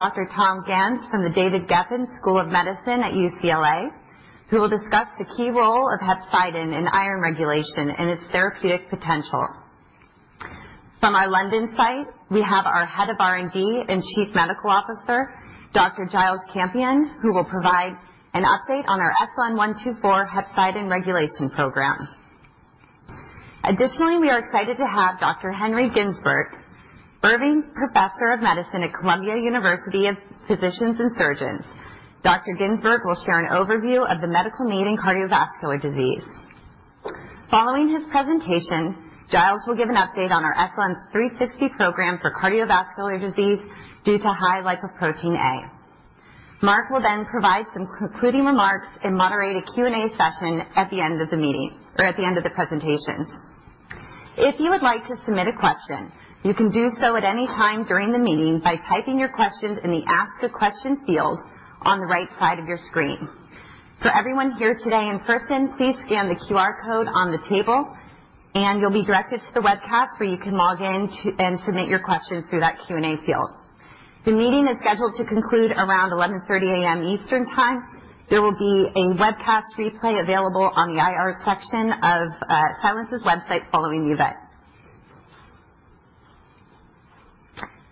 Dr. Tom Ganz from the David Geffen School of Medicine at UCLA, who will discuss the key role of hepcidin in iron regulation and its therapeutic potential. From our London site, we have our Head of R&D and Chief Medical Officer, Dr. Giles Campion, who will provide an update on our SLN124 hepcidin regulation program. Additionally, we are excited to have Dr. Henry Ginsberg, Irving Professor of Medicine at Columbia University Vagelos College of Physicians and Surgeons. Dr. Ginsberg will share an overview of the medical need in cardiovascular disease. Following his presentation, Giles will give an update on our SLN360 program for cardiovascular disease due to high lipoprotein(a). Mark will provide some concluding remarks and moderate a Q&A session at the end of the presentation. If you would like to submit a question, you can do so at any time during the meeting by typing your questions in the Ask a Question field on the right side of your screen. For everyone here today in person, please scan the QR code on the table, and you'll be directed to the webcast where you can log in and submit your questions through that Q&A field. The meeting is scheduled to conclude around 11:30 A.M. Eastern Time. There will be a webcast replay available on the IR section of Silence's website following the event.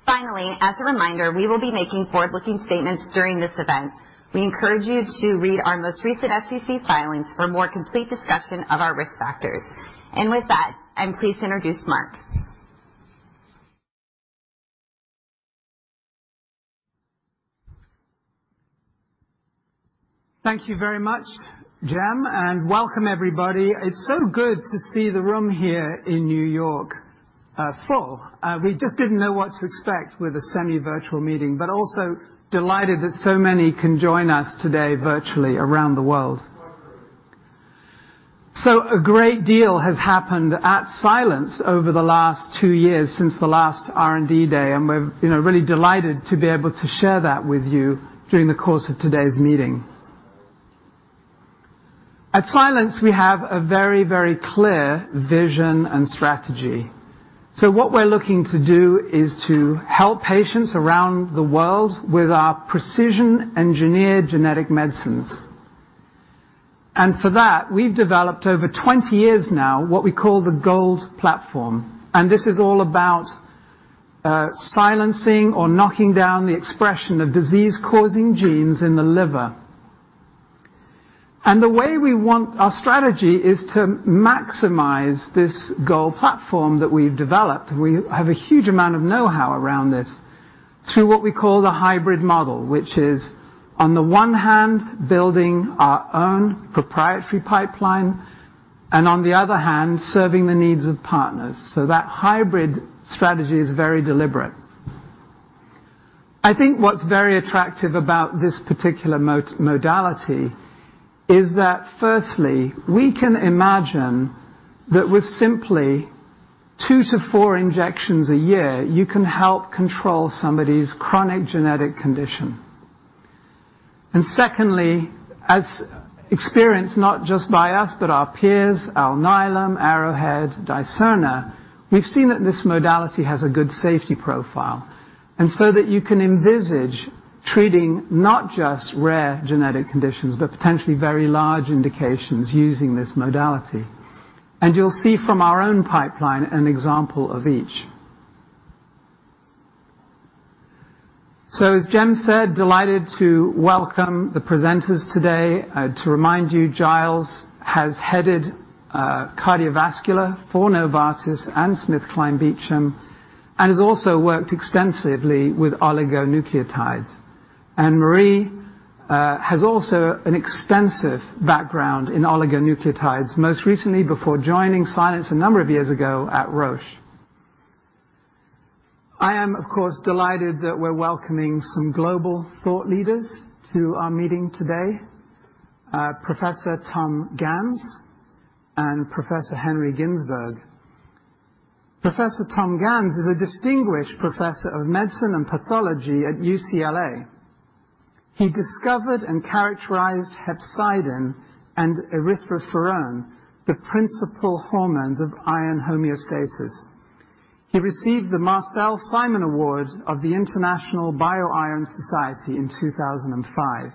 Finally, as a reminder, we will be making forward-looking statements during this event. We encourage you to read our most recent SEC filings for a more complete discussion of our risk factors. With that, I'm pleased to introduce Mark. Thank you very much, Gem. Welcome everybody. It's so good to see the room here in New York full. We just didn't know what to expect with a semi-virtual meeting. Also delighted that so many can join us today virtually around the world. A great deal has happened at Silence Therapeutics over the last two years since the last R&D Day. We're really delighted to be able to share that with you during the course of today's meeting. At Silence Therapeutics, we have a very clear vision and strategy. What we're looking to do is to help patients around the world with our precision engineered genetic medicines. For that, we've developed over 20 years now what we call the GOLD platform. This is all about silencing or knocking down the expression of disease-causing genes in the liver. Our strategy is to maximize this GOLD platform that we've developed, we have a huge amount of know-how around this, through what we call the hybrid model, which is, on the one hand, building our own proprietary pipeline, and on the other hand, serving the needs of partners. That hybrid strategy is very deliberate. I think what's very attractive about this particular modality is that firstly, we can imagine that with simply two to four injections a year, you can help control somebody's chronic genetic condition. Secondly, as experienced not just by us, but our peers, Alnylam, Arrowhead, Dicerna, we've seen that this modality has a good safety profile. That you can envisage treating not just rare genetic conditions, but potentially very large indications using this modality. You'll see from our own pipeline an example of each. As Gem said, delighted to welcome the presenters today. To remind you, Giles has headed cardiovascular for Novartis and SmithKline Beecham and has also worked extensively with oligonucleotides. Marie has also an extensive background in oligonucleotides, most recently before joining Silence a number of years ago at Roche. I am, of course, delighted that we're welcoming some global thought leaders to our meeting today, Professor Tom Ganz and Professor Henry Ginsberg. Professor Tom Ganz is a Distinguished Professor of Medicine and Pathology at UCLA. He discovered and characterized hepcidin and erythroferrone, the principal hormones of iron homeostasis. He received the Marcel Simon Award of the International Bioiron Society in 2005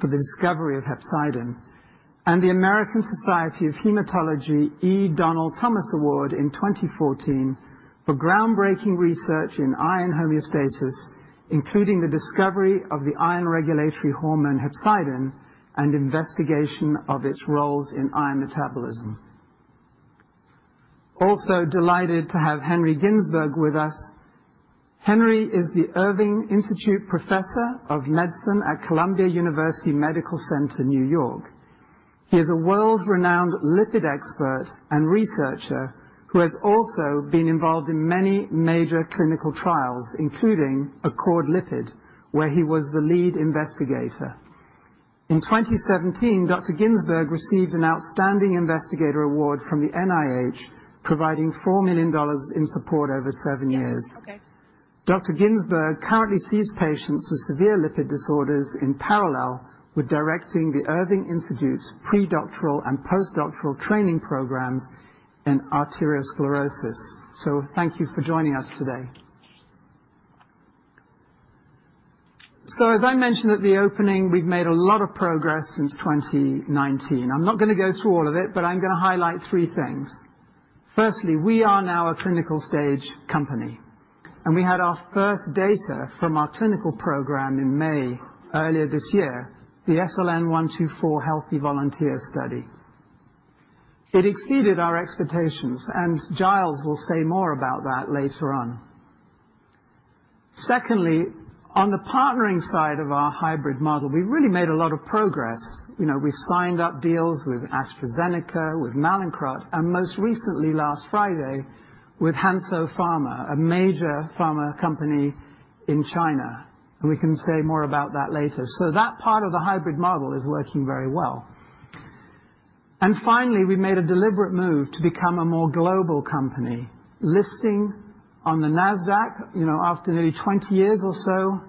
for the discovery of hepcidin and the American Society of Hematology E. Donnall Thomas Award in 2014 for groundbreaking research in iron homeostasis, including the discovery of the iron regulatory hormone hepcidin and investigation of its roles in iron metabolism. Also delighted to have Henry Ginsberg with us. Henry is the Irving Institute Professor of Medicine at Columbia University Irving Medical Center, New York. He is a world-renowned lipid expert and researcher who has also been involved in many major clinical trials, including ACCORD Lipid, where he was the lead investigator. In 2017, Dr. Ginsberg received an Outstanding Investigator Award from the NIH, providing $4 million in support over seven years. Dr. Ginsberg currently sees patients with severe lipid disorders in parallel with directing the Irving Institute's pre-doctoral and post-doctoral training programs in arteriosclerosis. Thank you for joining us today. As I mentioned at the opening, we've made a lot of progress since 2019. I'm not going to go through all of it, but I'm going to highlight three things. Firstly, we are now a clinical stage company. We had our 1st data from our clinical program in May earlier this year, the SLN124 healthy volunteer study. It exceeded our expectations. Giles will say more about that later on. Secondly, on the partnering side of our hybrid model, we've really made a lot of progress. We've signed up deals with AstraZeneca, with Mallinckrodt, and most recently, last Friday, with Hansoh Pharma, a major pharma company in China. We can say more about that later. That part of the hybrid model is working very well. Finally, we made a deliberate move to become a more global company, listing on the Nasdaq, after nearly 20 years or so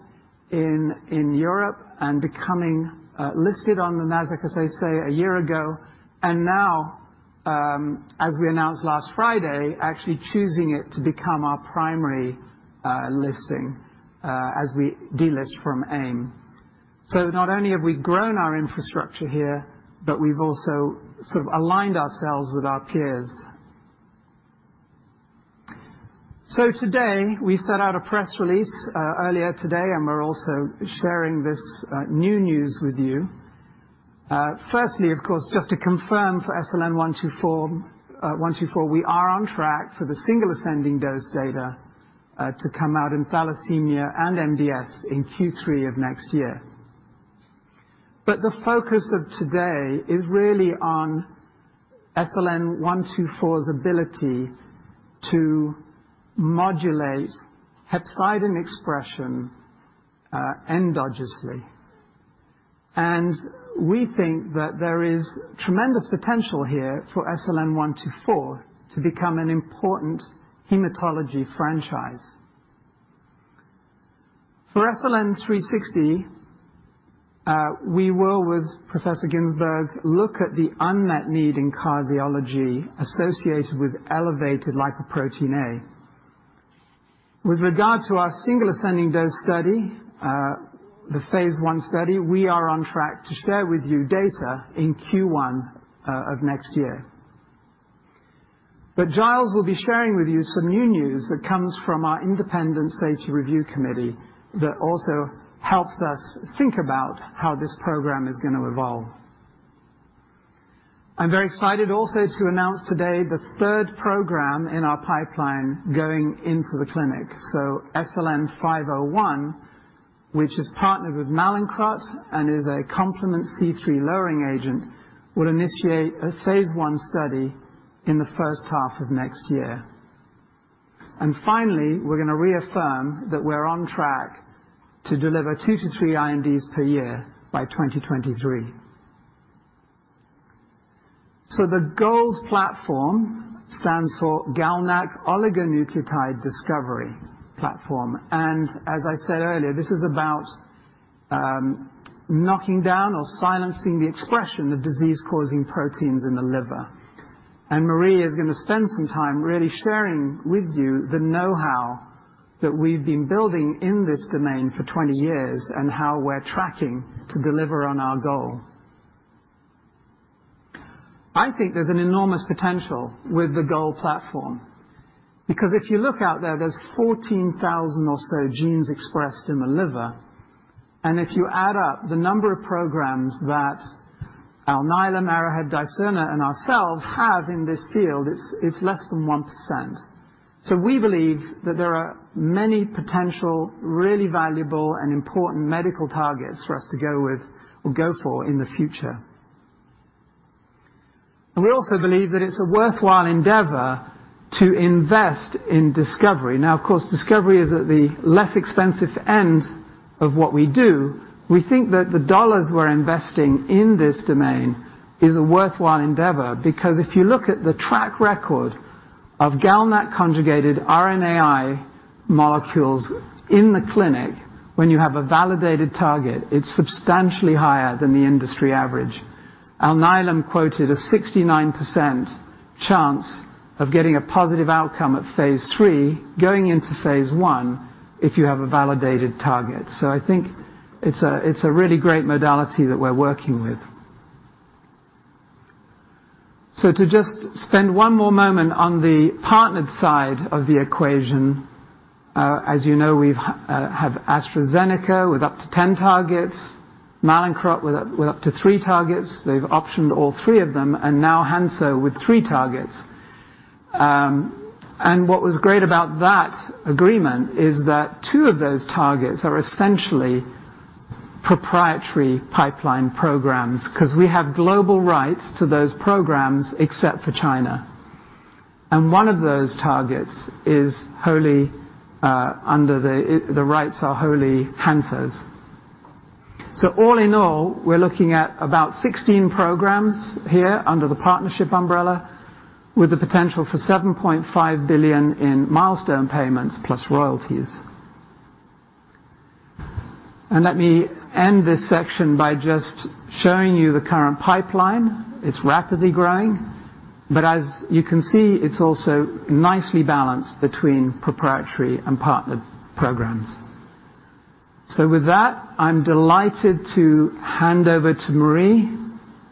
in Europe, becoming listed on the Nasdaq, as I say, a year ago. Now, as we announced last Friday, actually choosing it to become our primary listing as we delist from AIM. Not only have we grown our infrastructure here, but we've also sort of aligned ourselves with our peers. Today, we set out a press release earlier today, and we're also sharing this new news with you. Firstly, of course, just to confirm for SLN124, we are on track for the single ascending dose data to come out in thalassemia and MDS in Q3 of next year. The focus of today is really on SLN124's ability to modulate hepcidin expression endogenously. We think that there is tremendous potential here for SLN124 to become an important hematology franchise. For SLN360, we will, with Professor Ginsberg, look at the unmet need in cardiology associated with elevated lipoprotein(a). With regard to our single ascending dose study, the phase I study, we are on track to share with you data in Q1 of next year. Giles will be sharing with you some new news that comes from our independent safety review committee that also helps us think about how this program is going to evolve. I'm very excited also to announce today the third program in our pipeline going into the clinic. SLN501, which is partnered with Mallinckrodt and is a complement C3 lowering agent, will initiate a phase I study in the 1st half of next year. Finally, we're going to reaffirm that we're on track to deliver two-three INDs per year by 2023. The GOLD platform stands for GalNAc Oligonucleotide Discovery platform. As I said earlier, this is about knocking down or silencing the expression of disease-causing proteins in the liver. Marie is going to spend some time really sharing with you the knowhow that we've been building in this domain for 20 years and how we're tracking to deliver on our goal. I think there's an enormous potential with the GOLD platform because if you look out there's 14,000 or so genes expressed in the liver. If you add up the number of programs that Alnylam, Arrowhead, Dicerna, and ourselves have in this field, it's less than 1%. We believe that there are many potential, really valuable and important medical targets for us to go with or go for in the future. We also believe that it's a worthwhile endeavor to invest in discovery. Of course, discovery is at the less expensive end of what we do. We think that the dollars we're investing in this domain is a worthwhile endeavor because if you look at the track record of GalNAc conjugated RNAi molecules in the clinic, when you have a validated target, it's substantially higher than the industry average. Alnylam quoted a 69% chance of getting a positive outcome at phase III, going into phase I, if you have a validated target. I think it's a really great modality that we're working with. To just spend one more moment on the partnered side of the equation. As you know, we have AstraZeneca with up to 10 targets, Mallinckrodt with up to three targets. They've optioned all three of them, Hansoh with three targets. What was great about that agreement is that two of those targets are essentially proprietary pipeline programs because we have global rights to those programs except for China. One of those targets, the rights are wholly Hansoh's. All in all, we're looking at about 16 programs here under the partnership umbrella with the potential for $7.5 billion in milestone payments plus royalties. Let me end this section by just showing you the current pipeline. It's rapidly growing. As you can see, it's also nicely balanced between proprietary and partnered programs. With that, I'm delighted to hand over to Marie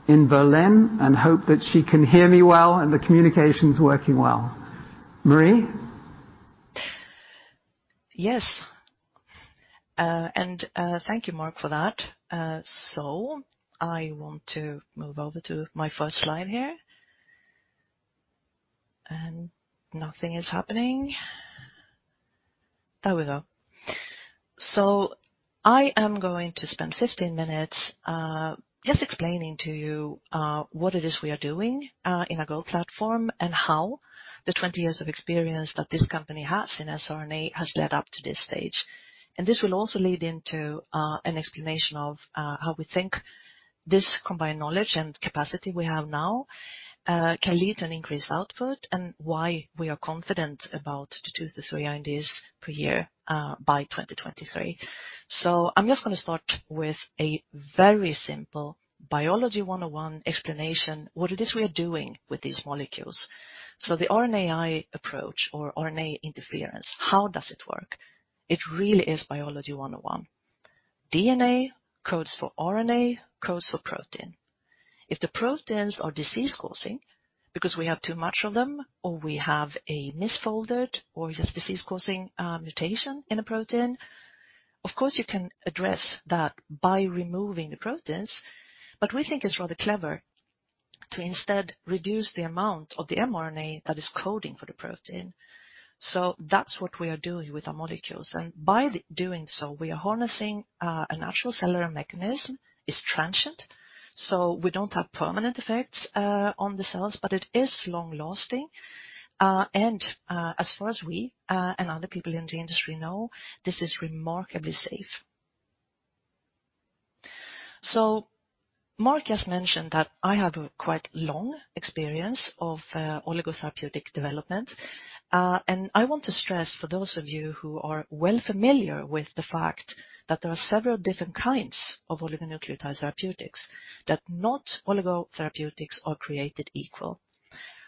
in Berlin and hope that she can hear me well and the communication's working well. Marie? Yes. Thank you, Mark, for that. I want to move over to my 1st slide here and nothing is happening. There we go. I am going to spend 15 minutes just explaining to you what it is we are doing in our GOLD platform and how the 20 years of experience that this company has in siRNA has led up to this stage. This will also lead into an explanation of how we think this combined knowledge and capacity we have now can lead an increased output and why we are confident about to do this many INDs per year by 2023. I'm just going to start with a very simple biology 101 explanation what it is we are doing with these molecules. The RNAi approach or RNA interference, how does it work? It really is biology 101. DNA codes for RNA, codes for protein. If the proteins are disease-causing because we have too much of them, or we have a misfolded or just disease-causing mutation in a protein, of course, you can address that by removing the proteins. We think it's rather clever to instead reduce the amount of the mRNA that is coding for the protein. That's what we are doing with our molecules, and by doing so, we are harnessing a natural cellular mechanism. It's transient, so we don't have permanent effects on the cells, but it is long-lasting. As far as we and other people in the industry know, this is remarkably safe. Mark has mentioned that I have a quite long experience of oligotherapeutic development. I want to stress for those of you who are well familiar with the fact that there are several different kinds of oligonucleotide therapeutics, that not oligotherapeutics are created equal.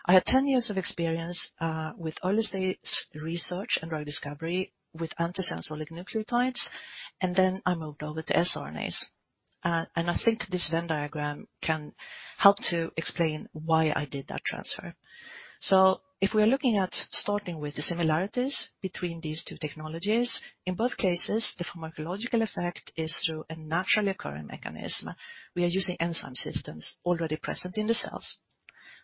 I have 10 years of experience with early stage research and drug discovery with antisense oligonucleotides, and then I moved over to siRNAs. I think this Venn diagram can help to explain why I did that transfer. If we are looking at starting with the similarities between these two technologies, in both cases, the pharmacological effect is through a naturally occurring mechanism. We are using enzyme systems already present in the cells.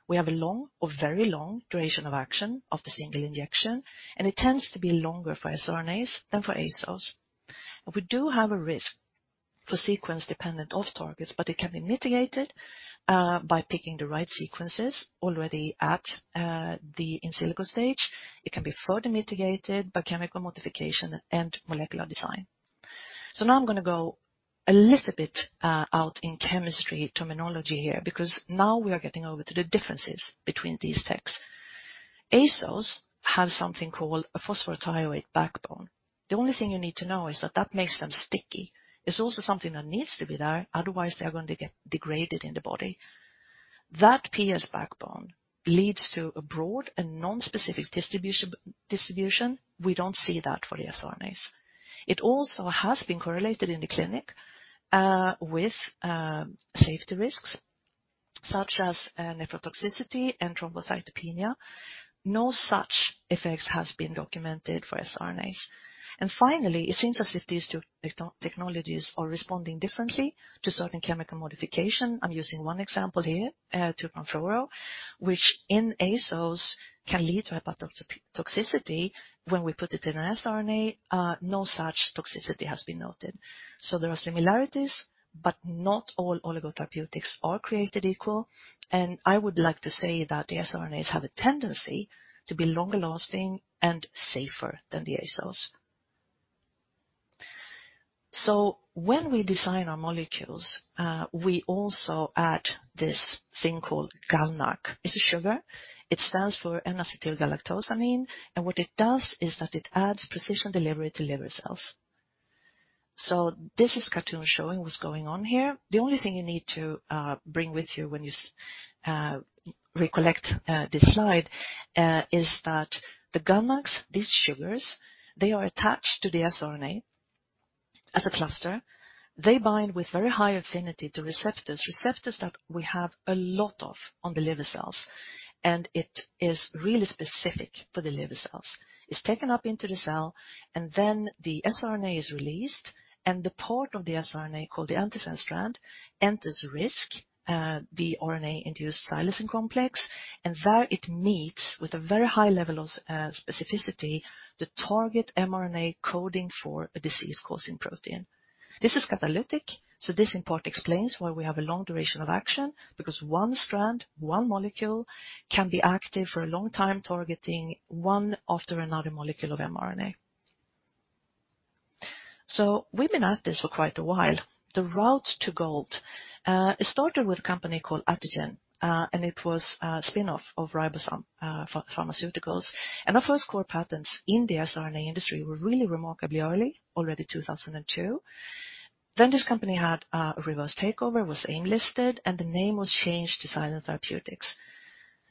We have a long or very long duration of action of the single injection, and it tends to be longer for siRNAs than for ASOs. We do have a risk for sequence dependent off-targets, but it can be mitigated by picking the right sequences already at the in silico stage. It can be further mitigated by chemical modification and molecular design. Now I'm going to go a little bit out in chemistry terminology here, because now we are getting over to the differences between these techs. ASOs have something called a phosphorothioate backbone. The only thing you need to know is that that makes them sticky. It's also something that needs to be there, otherwise, they are going to get degraded in the body. That PS backbone leads to a broad and non-specific distribution. We don't see that for the siRNAs. It also has been correlated in the clinic with safety risks such as nephrotoxicity and thrombocytopenia. No such effects has been documented for siRNAs. Finally, it seems as if these two technologies are responding differently to certain chemical modification. I'm using one example here, 2'-fluoro, which in ASOs can lead to hepatotoxicity. When we put it in an siRNA, no such toxicity has been noted. There are similarities, but not all oligotherapeutics are created equal, and I would like to say that the siRNAs have a tendency to be longer lasting and safer than the ASOs. When we design our molecules, we also add this thing called GalNAc. It's a sugar. It stands for N-acetylgalactosamine, and what it does is that it adds precision delivery to liver cells. This is a cartoon showing what's going on here. The only thing you need to bring with you when you recollect this slide is that the GalNAcs, these sugars, they are attached to the siRNA. As a cluster they bind with very high affinity to receptors that we have a lot of on the liver cells, and it is really specific for the liver cells. It's taken up into the cell, and then the siRNA is released, and the part of the siRNA, called the antisense strand, enters RISC, the RNA-induced silencing complex, and there it meets with a very high level of specificity, the target mRNA coding for a disease-causing protein. This is catalytic, so this in part explains why we have a long duration of action, because one strand, one molecule, can be active for a long time, targeting one after another molecule of mRNA. We've been at this for quite a while. The route to GOLD started with a company called Atugen, and it was a spin-off of Ribozyme Pharmaceuticals. Our first core patents in the siRNA industry were really remarkably early, already 2002. This company had a reverse takeover, was AIM-listed, and the name was changed to Silence Therapeutics.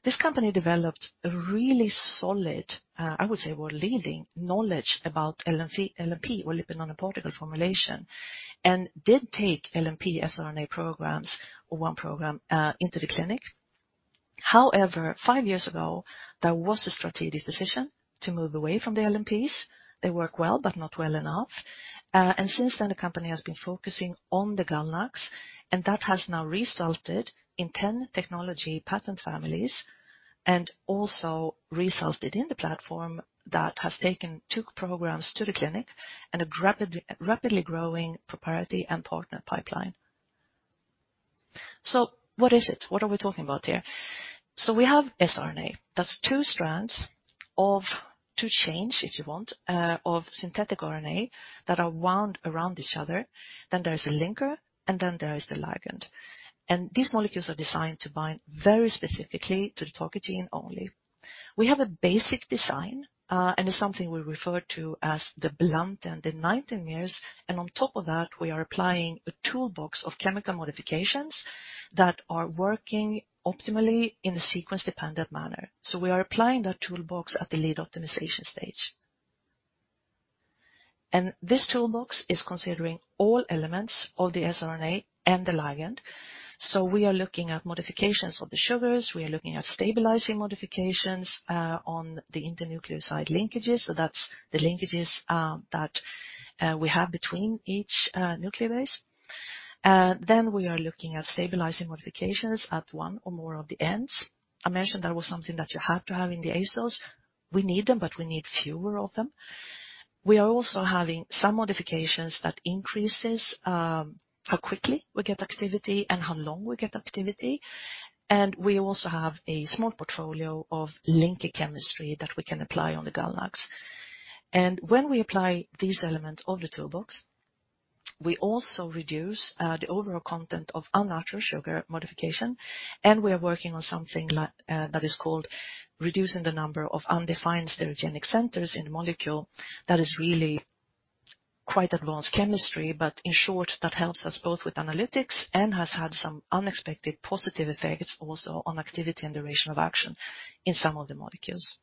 This company developed a really solid, I would say, world-leading knowledge about LNP, or lipid nanoparticle formulation, and did take LNP siRNA programs, or one program, into the clinic. However, five years ago, there was a strategic decision to move away from the LNPs. They work well, but not well enough. Since then, the company has been focusing on the GalNAcs, and that has now resulted in 10 technology patent families, and also resulted in the platform that has taken two programs to the clinic and a rapidly growing proprietary and partner pipeline. What is it? What are we talking about here? We have siRNA. That's two strands of two chains, if you want, of synthetic RNA that are wound around each other. There is a linker, and then there is the ligand. These molecules are designed to bind very specifically to the target gene only. We have a basic design, and it's something we refer to as the blunt and the 19-mers. On top of that, we are applying a toolbox of chemical modifications that are working optimally in a sequence-dependent manner. We are applying that toolbox at the lead optimization stage. This toolbox is considering all elements of the siRNA and the ligand. We are looking at modifications of the sugars. We are looking at stabilizing modifications on the internucleoside linkages. That's the linkages that we have between each nucleobase. We are looking at stabilizing modifications at 1 or more of the ends. I mentioned that was something that you had to have in the ASOs. We need them, but we need fewer of them. We are also having some modifications that increases how quickly we get activity and how long we get activity. We also have a small portfolio of linker chemistry that we can apply on the GalNAcs. When we apply these elements of the toolbox, we also reduce the overall content of unnatural sugar modification, and we are working on something that is called reducing the number of undefined stereogenic centers in the molecule. That is really quite advanced chemistry, but in short, that helps us both with analytics and has had some unexpected positive effects also on activity and duration of action in some of the molecules.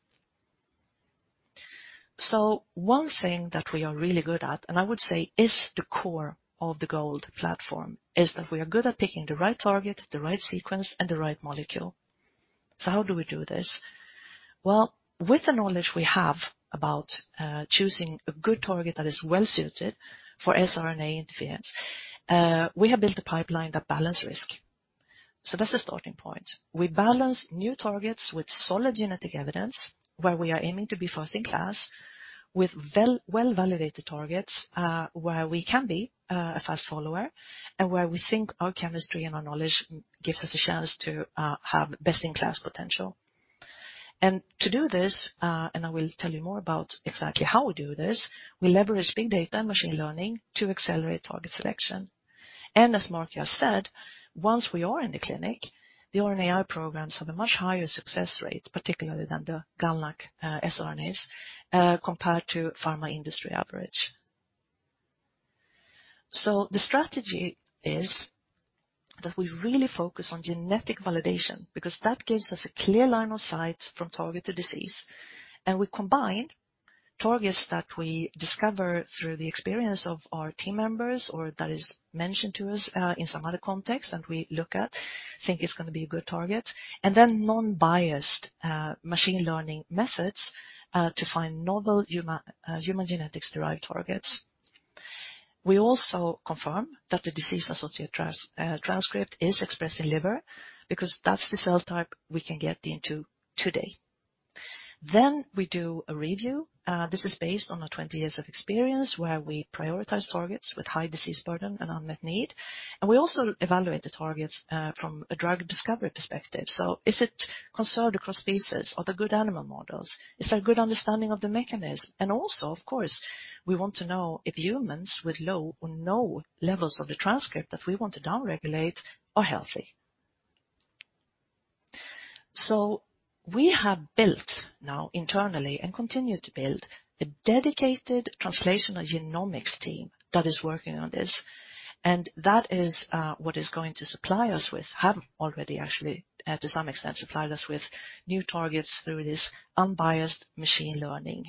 One thing that we are really good at, and I would say is the core of the GOLD platform, is that we are good at picking the right target, the right sequence, and the right molecule. How do we do this? Well, with the knowledge we have about choosing a good target that is well-suited for siRNA interference, we have built a pipeline that balance risk. That's the starting point. We balance new targets with solid genetic evidence, where we are aiming to be first in class with well-validated targets where we can be a fast follower and where we think our chemistry and our knowledge gives us a chance to have best-in-class potential. To do this, and I will tell you more about exactly how we do this, we leverage big data and machine learning to accelerate target selection. As Mark just said, once we are in the clinic, the RNAi programs have a much higher success rate, particularly than the GalNAc siRNAs, compared to pharma industry average. The strategy is that we really focus on genetic validation because that gives us a clear line of sight from target to disease. We combine targets that we discover through the experience of our team members or that is mentioned to us in some other context that we look at, think it's going to be a good target, and then non-biased machine learning methods to find novel human genetics-derived targets. We also confirm that the disease-associated transcript is expressed in liver because that's the cell type we can get into today. We do a review. This is based on our 20 years of experience, where we prioritize targets with high disease burden and unmet need. We also evaluate the targets from a drug discovery perspective. Is it conserved across species? Are there good animal models? Is there a good understanding of the mechanism? Also, of course, we want to know if humans with low or no levels of the transcript that we want to downregulate are healthy. We have built now internally and continue to build a dedicated translational genomics team that is working on this, and that is what is going to supply us with, have already actually, to some extent, supplied us with new targets through these unbiased machine learning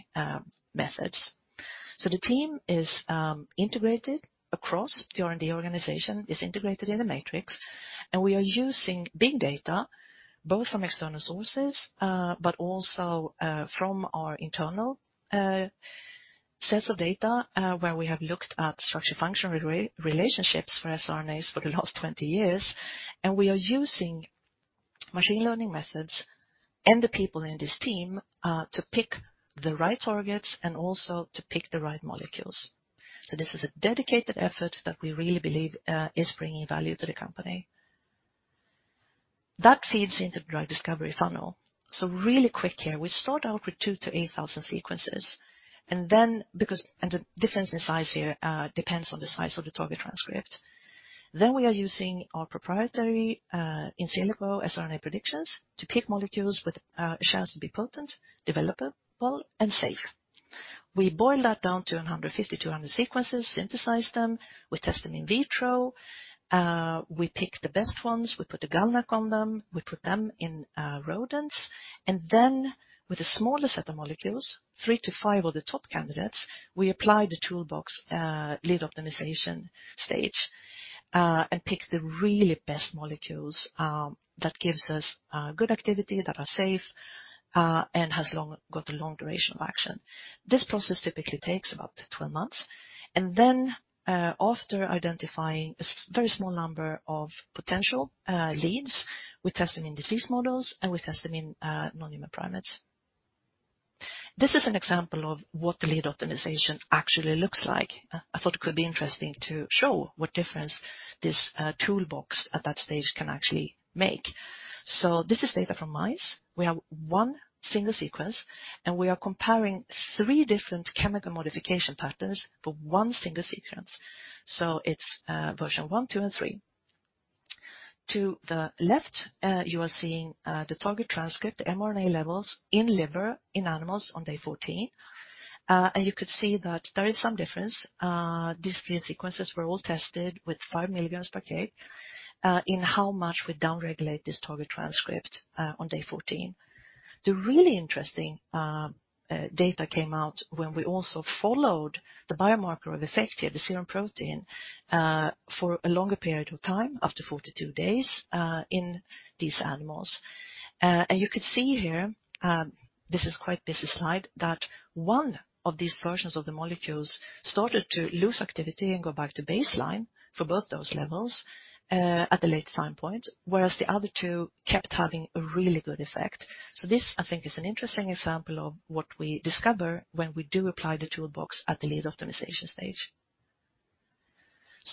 methods. The team is integrated across the R&D organization, is integrated in the matrix, and we are using big data, both from external sources but also from our internal sets of data where we have looked at structure function relationships for siRNAs for the last 20 years. We are using machine learning methods and the people in this team to pick the right targets and also to pick the right molecules. This is a dedicated effort that we really believe is bringing value to the company. That feeds into the drug discovery funnel. Really quick here, we start out with 2,000-8,000 sequences. The difference in size here depends on the size of the target transcript. We are using our proprietary in silico siRNA predictions to pick molecules which have a chance to be potent, developable, and safe. We boil that down to 150 to 200 sequences, synthesize them. We test them in vitro. We pick the best ones. We put a GalNAc on them. We put them in rodents. With a smaller set of molecules, three-five of the top candidates, we apply the toolbox lead optimization stage, and pick the really best molecules that gives us good activity, that are safe, and has got a long duration of action. This process typically takes about 12 months. After identifying a very small number of potential leads, we test them in disease models, and we test them in non-human primates. This is an example of what the lead optimization actually looks like. I thought it could be interesting to show what difference this toolbox at that stage can actually make. This is data from mice. We have one single sequence, and we are comparing three different chemical modification patterns for one single sequence. It's version 1, 2, and 3. To the left, you are seeing the target transcript, the mRNA levels in liver, in animals on day 14. You could see that there is some difference. These three sequences were all tested with 5mg per kg, in how much we down-regulate this target transcript on day 14. The really interesting data came out when we also followed the biomarker of effect here, the serum protein, for a longer period of time, up to 42 days, in these animals. You could see here, this is quite a busy slide, that one of these versions of the molecules started to lose activity and go back to baseline for both those levels at the later time point, whereas the other two kept having a really good effect. This, I think, is an interesting example of what we discover when we do apply the toolbox at the lead optimization stage.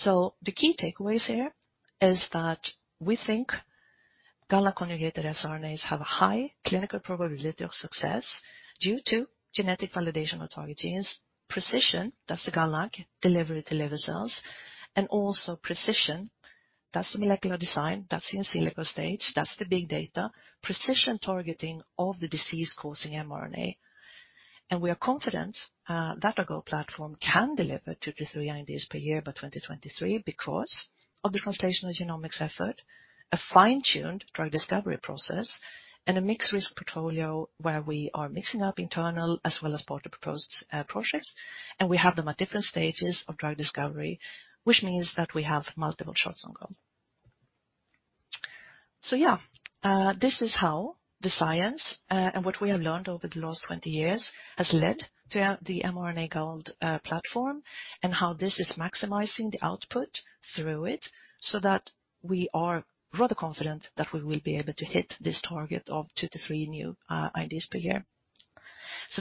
The key takeaways here is that we think GalNAc conjugated siRNAs have a high clinical probability of success due to genetic validation of target genes, precision, that's the GalNAc delivery to liver cells, and also precision, that's the molecular design, that's the in silico stage, that's the big data, precision targeting of the disease-causing mRNA. We are confident that our GOLD platform can deliver two-three INDs per year by 2023 because of the translational genomics effort, a fine-tuned drug discovery process, and a mixed-risk portfolio where we are mixing up internal as well as partner-proposed projects, and we have them at different stages of drug discovery, which means that we have multiple shots on goal. So yeah. This is how the science, and what we have learned over the last 20 years, has led to the mRNA gold platform, and how this is maximizing the output through it so that we are rather confident that we will be able to hit this target of two-three new INDs per year.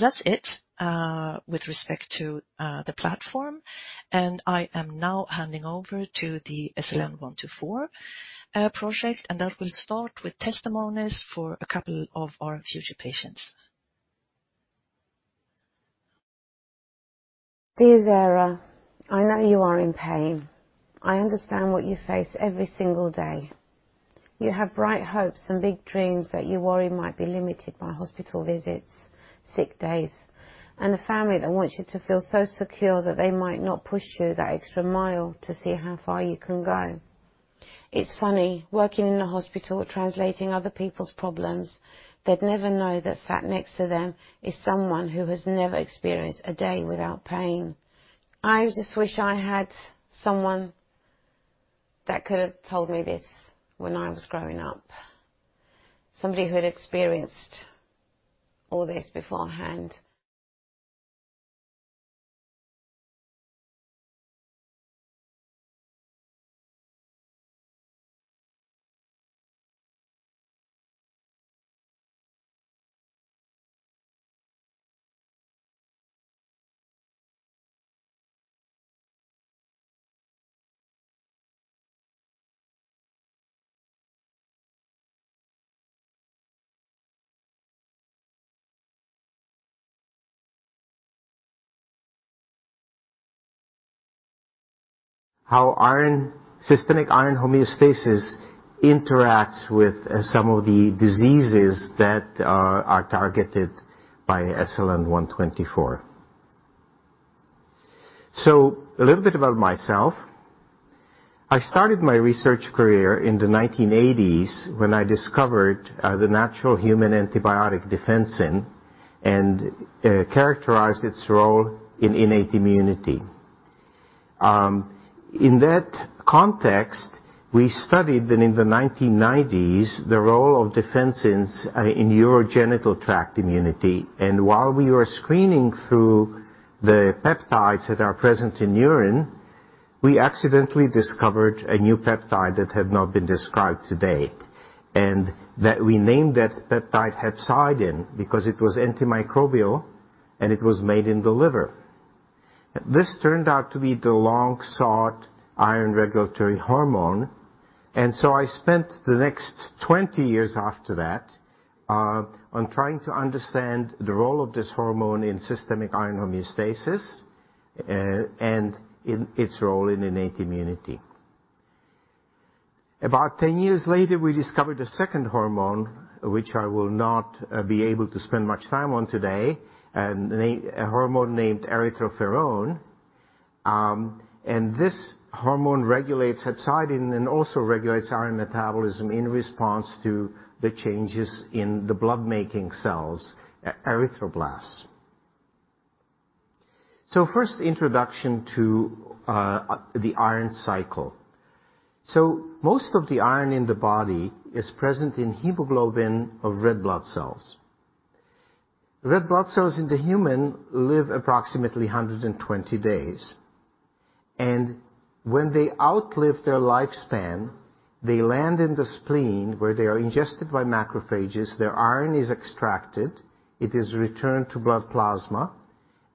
That's it with respect to the platform. I am now handing over to the SLN-124 project, and that will start with testimonies for a couple of our future patients. Dear Vera, I know you are in pain. I understand what you face every single day. You have bright hopes and big dreams that you worry might be limited by hospital visits, sick days, and a family that wants you to feel so secure that they might not push you that extra mile to see how far you can go. It's funny, working in a hospital translating other people's problems. They'd never know that sat next to them is someone who has never experienced a day without pain. I just wish I had someone that could've told me this when I was growing up, somebody who had experienced all this beforehand. How systemic iron homeostasis interacts with some of the diseases that are targeted by SLN124. A little bit about myself. I started my research career in the 1980s when I discovered the natural human antibiotic defensin and characterized its role in innate immunity. In that context, we studied then in the 1990s the role of defensins in urogenital tract immunity. While we were screening through the peptides that are present in urine, we accidentally discovered a new peptide that had not been described to date, and that we named that peptide hepcidin because it was antimicrobial and it was made in the liver. This turned out to be the long-sought iron regulatory hormone. I spent the next 20 years after that on trying to understand the role of this hormone in systemic iron homeostasis, and its role in innate immunity. About 10 years later, we discovered a second hormone, which I will not be able to spend much time on today, a hormone named erythroferrone. This hormone regulates hepcidin and also regulates iron metabolism in response to the changes in the blood-making cells, erythroblasts. First, the introduction to the iron cycle. Most of the iron in the body is present in hemoglobin of red blood cells. Red blood cells in the human live approximately 120 days, and when they outlive their lifespan, they land in the spleen, where they are ingested by macrophages. Their iron is extracted, it is returned to blood plasma,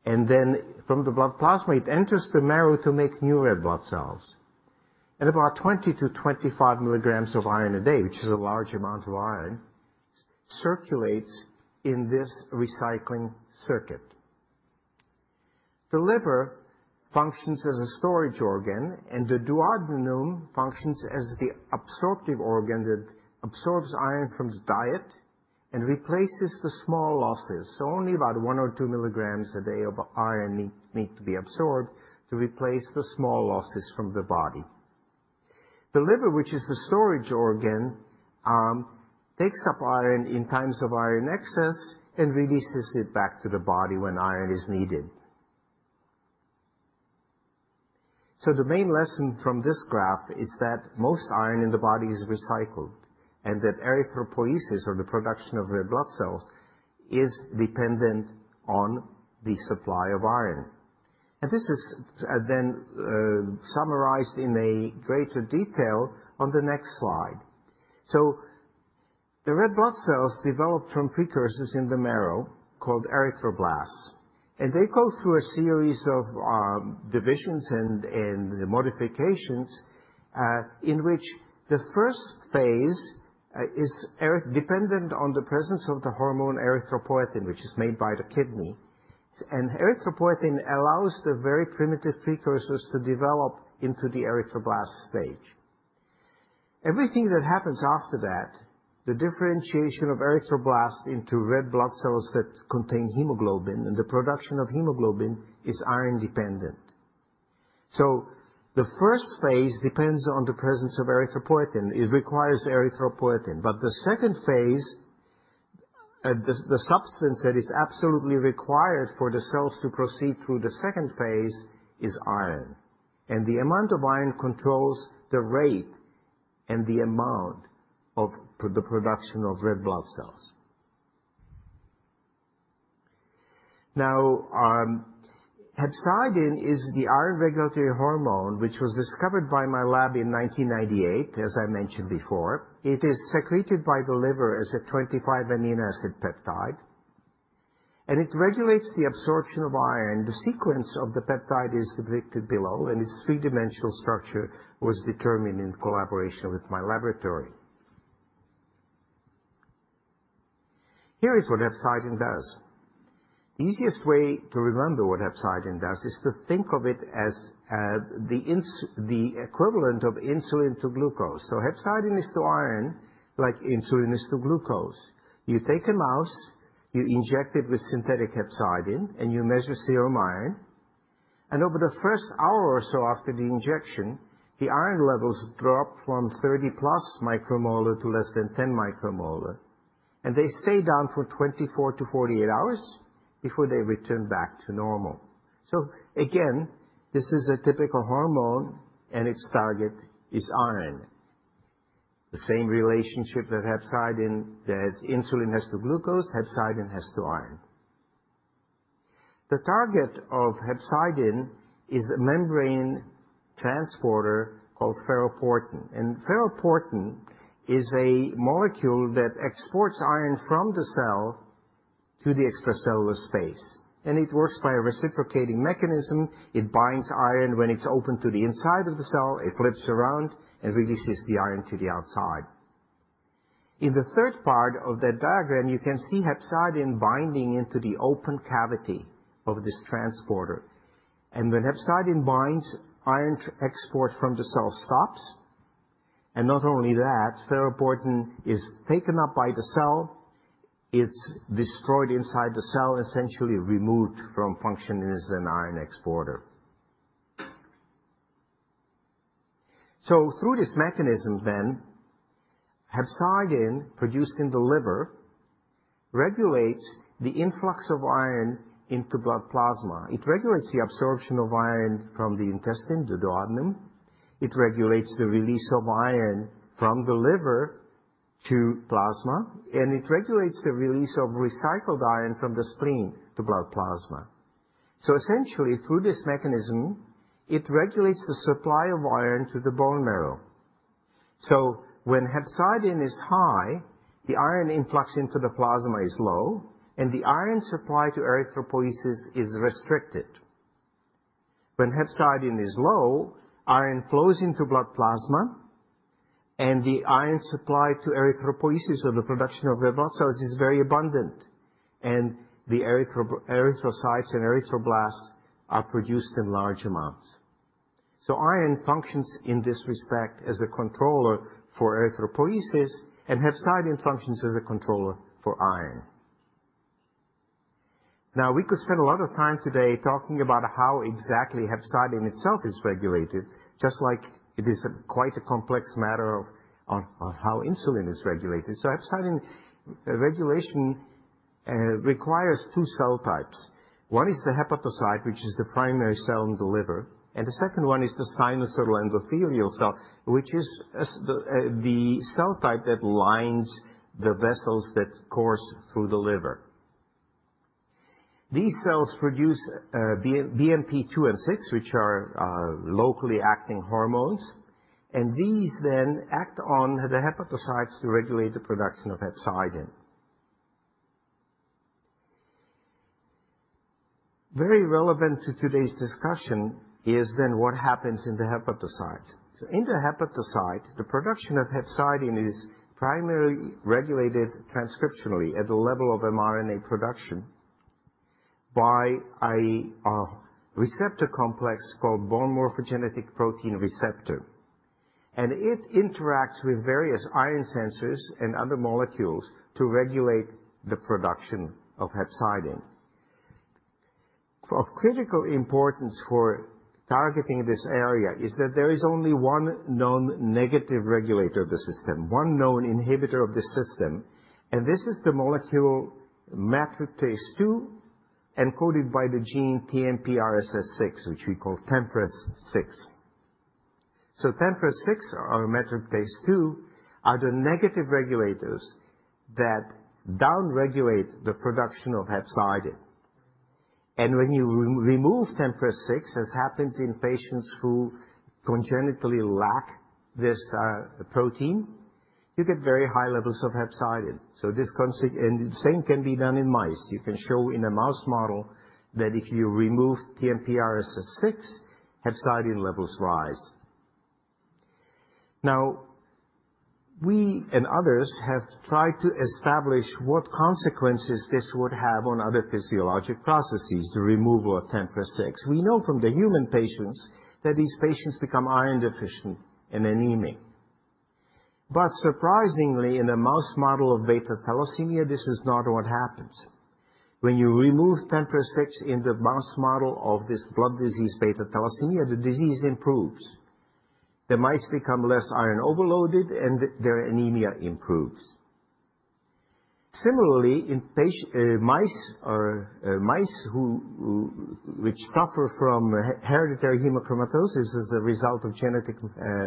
and then from the blood plasma, it enters the marrow to make new red blood cells. About 20-25mg of iron a day, which is a large amount of iron, circulates in this recycling circuit. The liver functions as a storage organ, and the duodenum functions as the absorptive organ that absorbs iron from the diet and replaces the small losses. Only about one or two milligrams a day of iron need to be absorbed to replace the small losses from the body. The liver, which is the storage organ, takes up iron in times of iron excess and releases it back to the body when iron is needed. The main lesson from this graph is that most iron in the body is recycled, and that erythropoiesis, or the production of red blood cells, is dependent on the supply of iron. This is then summarized in a greater detail on the next slide. The red blood cells develop from precursors in the marrow called erythroblasts, and they go through a series of divisions and modifications, in which the 1st phase is dependent on the presence of the hormone erythropoietin, which is made by the kidney. Erythropoietin allows the very primitive precursors to develop into the erythroblast stage. Everything that happens after that, the differentiation of erythroblasts into red blood cells that contain hemoglobin, and the production of hemoglobin, is iron-dependent. The first phase depends on the presence of erythropoietin. It requires erythropoietin. The second phase, the substance that is absolutely required for the cells to proceed through the second phase, is iron. The amount of iron controls the rate and the amount of the production of red blood cells. Now, hepcidin is the iron regulatory hormone, which was discovered by my lab in 1998, as I mentioned before. It is secreted by the liver as a 25 amino acid peptide, and it regulates the absorption of iron. The sequence of the peptide is depicted below, and its three-dimensional structure was determined in collaboration with my laboratory. Here is what hepcidin does. Easiest way to remember what hepcidin does is to think of it as the equivalent of insulin to glucose. Hepcidin is to iron like insulin is to glucose. You take a mouse, you inject it with synthetic hepcidin, and you measure serum iron. Over the first hour or so after the injection, the iron levels drop from 30+ micromolar to less than 10 micromolar, and they stay down for 24-48 hours before they return back to normal. Again, this is a typical hormone, and its target is iron. The same relationship as insulin has to glucose, hepcidin has to iron. The target of hepcidin is a membrane transporter called ferroportin. Ferroportin is a molecule that exports iron from the cell to the extracellular space, and it works by a reciprocating mechanism. It binds iron when it's open to the inside of the cell, it flips around, and releases the iron to the outside. In the third part of that diagram, you can see hepcidin binding into the open cavity of this transporter. When hepcidin binds, iron export from the cell stops. Not only that, ferroportin is taken up by the cell. It's destroyed inside the cell, essentially removed from functioning as an iron exporter. Through this mechanism then, hepcidin, produced in the liver, regulates the influx of iron into blood plasma. It regulates the absorption of iron from the intestine, the duodenum. It regulates the release of iron from the liver to plasma, and it regulates the release of recycled iron from the spleen to blood plasma. Essentially, through this mechanism, it regulates the supply of iron to the bone marrow. When hepcidin is high, the iron influx into the plasma is low, and the iron supply to erythropoiesis is restricted. When hepcidin is low, iron flows into blood plasma, and the iron supply to erythropoiesis, or the production of red blood cells, is very abundant, and the erythrocytes and erythroblasts are produced in large amounts. Iron functions in this respect as a controller for erythropoiesis, and hepcidin functions as a controller for iron. Now, we could spend a lot of time today talking about how exactly hepcidin itself is regulated, just like it is quite a complex matter on how insulin is regulated. Hepcidin regulation requires two cell types. One is the hepatocyte, which is the primary cell in the liver, and the second one is the sinusoidal endothelial cell, which is the cell type that lines the vessels that course through the liver. These cells produce BMP2 and BMP6, which are locally acting hormones. These then act on the hepatocytes to regulate the production of hepcidin. Very relevant to today's discussion is then what happens in the hepatocyte. In the hepatocyte, the production of hepcidin is primarily regulated transcriptionally at the level of mRNA production by a receptor complex called bone morphogenetic protein receptor. It interacts with various iron sensors and other molecules to regulate the production of hepcidin. Of critical importance for targeting this area is that there is only one known negative regulator of the system, one known inhibitor of the system, and this is the molecule matriptase-2, encoded by the gene TMPRSS6, which we call TMPRSS6. Tempress6 or matriptase-2 are the negative regulators that down-regulate the production of hepcidin. When you remove TMPRSS6, as happens in patients who congenitally lack this protein, you get very high levels of hepcidin. The same can be done in mice. You can show in a mouse model that if you remove TMPRSS6, hepcidin levels rise. Now, we and others have tried to establish what consequences this would have on other physiologic processes, the removal of TMPRSS6. We know from the human patients that these patients become iron deficient and anemic. Surprisingly, in a mouse model of beta thalassemia, this is not what happens. When you remove TMPRSS6 in the mouse model of this blood disease, beta thalassemia, the disease improves. The mice become less iron overloaded, and their anemia improves. Similarly, in mice which suffer from hereditary hemochromatosis as a result of genetic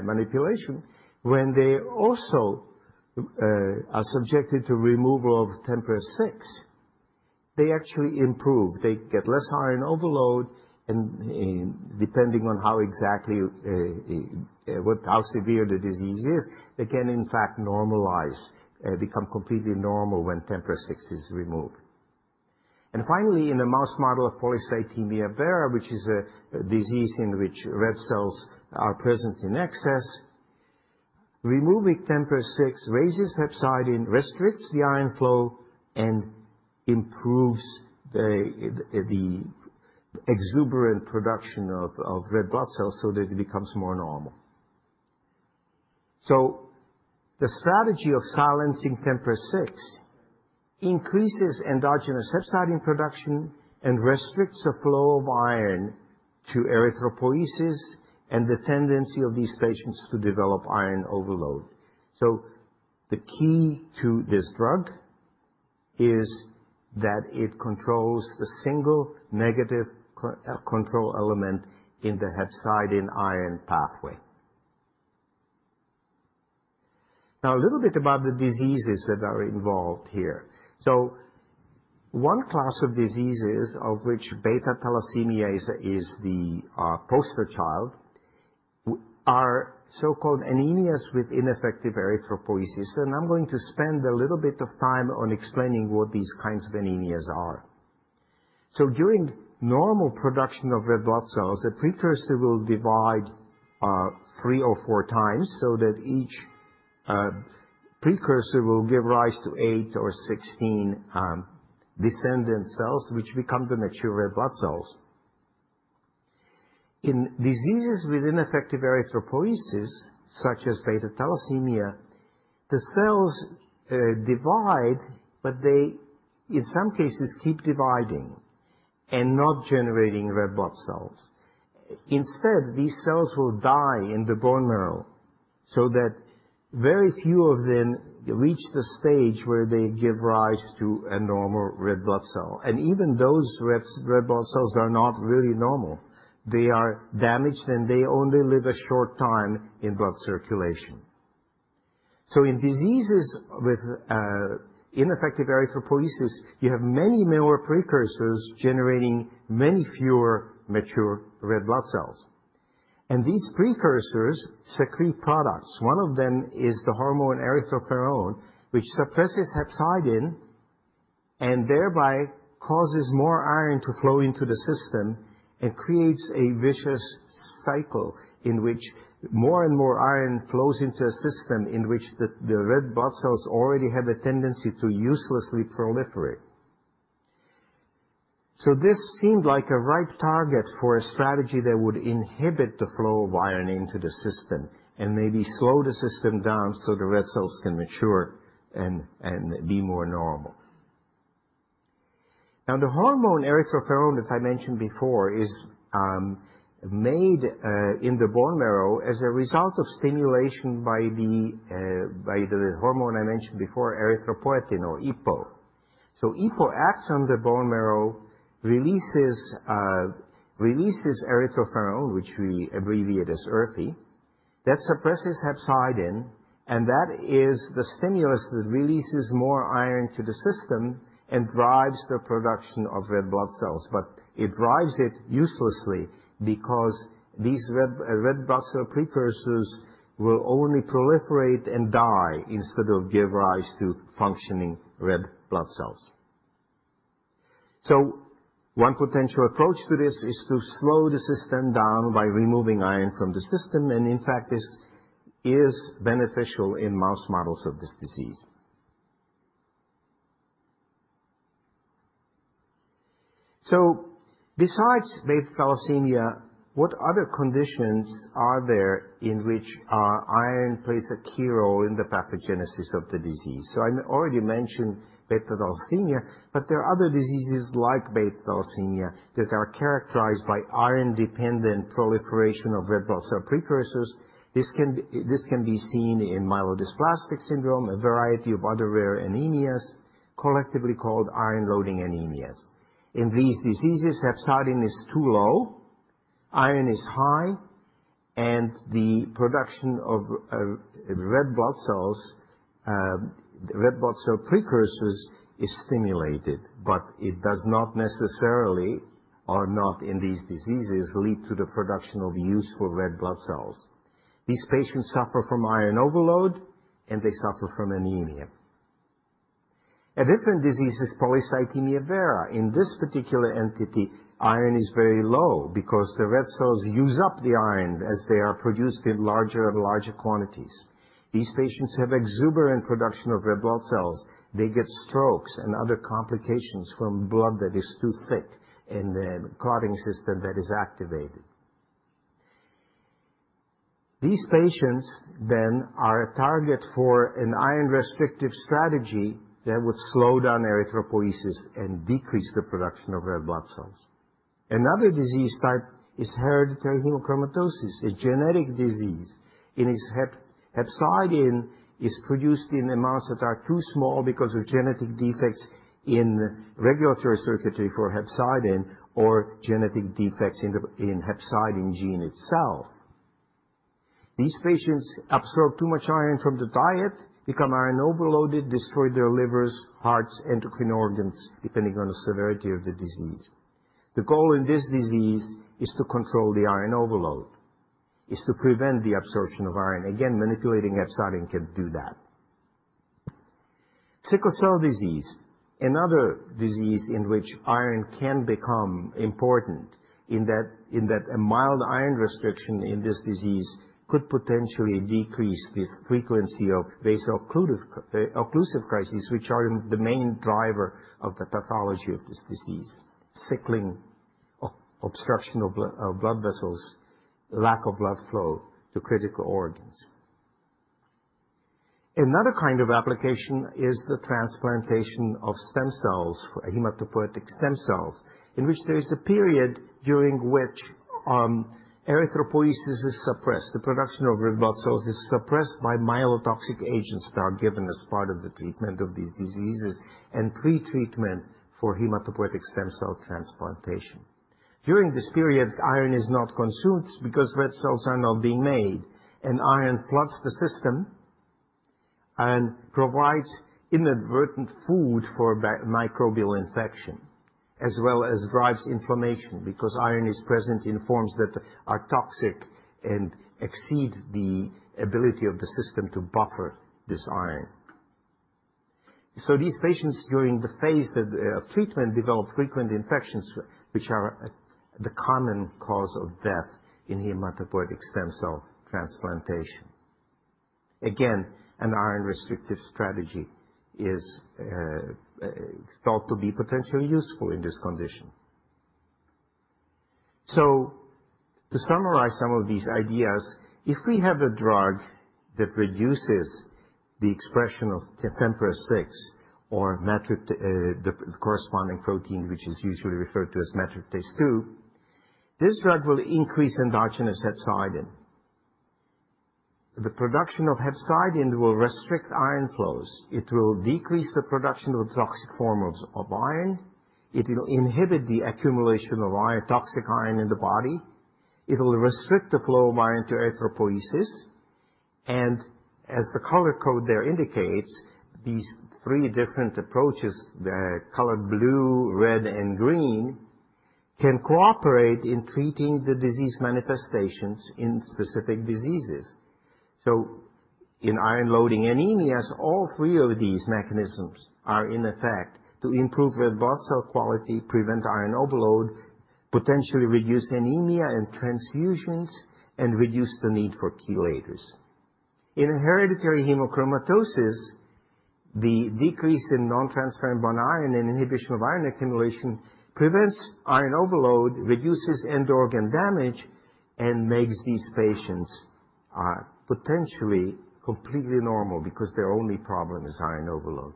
manipulation, when they also are subjected to removal of TMPRSS6, they actually improve. They get less iron overload and depending on how severe the disease is, they can in fact normalize, become completely normal when TMPRSS6 is removed. Finally, in a mouse model of polycythemia vera, which is a disease in which red cells are present in excess, removing TMPRSS6 raises hepcidin, restricts the iron flow, and improves the exuberant production of red blood cells so that it becomes more normal. The strategy of silencing TMPRSS6 increases endogenous hepcidin production and restricts the flow of iron to erythropoiesis and the tendency of these patients to develop iron overload. The key to this drug is that it controls the single negative control element in the hepcidin iron pathway. Now, a little bit about the diseases that are involved here. One class of diseases, of which beta thalassemia is the poster child, are so-called anemias with ineffective erythropoiesis. I'm going to spend a little bit of time on explaining what these kinds of anemias are. During normal production of red blood cells, the precursor will divide three or four times so that each precursor will give rise to eight or 16 descendant cells, which become the mature red blood cells. In diseases with ineffective erythropoiesis, such as beta thalassemia, the cells divide, but they, in some cases, keep dividing and not generating red blood cells. Instead, these cells will die in the bone marrow so that very few of them reach the stage where they give rise to a normal red blood cell. Even those red blood cells are not really normal. They are damaged, and they only live a short time in blood circulation. In diseases with ineffective erythropoiesis, you have many more precursors generating many fewer mature red blood cells. These precursors secrete products. One of them is the hormone erythroferrone, which suppresses hepcidin and thereby causes more iron to flow into the system and creates a vicious cycle in which more and more iron flows into a system in which the red blood cells already have a tendency to uselessly proliferate. This seemed like a ripe target for a strategy that would inhibit the flow of iron into the system and maybe slow the system down so the red cells can mature and be more normal. Now, the hormone erythroferrone, that I mentioned before, is made in the bone marrow as a result of stimulation by the hormone I mentioned before, erythropoietin or EPO. EPO acts on the bone marrow, releases erythroferrone, which we abbreviate as EPO. That suppresses hepcidin, and that is the stimulus that releases more iron to the system and drives the production of red blood cells. It drives it uselessly because these red blood cell precursors will only proliferate and die instead of give rise to functioning red blood cells. One potential approach to this is to slow the system down by removing iron from the system, and in fact, this is beneficial in mouse models of this disease. Besides beta thalassemia, what other conditions are there in which iron plays a key role in the pathogenesis of the disease? I already mentioned beta thalassemia, but there are other diseases like beta thalassemia that are characterized by iron-dependent proliferation of red blood cell precursors. This can be seen in myelodysplastic syndrome, a variety of other rare anemias collectively called iron-loading anemias. In these diseases, hepcidin is too low, iron is high, and the production of red blood cell precursors is stimulated, but it does not necessarily, or not in these diseases, lead to the production of useful red blood cells. These patients suffer from iron overload, and they suffer from anemia. A different disease is Polycythemia Vera. In this particular entity, iron is very low because the red cells use up the iron as they are produced in larger and larger quantities. These patients have exuberant production of red blood cells. They get strokes and other complications from blood that is too thick in the clotting system that is activated. These patients then are a target for an iron-restrictive strategy that would slow down erythropoiesis and decrease the production of red blood cells. Another disease type is hereditary hemochromatosis, a genetic disease. In this, hepcidin is produced in amounts that are too small because of genetic defects in regulatory circuitry for hepcidin or genetic defects in hepcidin gene itself. These patients absorb too much iron from the diet, become iron overloaded, destroy their livers, hearts, endocrine organs, depending on the severity of the disease. The goal in this disease is to control the iron overload, is to prevent the absorption of iron. Manipulating hepcidin can do that. Sickle cell disease, another disease in which iron can become important, in that a mild iron restriction in this disease could potentially decrease this frequency of vaso-occlusive crisis, which are the main driver of the pathology of this disease. Sickling, obstruction of blood vessels, lack of blood flow to critical organs. Another kind of application is the transplantation of stem cells for hematopoietic stem cells, in which there is a period during which erythropoiesis is suppressed. The production of red blood cells is suppressed by myelotoxic agents that are given as part of the treatment of these diseases and pre-treatment for hematopoietic stem cell transplantation. During this period, iron is not consumed because red cells are not being made, and iron floods the system and provides inadvertent food for microbial infection, as well as drives inflammation because iron is present in forms that are toxic and exceed the ability of the system to buffer this iron. These patients, during the phase of treatment, develop frequent infections, which are the common cause of death in hematopoietic stem cell transplantation. Again, an iron-restrictive strategy is thought to be potentially useful in this condition. To summarize some of these ideas, if we have a drug that reduces the expression of TMPRSS6 or the corresponding protein, which is usually referred to as matriptase-2, this drug will increase endogenous hepcidin. The production of hepcidin will restrict iron flows. It will decrease the production of toxic forms of iron. It will inhibit the accumulation of toxic iron in the body. It will restrict the flow of iron to erythropoiesis. as the color code there indicates, these three different approaches, the color blue, red, and green can cooperate in treating the disease manifestations in specific diseases. in iron-loading anemias, all three of these mechanisms are in effect to improve red blood cell quality, prevent iron overload, potentially reduce anemia and transfusions, and reduce the need for chelators. In hereditary hemochromatosis, the decrease in non-transferrin bound iron and inhibition of iron accumulation prevents iron overload, reduces end organ damage, and makes these patients potentially completely normal because their only problem is iron overload.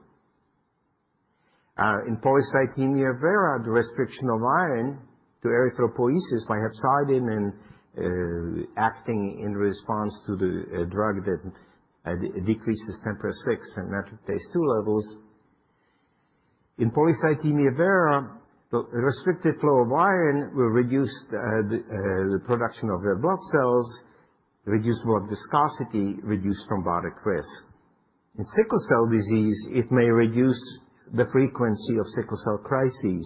In Polycythemia Vera, the restriction of iron to erythropoiesis by hepcidin in acting in response to the drug that decreases TMPRSS6 and matriptase-2 levels. In Polycythemia Vera, the restricted flow of iron will reduce the production of red blood cells, reduce blood viscosity, reduce thrombotic risk. In sickle cell disease, it may reduce the frequency of sickle cell crises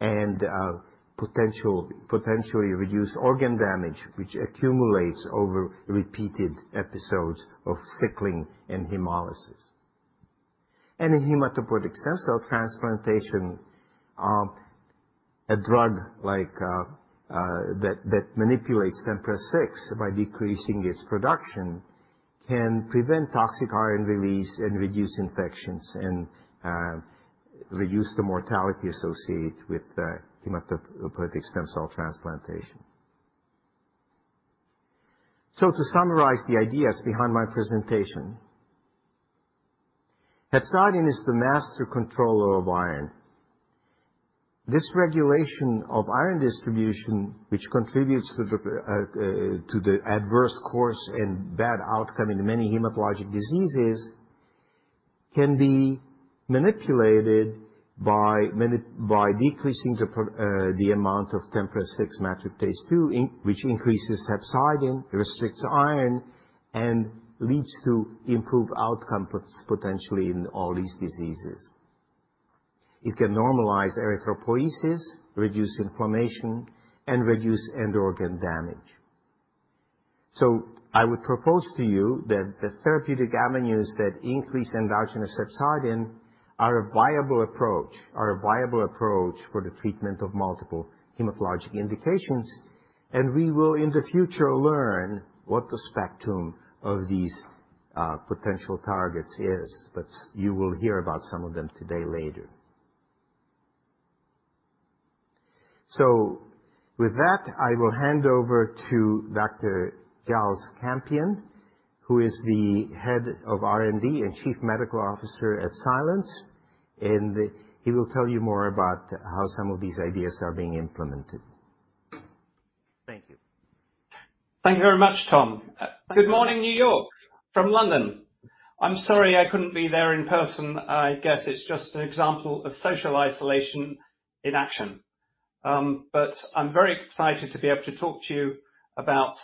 and potentially reduce organ damage, which accumulates over repeated episodes of sickling and hemolysis. In hematopoietic stem cell transplantation, a drug that manipulates TMPRSS6 by decreasing its production can prevent toxic iron release and reduce infections, and reduce the mortality associated with hematopoietic stem cell transplantation. To summarize the ideas behind my presentation, hepcidin is the master controller of iron. This regulation of iron distribution, which contributes to the adverse course and bad outcome in many hematologic diseases, can be manipulated by decreasing the amount of TMPRSS6 matriptase-2, which increases hepcidin, restricts iron, and leads to improved outcome potentially in all these diseases. It can normalize erythropoiesis, reduce inflammation, and reduce end organ damage. I would propose to you that the therapeutic avenues that increase endogenous hepcidin are a viable approach for the treatment of multiple hematologic indications, and we will, in the future, learn what the spectrum of these potential targets is. You will hear about some of them today later. With that, I will hand over to Dr. Giles Campion, who is the Head of R&D and Chief Medical Officer at Silence, and he will tell you more about how some of these ideas are being implemented. Thank you. Thank you very much, Tom. Good morning, New York from London. I'm sorry I couldn't be there in person. I guess it's just an example of social isolation in action. I'm very excited to be able to talk to you about,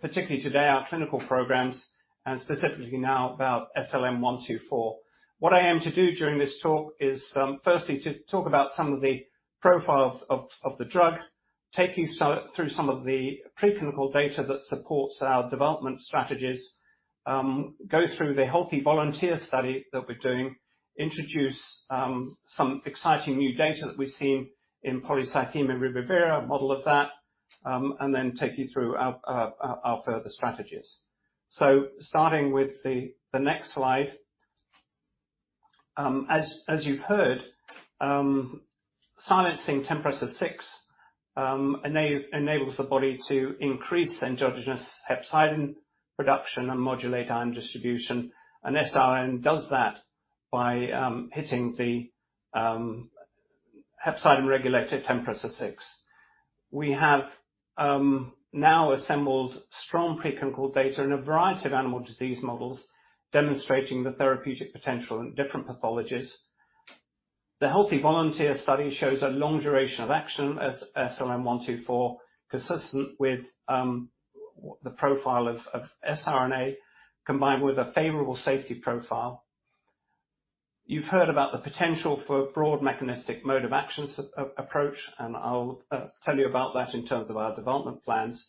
particularly today, our clinical programs and specifically now about SLN124. What I'm to do during this talk is, firstly, to talk about some of the profiles of the drug, take you through some of the pre-clinical data that supports our development strategies, go through the healthy volunteer study that we're doing, introduce some exciting new data that we've seen in Polycythemia Vera, model of that, and then take you through our further strategies. Starting with the next slide. As you've heard, silencing TMPRSS6 enables the body to increase endogenous hepcidin production and modulate iron distribution. An siRNA does that by hitting the hepcidin regulated TMPRSS6. We have now assembled strong pre-clinical data in a variety of animal disease models, demonstrating the therapeutic potential in different pathologies. The healthy volunteer study shows a long duration of action as SLN124, consistent with the profile of siRNA, combined with a favorable safety profile. You've heard about the potential for a broad mechanistic mode of actions approach, and I'll tell you about that in terms of our development plans.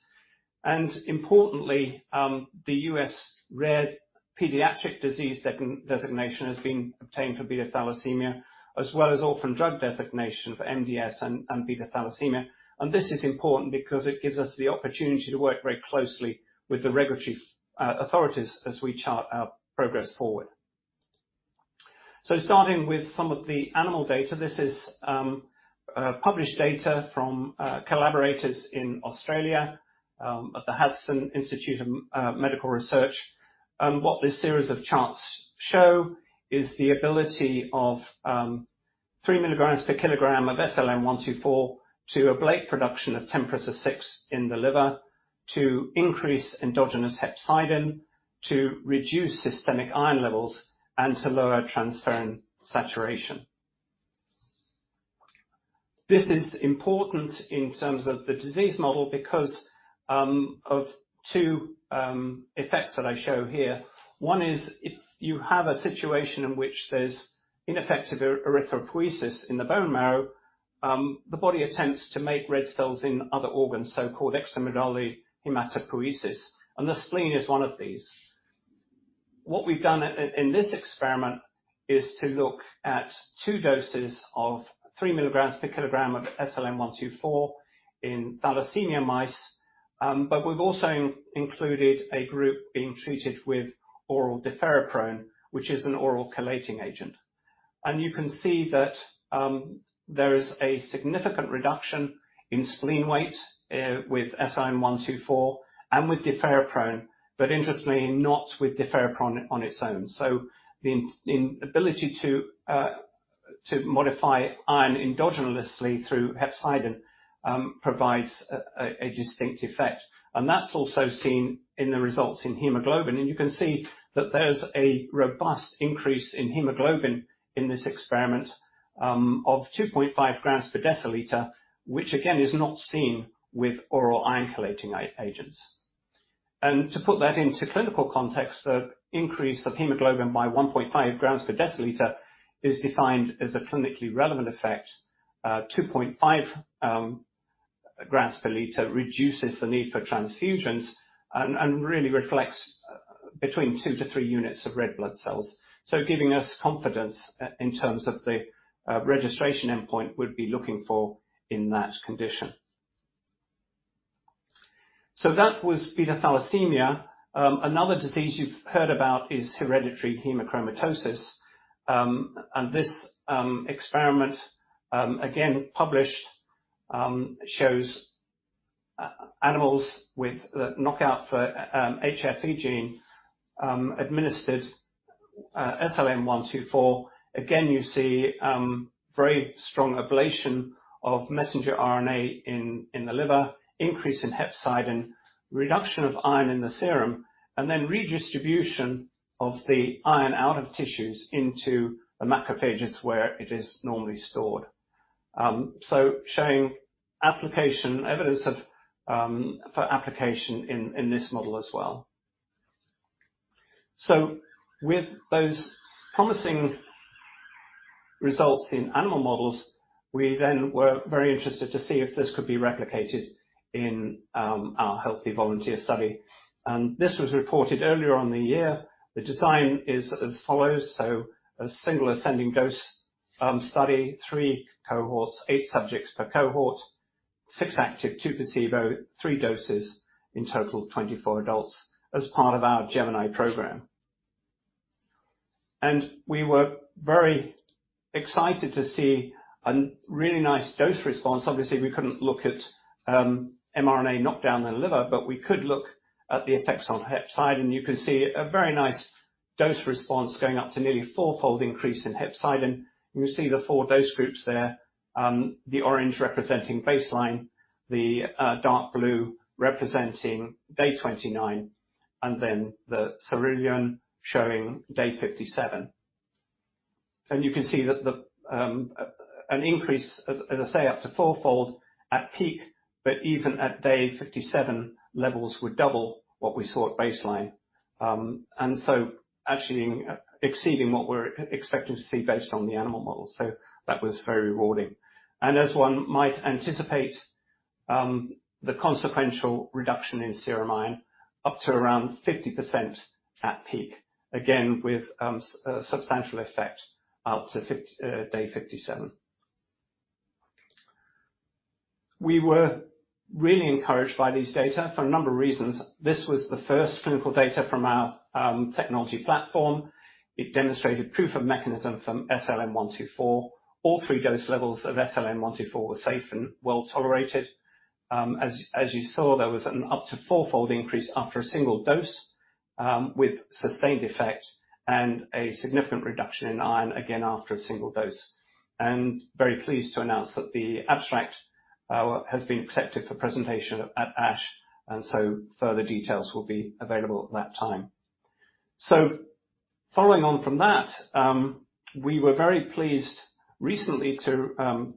Importantly, the U.S. Rare Pediatric Disease Designation has been obtained for beta thalassemia, as well as Orphan Drug Designation for MDS and beta thalassemia. This is important because it gives us the opportunity to work very closely with the regulatory authorities as we chart our progress forward. Starting with some of the animal data. This is published data from collaborators in Australia, at the Hudson Institute of Medical Research. What this series of charts show is the ability of three mg per kg of SLN124 to ablate production of TMPRSS6 in the liver to increase endogenous hepcidin, to reduce systemic iron levels, and to lower transferrin saturation. This is important in terms of the disease model because of two effects that I show here. One is if you have a situation in which there's ineffective erythropoiesis in the bone marrow, the body attempts to make red cells in other organs, so-called extramedullary hematopoiesis, and the spleen is one of these. What we've done in this experiment is to look at two doses of three milligrams per kilogram of SLN124 in thalassemia mice. We've also included a group being treated with oral deferiprone, which is an oral chelating agent. you can see that there is a significant reduction in spleen weight, with SLN124 and with deferiprone, but interestingly not with deferiprone on its own. the ability to modify iron endogenously through hepcidin provides a distinct effect. that's also seen in the results in hemoglobin. you can see that there's a robust increase in hemoglobin in this experiment, of 2.5 grams per deciliter, which again, is not seen with oral iron chelating agents. to put that into clinical context, the increase of hemoglobin by 1.5 grams per deciliter is defined as a clinically relevant effect. 2.5 grams per liter reduces the need for transfusions and really reflects between two-three units of red blood cells. giving us confidence in terms of the registration endpoint we'd be looking for in that condition. that was beta thalassemia. Another disease you've heard about is hereditary hemochromatosis. This experiment, again published, shows animals with the knockout for HFE gene, administered SLN124. Again, you see very strong ablation of messenger RNA in the liver, increase in hepcidin, reduction of iron in the serum, and then redistribution of the iron out of tissues into the macrophages where it is normally stored. Showing evidence for application in this model as well. With those promising results in animal models, we then were very interested to see if this could be replicated in our healthy volunteer study. This was reported earlier on the year. The design is as follows. A single ascending dose study, three cohorts, eight subjects per cohort, six active, two placebo, three doses, in total 24 adults as part of our GEMINI program. We were very excited to see a really nice dose response. Obviously, we couldn't look at mRNA knockdown in the liver, but we could look at the effects on hepcidin. You can see a very nice dose response going up to nearly fourfold increase in hepcidin. You see the four dose groups there, the orange representing baseline, the dark blue representing day 29, and then the cerulean showing day 57. You can see an increase, as I say, up to fourfold at peak, but even at day 57, levels were double what we saw at baseline. Actually exceeding what we were expecting to see based on the animal model. That was very rewarding. As one might anticipate, the consequential reduction in serum iron up to around 50% at peak, again with substantial effect up to day 57. We were really encouraged by these data for a number of reasons. This was the first clinical data from our technology platform. It demonstrated proof of mechanism from SLN124. All three dose levels of SLN124 were safe and well-tolerated. As you saw, there was an up to fourfold increase after a single dose, with sustained effect and a significant reduction in iron, again after a single dose. Very pleased to announce that the abstract has been accepted for presentation at ASH, and so further details will be available at that time. Following on from that, we were very pleased recently to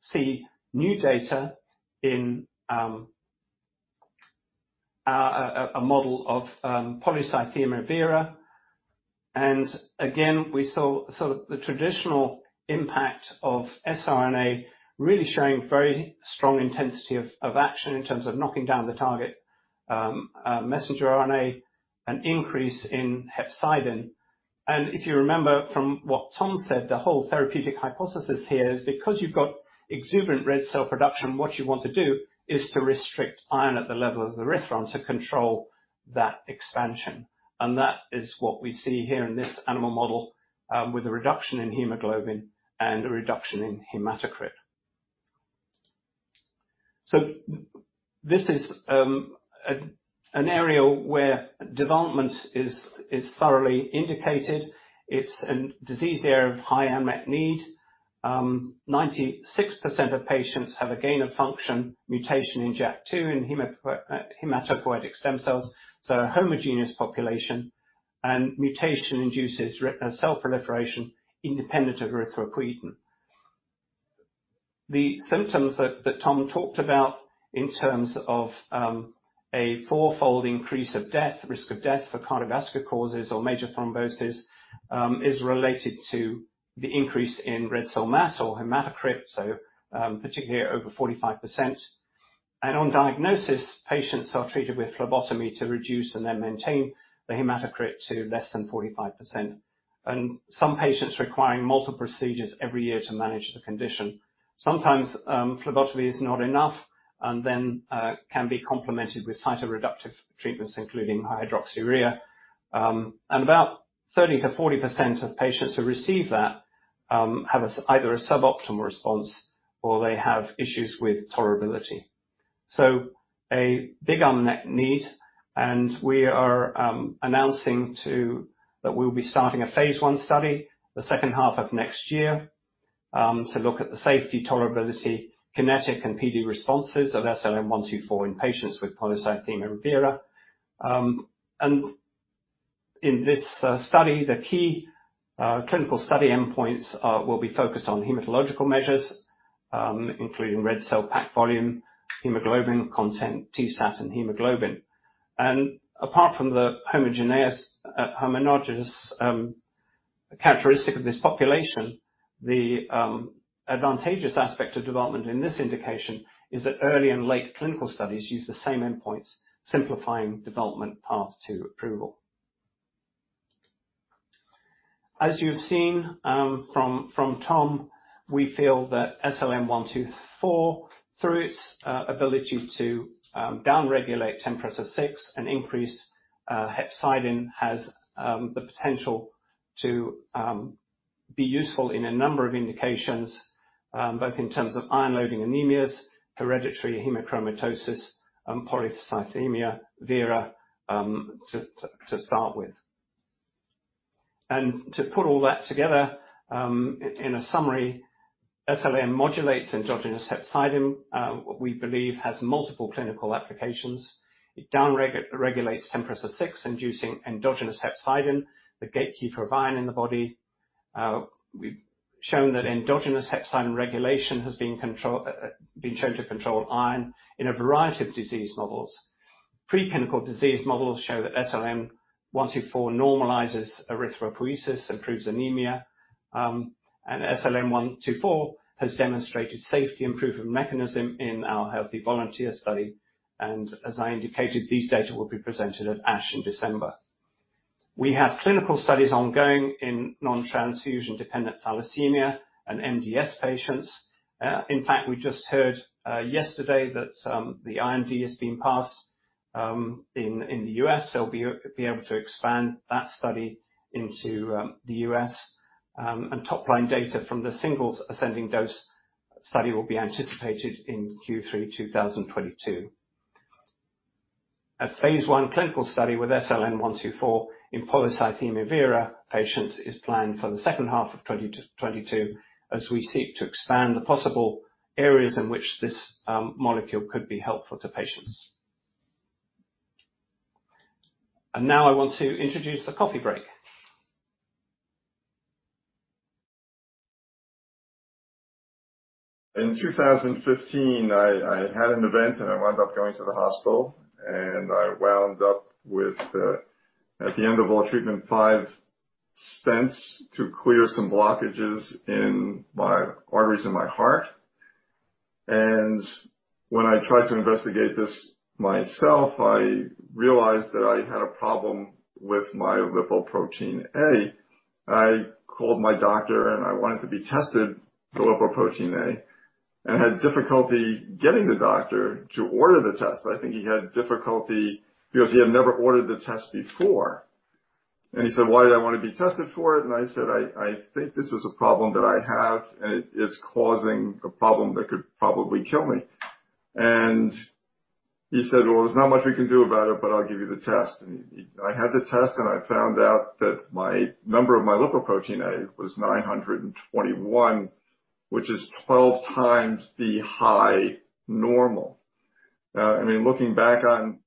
see new data in a model of Polycythemia Vera. Again, we saw the traditional impact of siRNA really showing very strong intensity of action in terms of knocking down the target messenger RNA, an increase in hepcidin. If you remember from what Tom said, the whole therapeutic hypothesis here is because you've got exuberant red cell production, what you want to do is to restrict iron at the level of the erythrocyte to control that expansion. That is what we see here in this animal model, with a reduction in hemoglobin and a reduction in hematocrit. This is an area where development is thoroughly indicated. It's a disease area of high unmet need. 96% of patients have a gain-of-function mutation in JAK2 in hematopoietic stem cells, so a homogeneous population. Mutation induces cell proliferation independent of erythropoietin. The symptoms that Tom talked about in terms of a fourfold increase of risk of death for cardiovascular causes or major thrombosis is related to the increase in red cell mass or hematocrit, so particularly over 45%. On diagnosis, patients are treated with phlebotomy to reduce and then maintain the hematocrit to less than 45%, and some patients requiring multiple procedures every year to manage the condition. Sometimes phlebotomy is not enough and then can be complemented with cytoreductive treatments, including hydroxyurea. About 30%-40% of patients who receive that have either a suboptimal response or they have issues with tolerability. A big unmet need, and we are announcing too that we will be starting a phase I study the second half of next year to look at the safety, tolerability, kinetic and PD responses of SLN124 in patients with Polycythemia Vera. In this study, the key clinical study endpoints will be focused on hematological measures, including red cell packed volume, hemoglobin content, TSAT, and hemoglobin. apart from the homogeneous characteristic of this population, the advantageous aspect of development in this indication is that early and late clinical studies use the same endpoints, simplifying development path to approval. As you've seen from Tom, we feel that SLN124, through its ability to down-regulate TMPRSS6 and increase hepcidin, has the potential to be useful in a number of indications, both in terms of iron-loading anemias, hereditary hemochromatosis, and Polycythemia Vera to start with. To put all that together in a summary, SLN124 modulates endogenous hepcidin, what we believe has multiple clinical applications. It down-regulates TMPRSS6, inducing endogenous hepcidin, the gatekeeper of iron in the body. We've shown that endogenous hepcidin regulation has been shown to control iron in a variety of disease models. Preclinical disease models show that SLN124 normalizes erythropoiesis, improves anemia, and SLN124 has demonstrated safety and proof of mechanism in our healthy volunteer study. As I indicated, these data will be presented at ASH in December. We have clinical studies ongoing in non-transfusion dependent thalassemia and MDS patients. In fact, we just heard yesterday that the IND has been passed in the U.S., so we'll be able to expand that study into the U.S. topline data from the singles ascending dose study will be anticipated in Q3 2022. A phase I clinical study with SLN124 in Polycythemia Vera patients is planned for the second half of 2022 as we seek to expand the possible areas in which this molecule could be helpful to patients. Now I want to introduce the coffee break. In 2015, I had an event and I wound up going to the hospital, and I wound up with, at the end of all treatment, five stents to clear some blockages in my arteries in my heart. When I tried to investigate this myself, I realized that I had a problem with my lipoprotein(a). I called my doctor and I wanted to be tested for lipoprotein(a), and had difficulty getting the doctor to order the test. I think he had difficulty because he had never ordered the test before. He said, "Why did I want to be tested for it?" I said, "I think this is a problem that I have, and it is causing a problem that could probably kill me." He said, "Well, there's not much we can do about it, but I'll give you the test." I had the test and I found out that my number of my lipoprotein(a) was 921, which is 12 times the high normal. Looking back on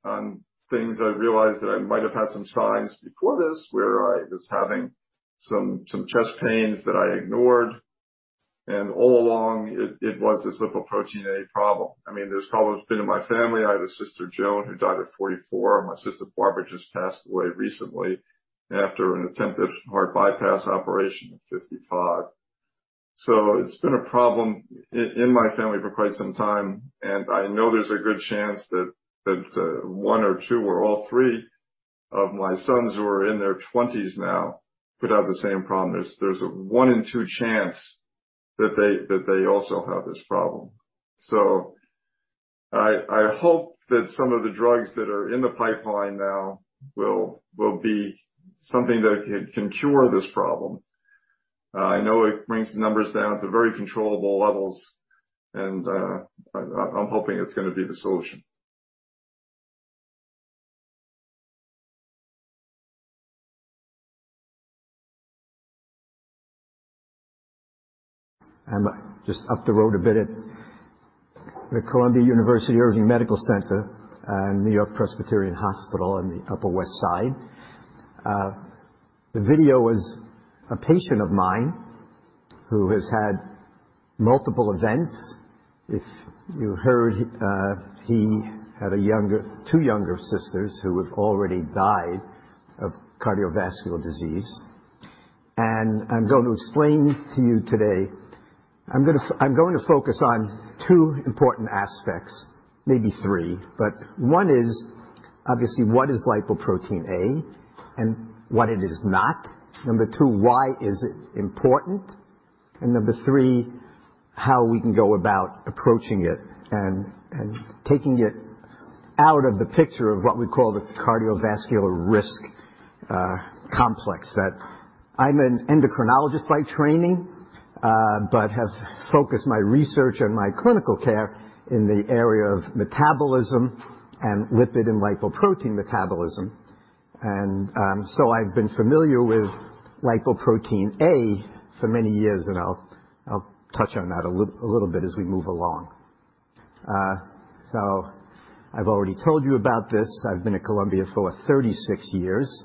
things, I've realized that I might have had some signs before this, where I was having some chest pains that I ignored, and all along it was this lipoprotein(a) problem. There's probably been in my family, I have a sister, Joan, who died at 44, and my sister Barbara just passed away recently after an attempted heart bypass operation at 55. It's been a problem in my family for quite some time, and I know there's a good chance that one or two or all three of my sons who are in their 20s now could have the same problem. There's a one in two chance that they also have this problem. I hope that some of the drugs that are in the pipeline now will be something that can cure this problem. I know it brings the numbers down to very controllable levels, and I'm hoping it's going to be the solution. just up the road a bit at The Columbia University Irving Medical Center and NewYork-Presbyterian Hospital on the Upper West Side. The video was a patient of mine who has had multiple events. If you heard, he had two younger sisters who have already died of cardiovascular disease. I'm going to explain to you today, I'm going to focus on two important aspects, maybe three, but one is obviously what is lipoprotein(a) and what it is not. Number two, why is it important? number three, how we can go about approaching it and taking it out of the picture of what we call the cardiovascular risk complex. That I'm an endocrinologist by training, but have focused my research and my clinical care in the area of metabolism and lipid and lipoprotein metabolism. I've been familiar with lipoprotein(a) for many years, and I'll touch on that a little bit as we move along. I've already told you about this. I've been at Columbia for 36 years.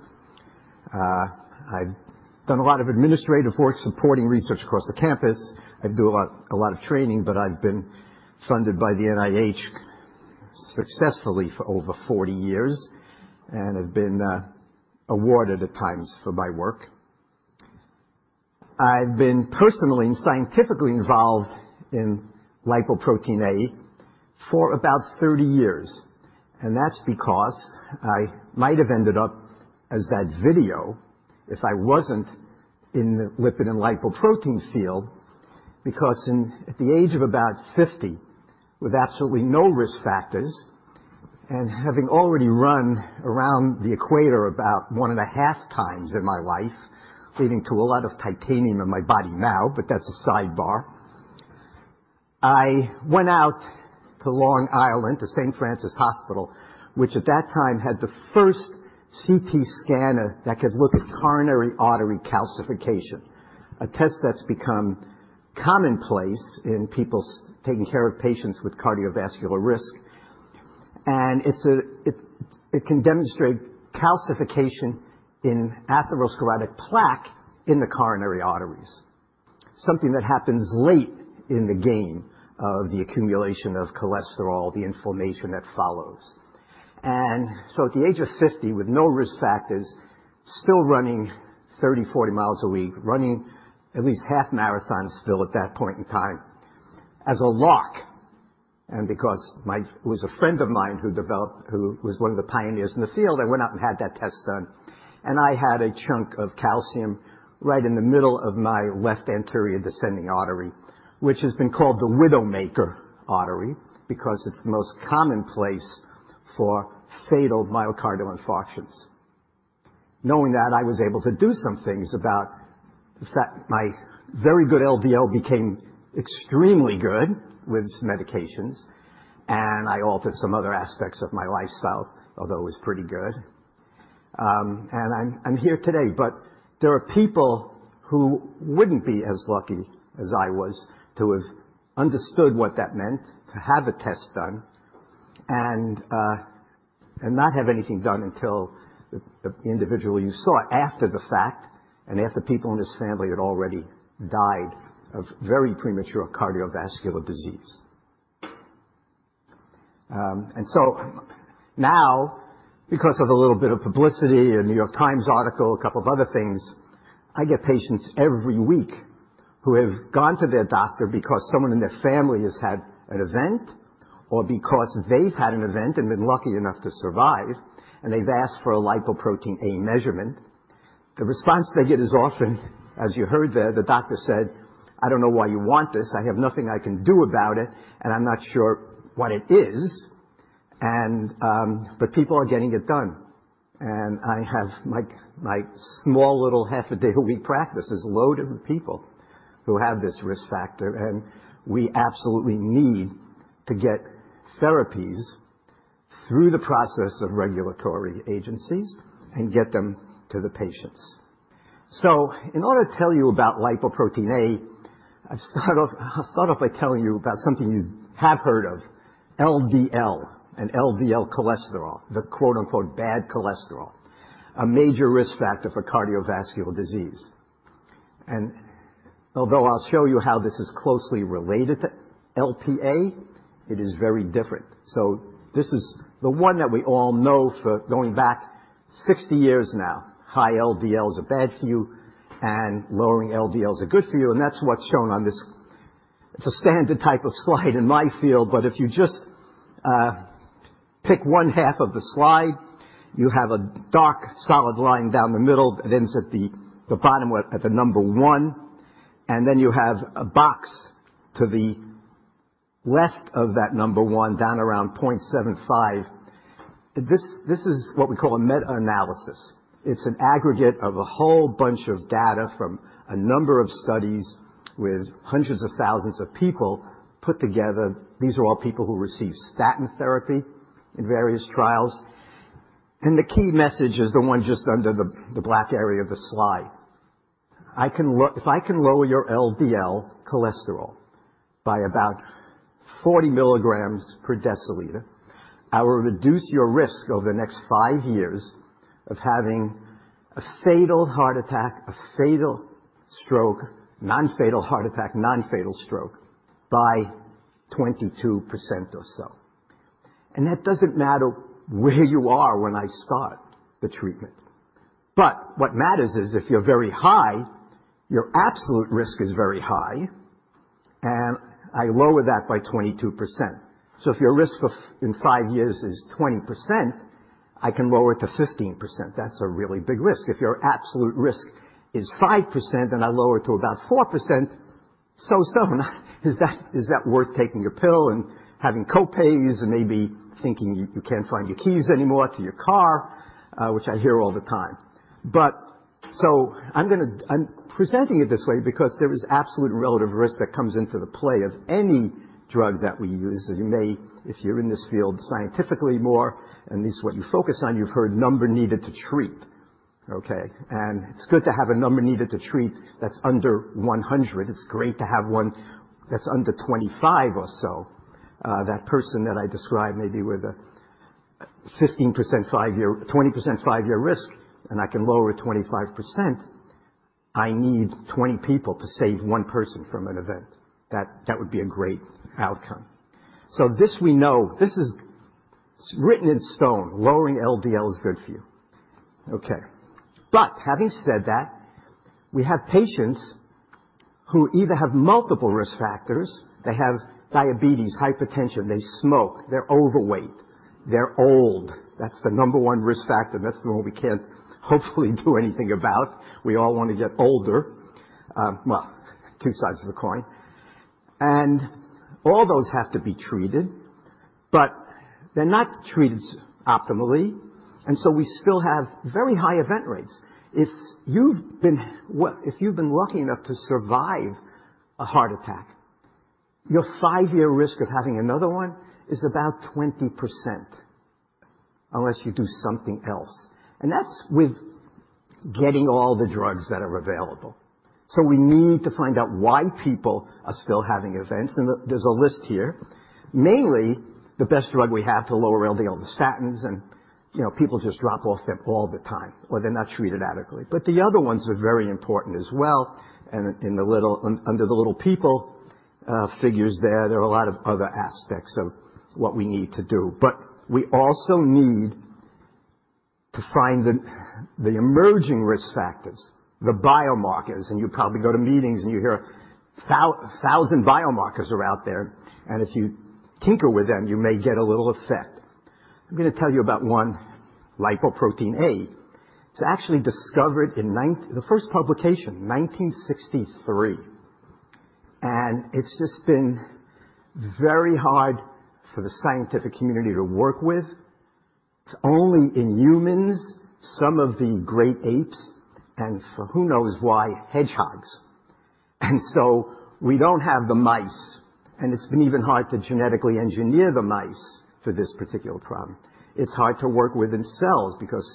I've done a lot of administrative work supporting research across the campus. I do a lot of training, but I've been funded by the NIH successfully for over 40 years and have been awarded at times for my work. I've been personally and scientifically involved in lipoprotein(a) for about 30 years, and that's because I might have ended up as that video if I wasn't in the lipid and lipoprotein field. at the age of about 50, with absolutely no risk factors and having already run around the equator about one and a half times in my life, leading to a lot of titanium in my body now, but that's a sidebar. I went out to Long Island to St. Francis Hospital, which at that time had the first CT scanner that could look at coronary artery calcification, a test that's become commonplace in taking care of patients with cardiovascular risk. it can demonstrate calcification in atherosclerotic plaque in the coronary arteries, something that happens late in the game of the accumulation of cholesterol, the inflammation that follows. At the age of 50, with no risk factors, still running 30, 40 miles a week, running at least half marathon still at that point in time, as a lark, and because it was a friend of mine who was one of the pioneers in the field, I went out and had that test done, and I had a chunk of calcium right in the middle of my left anterior descending artery, which has been called the widow-maker artery, because it's the most commonplace for fatal myocardial infarctions. Knowing that, I was able to do some things about. My very good LDL became extremely good with medications, and I altered some other aspects of my lifestyle, although it was pretty good. I'm here today, but there are people who wouldn't be as lucky as I was to have understood what that meant, to have a test done and not have anything done until the individual you saw after the fact and after people in his family had already died of very premature cardiovascular disease. Now, because of a little bit of publicity, a The New York Times article, a couple of other things, I get patients every week who have gone to their doctor because someone in their family has had an event or because they've had an event and been lucky enough to survive, and they've asked for a lipoprotein(a) measurement. The response they get is often, as you heard there, the doctor said, "I don't know why you want this. I have nothing I can do about it, and I'm not sure what it is. People are getting it done. I have my small, little half-a-day a week practice is loaded with people who have this risk factor, and we absolutely need to get therapies through the process of regulatory agencies and get them to the patients. In order to tell you about lipoprotein(a), I'll start off by telling you about something you have heard of, LDL and LDL cholesterol, the "bad cholesterol," a major risk factor for cardiovascular disease. Although I'll show you how this is closely related to Lp(a), it is very different. This is the one that we all know for going back 60 years now. High LDL is bad for you, and lowering LDL is good for you, and that's what's shown on this. It's a standard type of slide in my field, but if you just pick one half of the slide, you have a dark, solid line down the middle that ends at the bottom at the number 1, then you have a box to the left of that number 1, down around 0.75. This is what we call a meta-analysis. It's an aggregate of a whole bunch of data from a number of studies with hundreds of thousands of people put together. These are all people who received statin therapy in various trials. The key message is the one just under the black area of the slide. If I can lower your LDL cholesterol by about 40mg per deciliter, I will reduce your risk over the next five years of having a fatal heart attack, a fatal stroke, non-fatal heart attack, non-fatal stroke by 22% or so. That doesn't matter where you are when I start the treatment. What matters is if you're very high, your absolute risk is very high, and I lower that by 22%. If your risk in five years is 20%, I can lower it to 15%. That's a really big risk. If your absolute risk is 5% and I lower it to about 4%, so what? Is that worth taking a pill and having co-pays and maybe thinking you can't find your keys anymore to your car? Which I hear all the time. I'm presenting it this way because there is absolute relative risk that comes into the play of any drug that we use. As you may, if you're in this field scientifically more, and this is what you focus on, you've heard number needed to treat, okay? It's good to have a number needed to treat that's under 100. It's great to have one that's under 25 or so. That person that I described maybe with a 20% five-year risk, and I can lower it 25%, I need 20 people to save one person from an event. That would be a great outcome. This we know. This is written in stone. Lowering LDL is good for you. Okay. Having said that, we have patients who either have multiple risk factors, they have diabetes, hypertension, they smoke, they're overweight, they're old. That's the number 1 risk factor, and that's the one we can't hopefully do anything about. We all want to get older. Well, two sides of the coin. All those have to be treated, but they're not treated optimally, and so we still have very high event rates. If you've been lucky enough to survive a heart attack, your five-year risk of having another one is about 20% unless you do something else. That's with getting all the drugs that are available. We need to find out why people are still having events, and there's a list here. Mainly, the best drug we have to lower LDL, the statins, and people just drop off them all the time, or they're not treated adequately. The other ones are very important as well, and under the little people figures there are a lot of other aspects of what we need to do. We also need to find the emerging risk factors, the biomarkers, and you probably go to meetings and you hear 1,000 biomarkers are out there, and if you tinker with them, you may get a little effect. I'm going to tell you about one, lipoprotein(a). It's actually discovered, the first publication, 1963. It's just been very hard for the scientific community to work with. It's only in humans, some of the great apes, and for who knows why, hedgehogs. We don't have the mice, and it's been even hard to genetically engineer the mice for this particular problem. It's hard to work with in cells because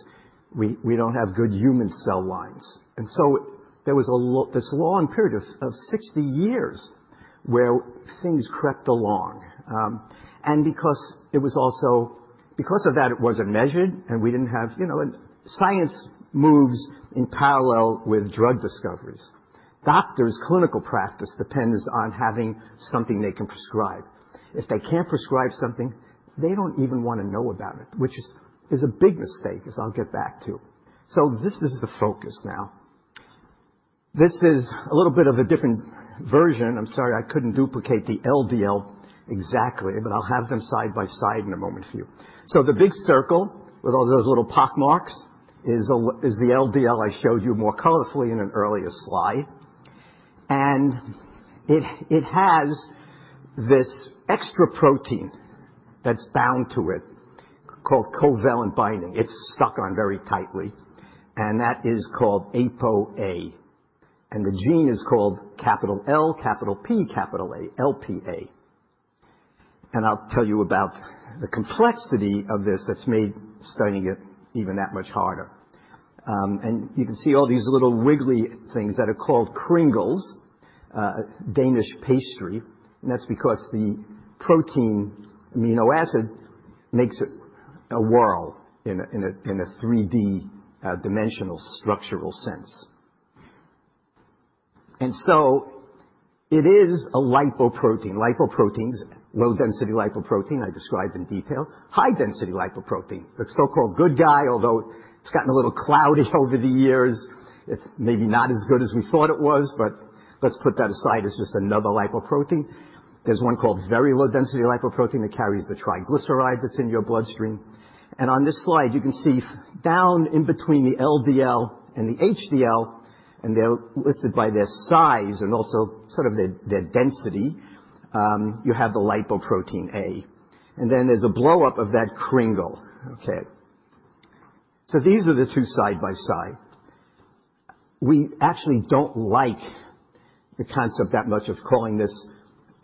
we don't have good human cell lines. There was this long period of 60 years where things crept along. Because of that, it wasn't measured and we didn't have Science moves in parallel with drug discoveries. Doctors' clinical practice depends on having something they can prescribe. If they can't prescribe something, they don't even want to know about it, which is a big mistake, as I'll get back to. This is the focus now. This is a little bit of a different version. I'm sorry I couldn't duplicate the LDL exactly, but I'll have them side by side in a moment for you. The big circle with all those little pockmarks is the LDL I showed you more colorfully in an earlier slide. It has this extra protein that's bound to it called covalent binding. It is stuck on very tightly, that is called Apo(a), and the gene is called capital L, capital P, capital A, Lp(a). I'll tell you about the complexity of this that's made studying it even that much harder. You can see all these little wiggly things that are called kringles, a Danish pastry, and that's because the protein amino acid makes it a whirl in a 3D dimensional structural sense. It is a lipoprotein. Lipoproteins, low-density lipoprotein, I described in detail. High-density lipoprotein, the so-called good guy, although it's gotten a little cloudy over the years. It's maybe not as good as we thought it was, but let's put that aside as just another lipoprotein. There's one called very low-density lipoprotein that carries the triglyceride that's in your bloodstream. On this slide, you can see down in between the LDL and the HDL, and they're listed by their size and also sort of their density. You have the lipoprotein(a), and then there's a blow-up of that kringle. Okay. These are the two side by side. We actually don't like the concept that much of calling this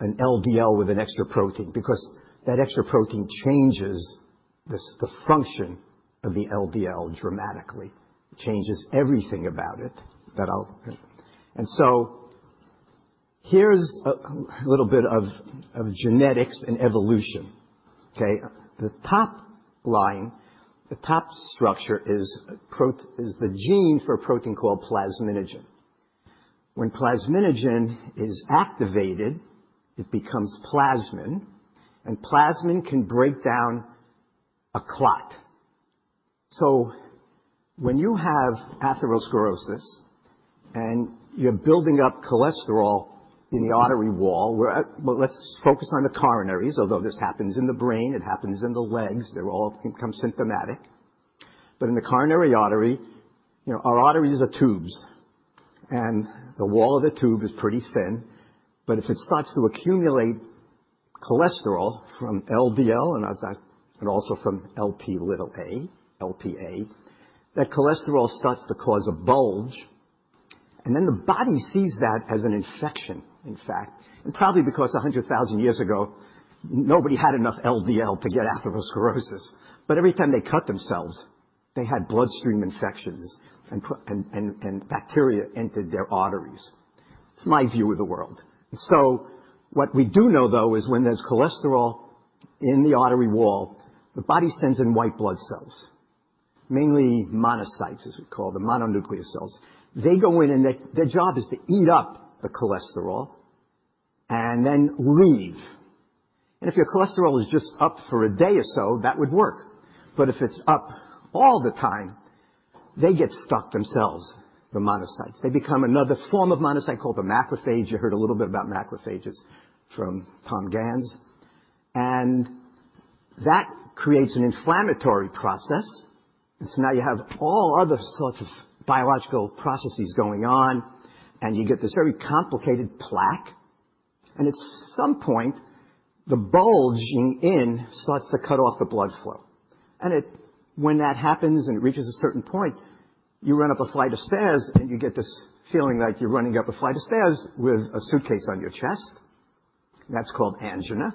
an LDL with an extra protein, because that extra protein changes the function of the LDL dramatically. Changes everything about it. Here's a little bit of genetics and evolution. Okay? The top line, the top structure is the gene for a protein called plasminogen. When plasminogen is activated, it becomes plasmin can break down a clot. When you have atherosclerosis, and you're building up cholesterol in the artery wall Well, let's focus on the coronaries, although this happens in the brain, it happens in the legs, they all can become symptomatic. In the coronary artery, our arteries are tubes, the wall of the tube is pretty thin. If it starts to accumulate cholesterol from LDL also from Lp(a), that cholesterol starts to cause a bulge, the body sees that as an infection, in fact. Probably because 100,000 years ago, nobody had enough LDL to get atherosclerosis, every time they cut themselves, they had bloodstream infections, bacteria entered their arteries. It's my view of the world. What we do know, though, is when there's cholesterol in the artery wall, the body sends in white blood cells, mainly monocytes, as we call them, mononuclear cells. They go in, and their job is to eat up the cholesterol and then leave. If your cholesterol is just up for a day or so, that would work. If it's up all the time, they get stuck themselves, the monocytes. They become another form of monocyte called the macrophage. You heard a little bit about macrophages from Tom Ganz. That creates an inflammatory process. Now you have all other sorts of biological processes going on, and you get this very complicated plaque. At some point, the bulging in starts to cut off the blood flow. When that happens and it reaches a certain point, you run up a flight of stairs, and you get this feeling like you're running up a flight of stairs with a suitcase on your chest. That's called angina.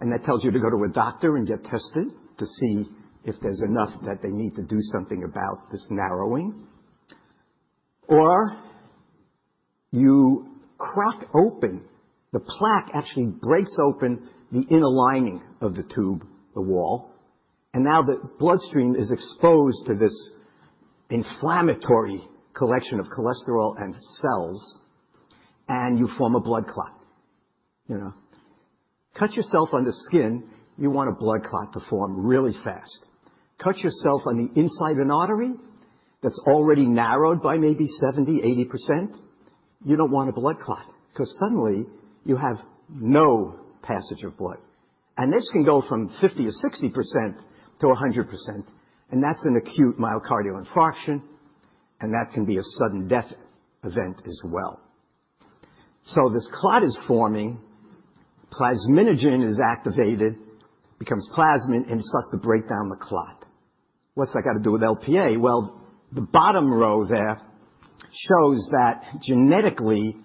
That tells you to go to a doctor and get tested to see if there's enough that they need to do something about this narrowing. You crack open, the plaque actually breaks open the inner lining of the tube, the wall, and now the bloodstream is exposed to this inflammatory collection of cholesterol and cells, and you form a blood clot. Cut yourself on the skin, you want a blood clot to form really fast. Cut yourself on the inside of an artery that's already narrowed by maybe 70%-80%, you don't want a blood clot, because suddenly you have no passage of blood. This can go from 50% or 60% to 100%, and that's an acute myocardial infarction, and that can be a sudden death event as well. This clot is forming, plasminogen is activated, becomes plasmin, and starts to break down the clot. What's that got to do with Lp(a)? Well, the bottom row there shows that genetically,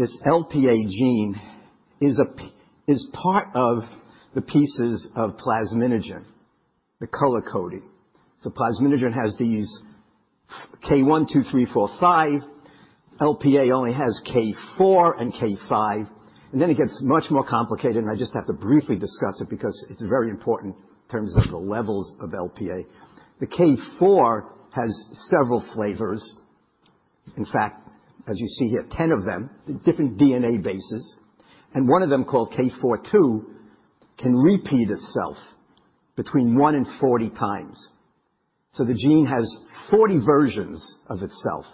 this Lp(a) gene is part of the pieces of plasminogen, the color coding. Plasminogen has these K1, K2, K3, K4, K5. Lp(a) only has K4 and K5, and then it gets much more complicated, and I just have to briefly discuss it because it's very important in terms of the levels of Lp(a). The K4 has several flavors. In fact, as you see here, 10 of them, different DNA bases, and one of them, called K4-2, can repeat itself between one and 40 times. The gene has 40 versions of itself,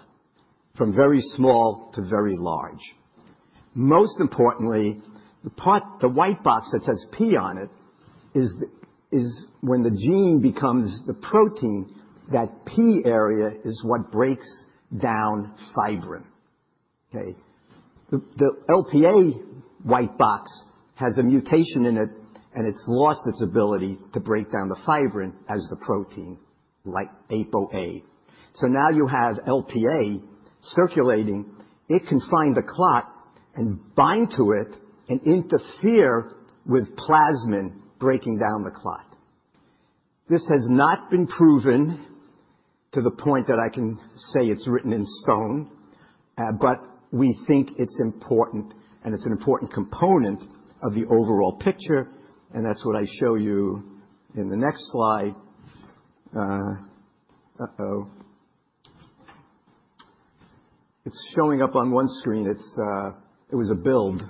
from very small to very large. Most importantly, the white box that says P on it is when the gene becomes the protein, that P area is what breaks down fibrin. Okay. The Lp(a) white box has a mutation in it, and it's lost its ability to break down the fibrin as the protein, like Apo(a). Now you have Lp(a) circulating. It can find the clot and bind to it and interfere with plasmin breaking down the clot. This has not been proven to the point that I can say it's written in stone, but we think it's important, and it's an important component of the overall picture, and that's what I show you in the next slide. Uh-oh. It's showing up on one screen. It was a build.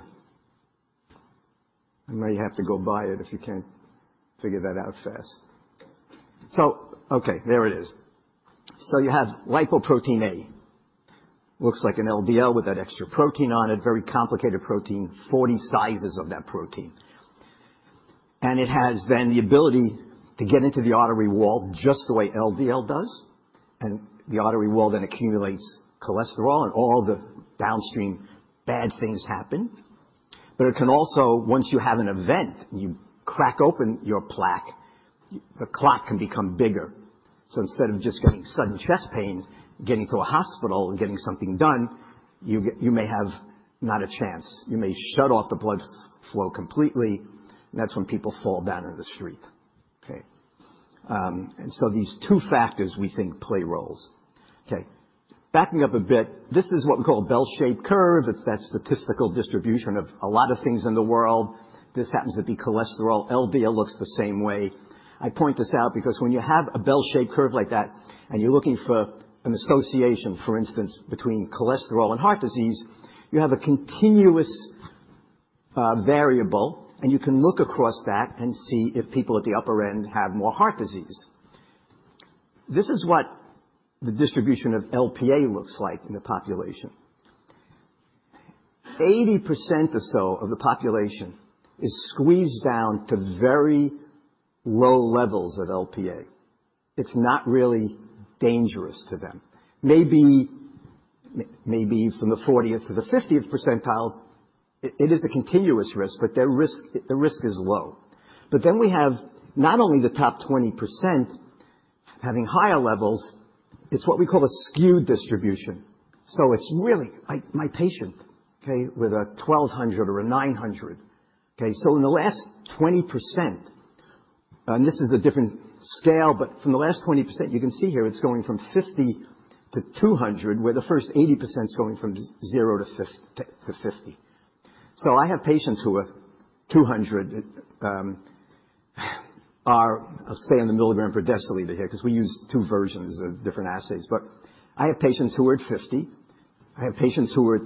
You may have to go by it if you can't figure that out fast. Okay. There it is. You have lipoprotein(a). Looks like an LDL with that extra protein on it. Very complicated protein, 40 sizes of that protein. It has then the ability to get into the artery wall just the way LDL does. The artery wall then accumulates cholesterol and all the downstream bad things happen. It can also, once you have an event, you crack open your plaque, the clot can become bigger. Instead of just getting sudden chest pain, getting to a hospital and getting something done, you may have not a chance. You may shut off the blood flow completely, and that's when people fall down in the street. Okay. These two factors we think play roles. Okay. Backing up a bit, this is what we call a bell-shaped curve. It's that statistical distribution of a lot of things in the world. This happens to be cholesterol. LDL looks the same way. I point this out because when you have a bell-shaped curve like that and you're looking for an association, for instance, between cholesterol and heart disease, you have a continuous variable, and you can look across that and see if people at the upper end have more heart disease. This is what the distribution of Lp(a) looks like in the population. 80% or so of the population is squeezed down to very low levels of Lp(a). It's not really dangerous to them. Maybe from the 40th to the 50th percentile, it is a continuous risk, but the risk is low. We have not only the top 20% having higher levels. It's what we call a skewed distribution. It's really my patient with a 1,200 or a 900. In the last 20%, and this is a different scale, from the last 20%, you can see here it's going from 50-200, where the first 80% is going from 0%-50%. I have patients who are 200. I'll stay in the milligram per deciliter here because we use two versions of different assays. I have patients who are at 50%. I have patients who are at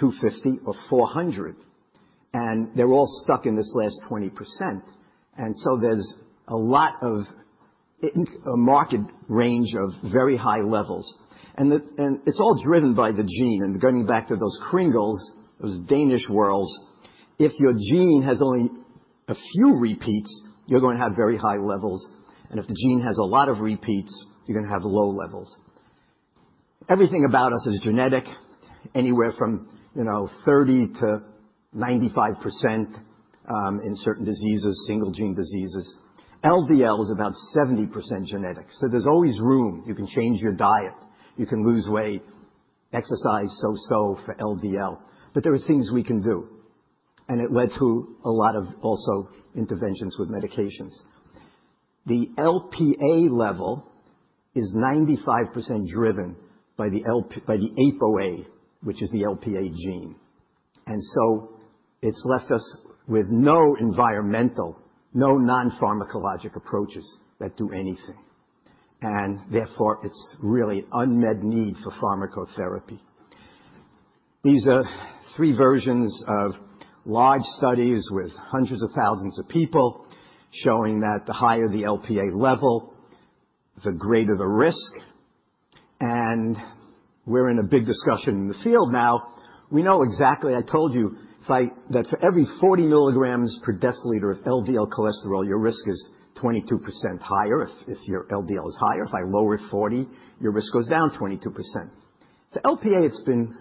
250 or 400. They're all stuck in this last 20%. There's a marked range of very high levels. It's all driven by the gene and going back to those kringles, those Danish whirls. If your gene has only a few repeats, you're going to have very high levels, and if the gene has a lot of repeats, you're going to have low levels. Everything about us is genetic, anywhere from 30%-95% in certain diseases, single gene diseases. LDL is about 70% genetic. There's always room. You can change your diet. You can lose weight, exercise, so-so for LDL. There are things we can do. It led to a lot of also interventions with medications. The Lp(a) level is 95% driven by the Apo(a), which is the Lp(a) gene. It's left us with no environmental, no non-pharmacologic approaches that do anything. It's really unmet need for pharmacotherapy. These are three versions of large studies with hundreds of thousands of people showing that the higher the Lp(a) level, the greater the risk. We're in a big discussion in the field now. We know exactly, I told you, that for every 40mg per deciliter of LDL cholesterol, your risk is 22% higher if your LDL is higher. If I lower it 40, your risk goes down 22%. For Lp(a) it's been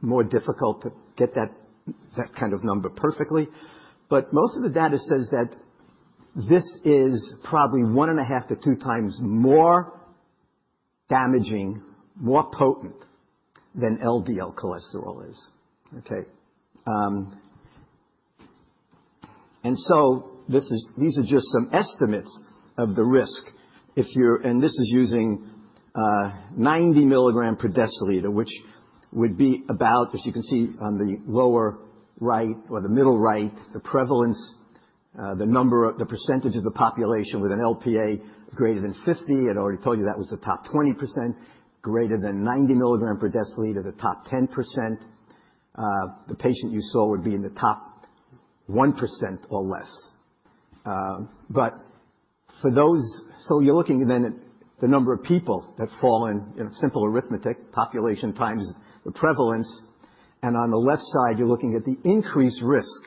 more difficult to get that kind of number perfectly. Most of the data says that this is probably 1.5x-2x more damaging, more potent than LDL cholesterol is. These are just some estimates of the risk. This is using 90mg per deciliter, which would be about, as you can see on the lower right or the middle right, the prevalence, the percentage of the population with an Lp(a) greater than 50. I'd already told you that was the top 20%. Greater than 90mg per deciliter, the top 10%. The patient you saw would be in the top 1% or less. You're looking then at the number of people that fall in simple arithmetic, population times the prevalence, and on the left side, you're looking at the increased risk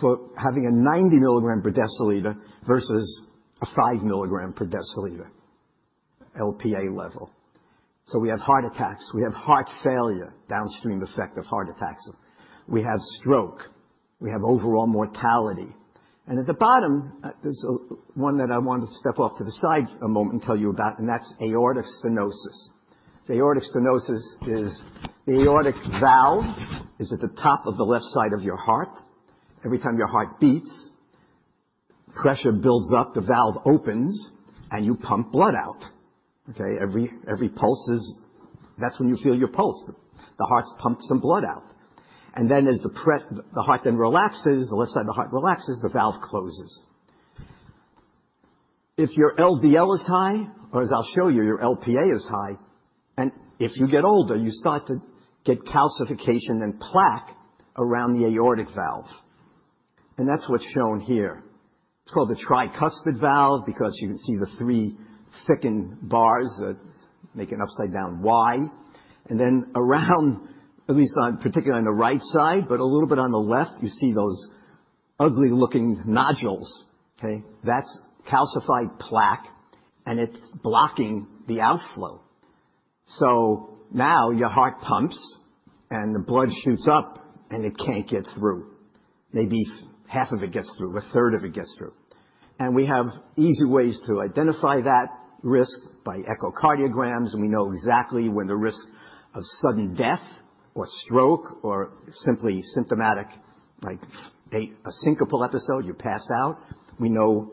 for having a 90mg per deciliter versus a 5mg per deciliter Lp(a) level. We have heart attacks. We have heart failure, downstream effect of heart attacks. We have stroke. We have overall mortality. At the bottom, there's one that I wanted to step off to the side a moment and tell you about, that's aortic stenosis. The aortic stenosis is the aortic valve is at the top of the left side of your heart. Every time your heart beats, pressure builds up, the valve opens, and you pump blood out. Okay? That's when you feel your pulse. The heart pumps some blood out. Then as the heart then relaxes, the left side of the heart relaxes, the valve closes. If your LDL is high, or as I'll show you, your Lp(a) is high, and if you get older, you start to get calcification and plaque around the aortic valve. That's what's shown here. It's called the tricuspid valve because you can see the three thickened bars that make an upside-down Y. Around, at least particularly on the right side, but a little bit on the left, you see those ugly-looking nodules, okay. That's calcified plaque, and it's blocking the outflow. Your heart pumps and the blood shoots up and it can't get through. Maybe half of it gets through, a third of it gets through. We have easy ways to identify that risk by echocardiograms, and we know exactly when the risk of sudden death or stroke or simply symptomatic, like a syncopal episode, you pass out. We know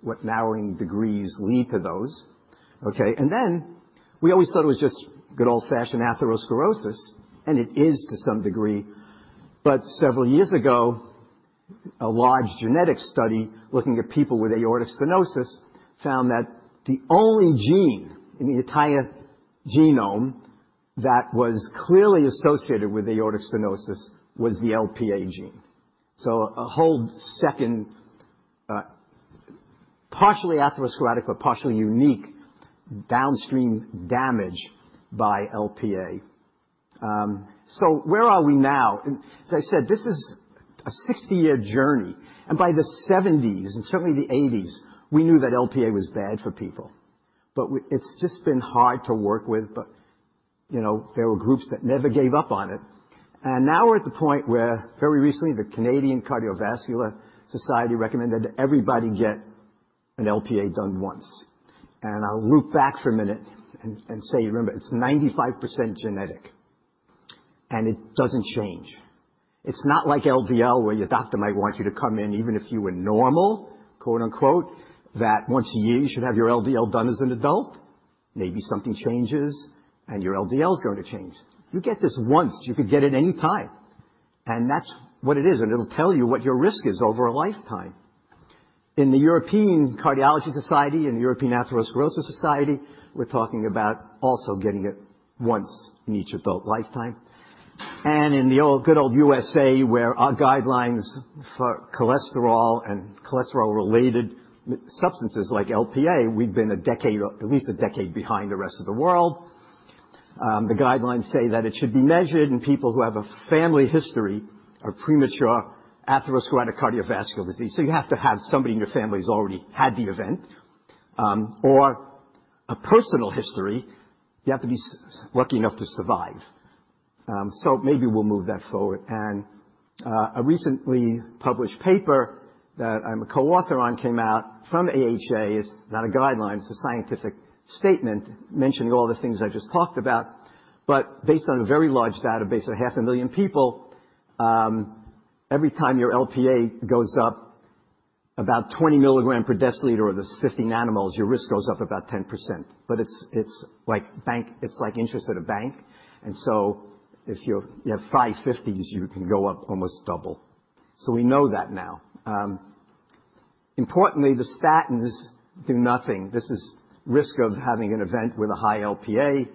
what narrowing degrees lead to those. Okay. We always thought it was just good old-fashioned atherosclerosis, and it is to some degree. Several years ago, a large genetic study looking at people with aortic stenosis found that the only gene in the entire genome that was clearly associated with aortic stenosis was the Lp(a) gene. A whole second, partially atherosclerotic but partially unique downstream damage by Lp(a). Where are we now? As I said, this is a 60-year journey. By the '70s and certainly the '80s, we knew that Lp(a) was bad for people. It's just been hard to work with. There were groups that never gave up on it. Now we're at the point where, very recently, the Canadian Cardiovascular Society recommended everybody get an Lp(a) done once. I'll loop back for a minute and say, remember, it's 95% genetic and it doesn't change. It's not like LDL, where your doctor might want you to come in even if you were normal, quote-unquote, that once a year you should have your LDL done as an adult. Maybe something changes and your LDL is going to change. You get this once. You could get it any time, and that's what it is, and it'll tell you what your risk is over a lifetime. In the European Society of Cardiology, in the European Atherosclerosis Society, we're talking about also getting it once in each adult lifetime. In the good old USA, where our guidelines for cholesterol and cholesterol-related substances like Lp(a), we've been at least a decade behind the rest of the world. The guidelines say that it should be measured in people who have a family history of premature atherosclerotic cardiovascular disease. You have to have somebody in your family who's already had the event, or a personal history, you have to be lucky enough to survive. Maybe we'll move that forward. A recently published paper that I'm a co-author on came out from ASH. It's not a guideline, it's a scientific statement mentioning all the things I just talked about. Based on a very large database of half a million people, every time your Lp(a) goes up about 20mg per deciliter or there's 15 nanomoles, your risk goes up about 10%. It's like interest at a bank. If you have 550s, you can go up almost double. We know that now. Importantly, the statins do nothing. This is risk of having an event with a high Lp(a),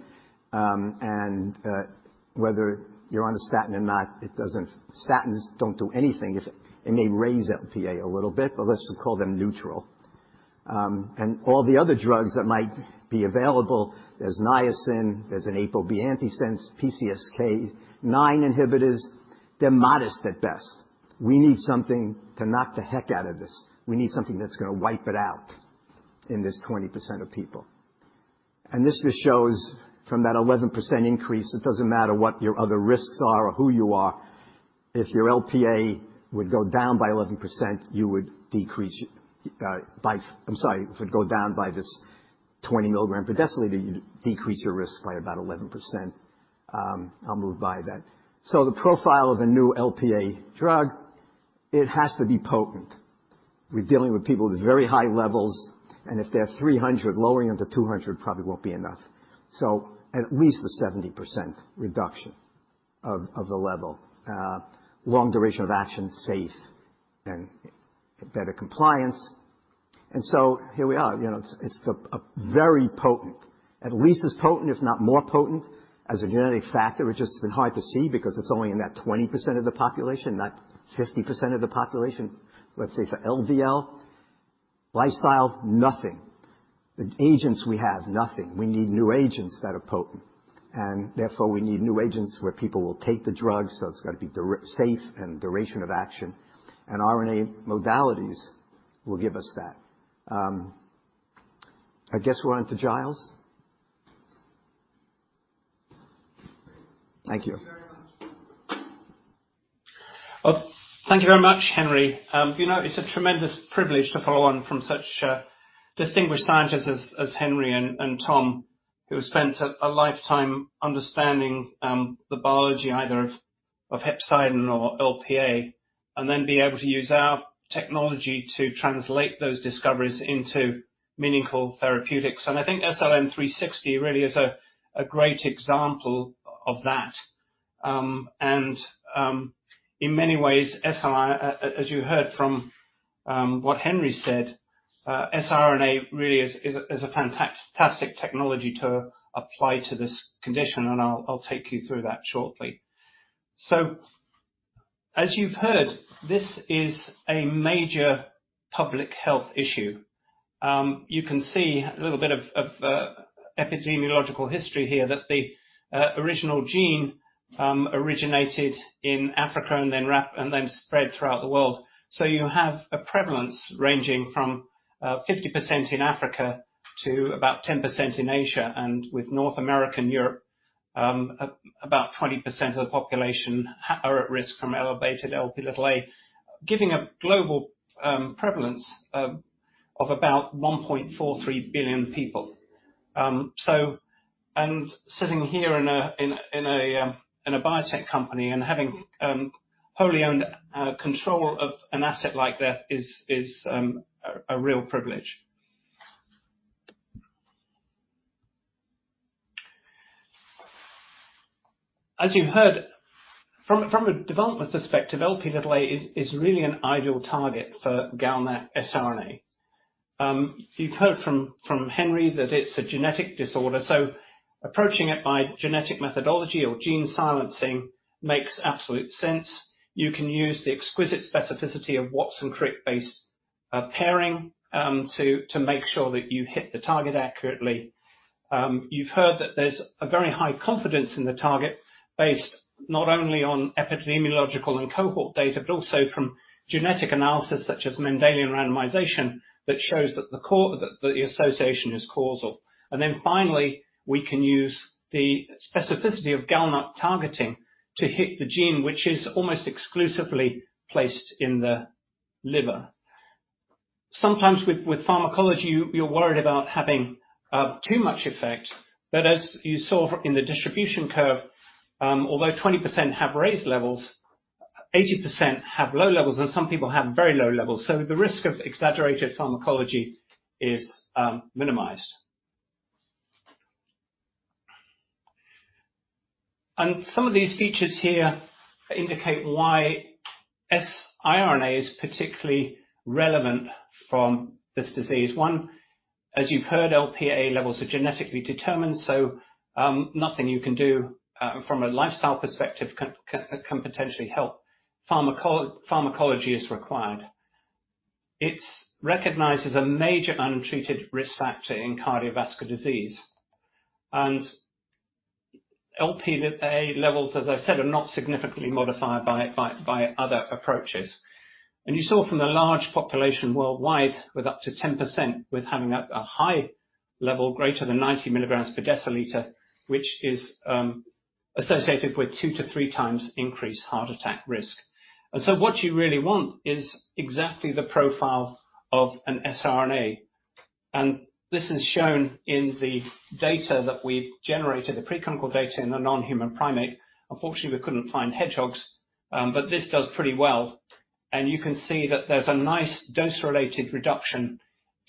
and whether you're on a statin or not, statins don't do anything. It may raise Lp(a) a little bit, but let's call them neutral. All the other drugs that might be available, there's niacin, there's an ApoB Antisense, PCSK9 inhibitors, they're modest at best. We need something to knock the heck out of this. We need something that's going to wipe it out in this 20% of people. This just shows from that 11% increase, it doesn't matter what your other risks are or who you are, if your Lp(a) would go down by 11%, if it go down by this 20mg per deciliter, you'd decrease your risk by about 11%. I'll move by that. The profile of a new Lp(a) drug, it has to be potent. We're dealing with people with very high levels, and if they're 300, lowering them to 200 probably won't be enough. At least the 70% reduction of the level, long duration of action, safe and better compliance. Here we are. It's very potent. At least as potent, if not more potent as a genetic factor, which has been hard to see because it's only in that 20% of the population, not 50% of the population, let's say, for LDL. Lifestyle, nothing. The agents we have, nothing. We need new agents that are potent, and therefore we need new agents where people will take the drug, so it's got to be safe and duration of action. RNA modalities will give us that. I guess we're on to Giles. Thank you. Well, thank you very much, Henry. It's a tremendous privilege to follow on from such distinguished scientists as Henry and Tom, who spent a lifetime understanding the biology either of hepcidin or Lp(a), and then be able to use our technology to translate those discoveries into meaningful therapeutics. I think SLN360 really is a great example of that. In many ways, as you heard from what Henry said, siRNA really is a fantastic technology to apply to this condition, and I'll take you through that shortly. As you've heard, this is a major public health issue. You can see a little bit of epidemiological history here that the original gene originated in Africa and then spread throughout the world. You have a prevalence ranging from 50% in Africa to about 10% in Asia, and with North America and Europe, about 20% of the population are at risk from elevated Lp(a), giving a global prevalence of about 1.43 billion people. Sitting here in a biotech company and having wholly owned control of an asset like this is a real privilege. As you heard, from a development perspective, Lp(a) is really an ideal target for GalNAc siRNA. You've heard from Henry that it's a genetic disorder, so approaching it by genetic methodology or gene silencing makes absolute sense. You can use the exquisite specificity of Watson-Crick-based pairing to make sure that you hit the target accurately. You've heard that there's a very high confidence in the target based not only on epidemiological and cohort data, but also from genetic analysis such as Mendelian randomization, that shows that the association is causal. Finally, we can use the specificity of GalNAc targeting to hit the gene which is almost exclusively placed in the liver. Sometimes with pharmacology, you're worried about having too much effect, but as you saw in the distribution curve, although 20% have raised levels, 80% have low levels, and some people have very low levels, so the risk of exaggerated pharmacology is minimized. Some of these features here indicate why siRNA is particularly relevant from this disease. One, as you've heard, Lp(a) levels are genetically determined, so nothing you can do from a lifestyle perspective can potentially help. Pharmacology is required. It's recognized as a major untreated risk factor in cardiovascular disease. Lp(a) levels, as I said, are not significantly modified by other approaches. You saw from the large population worldwide, with up to 10% with having a high level greater than 90mg per deciliter, which is associated with two to three times increased heart attack risk. What you really want is exactly the profile of an siRNA. This is shown in the data that we've generated, the preclinical data in the non-human primate. Unfortunately, we couldn't find hedgehogs. This does pretty well. You can see that there's a nice dose-related reduction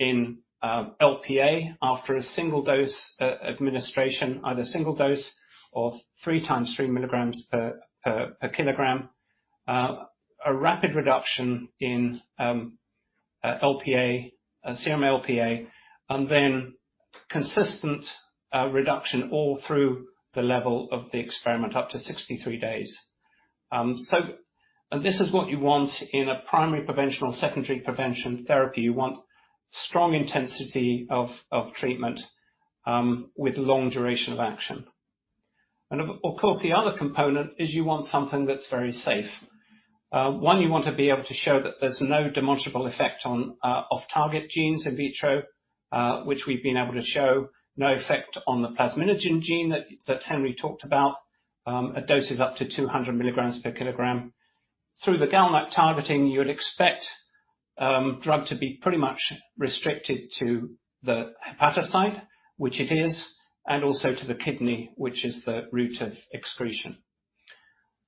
in Lp(a) after a single-dose administration. Either single dose or three times 3mg per kg. A rapid reduction in Lp(a), serum Lp(a), and then consistent reduction all through the level of the experiment, up to 63 days. This is what you want in a primary prevention or secondary prevention therapy. You want strong intensity of treatment, with long duration of action. Of course, the other component is you want something that's very safe. One, you want to be able to show that there's no demonstrable effect on off-target genes in vitro, which we've been able to show. No effect on the plasminogen gene that Henry talked about at doses up to 200mg per kilogram. Through the GalNAc targeting, you would expect drug to be pretty much restricted to the hepatocyte, which it is, and also to the kidney, which is the route of excretion.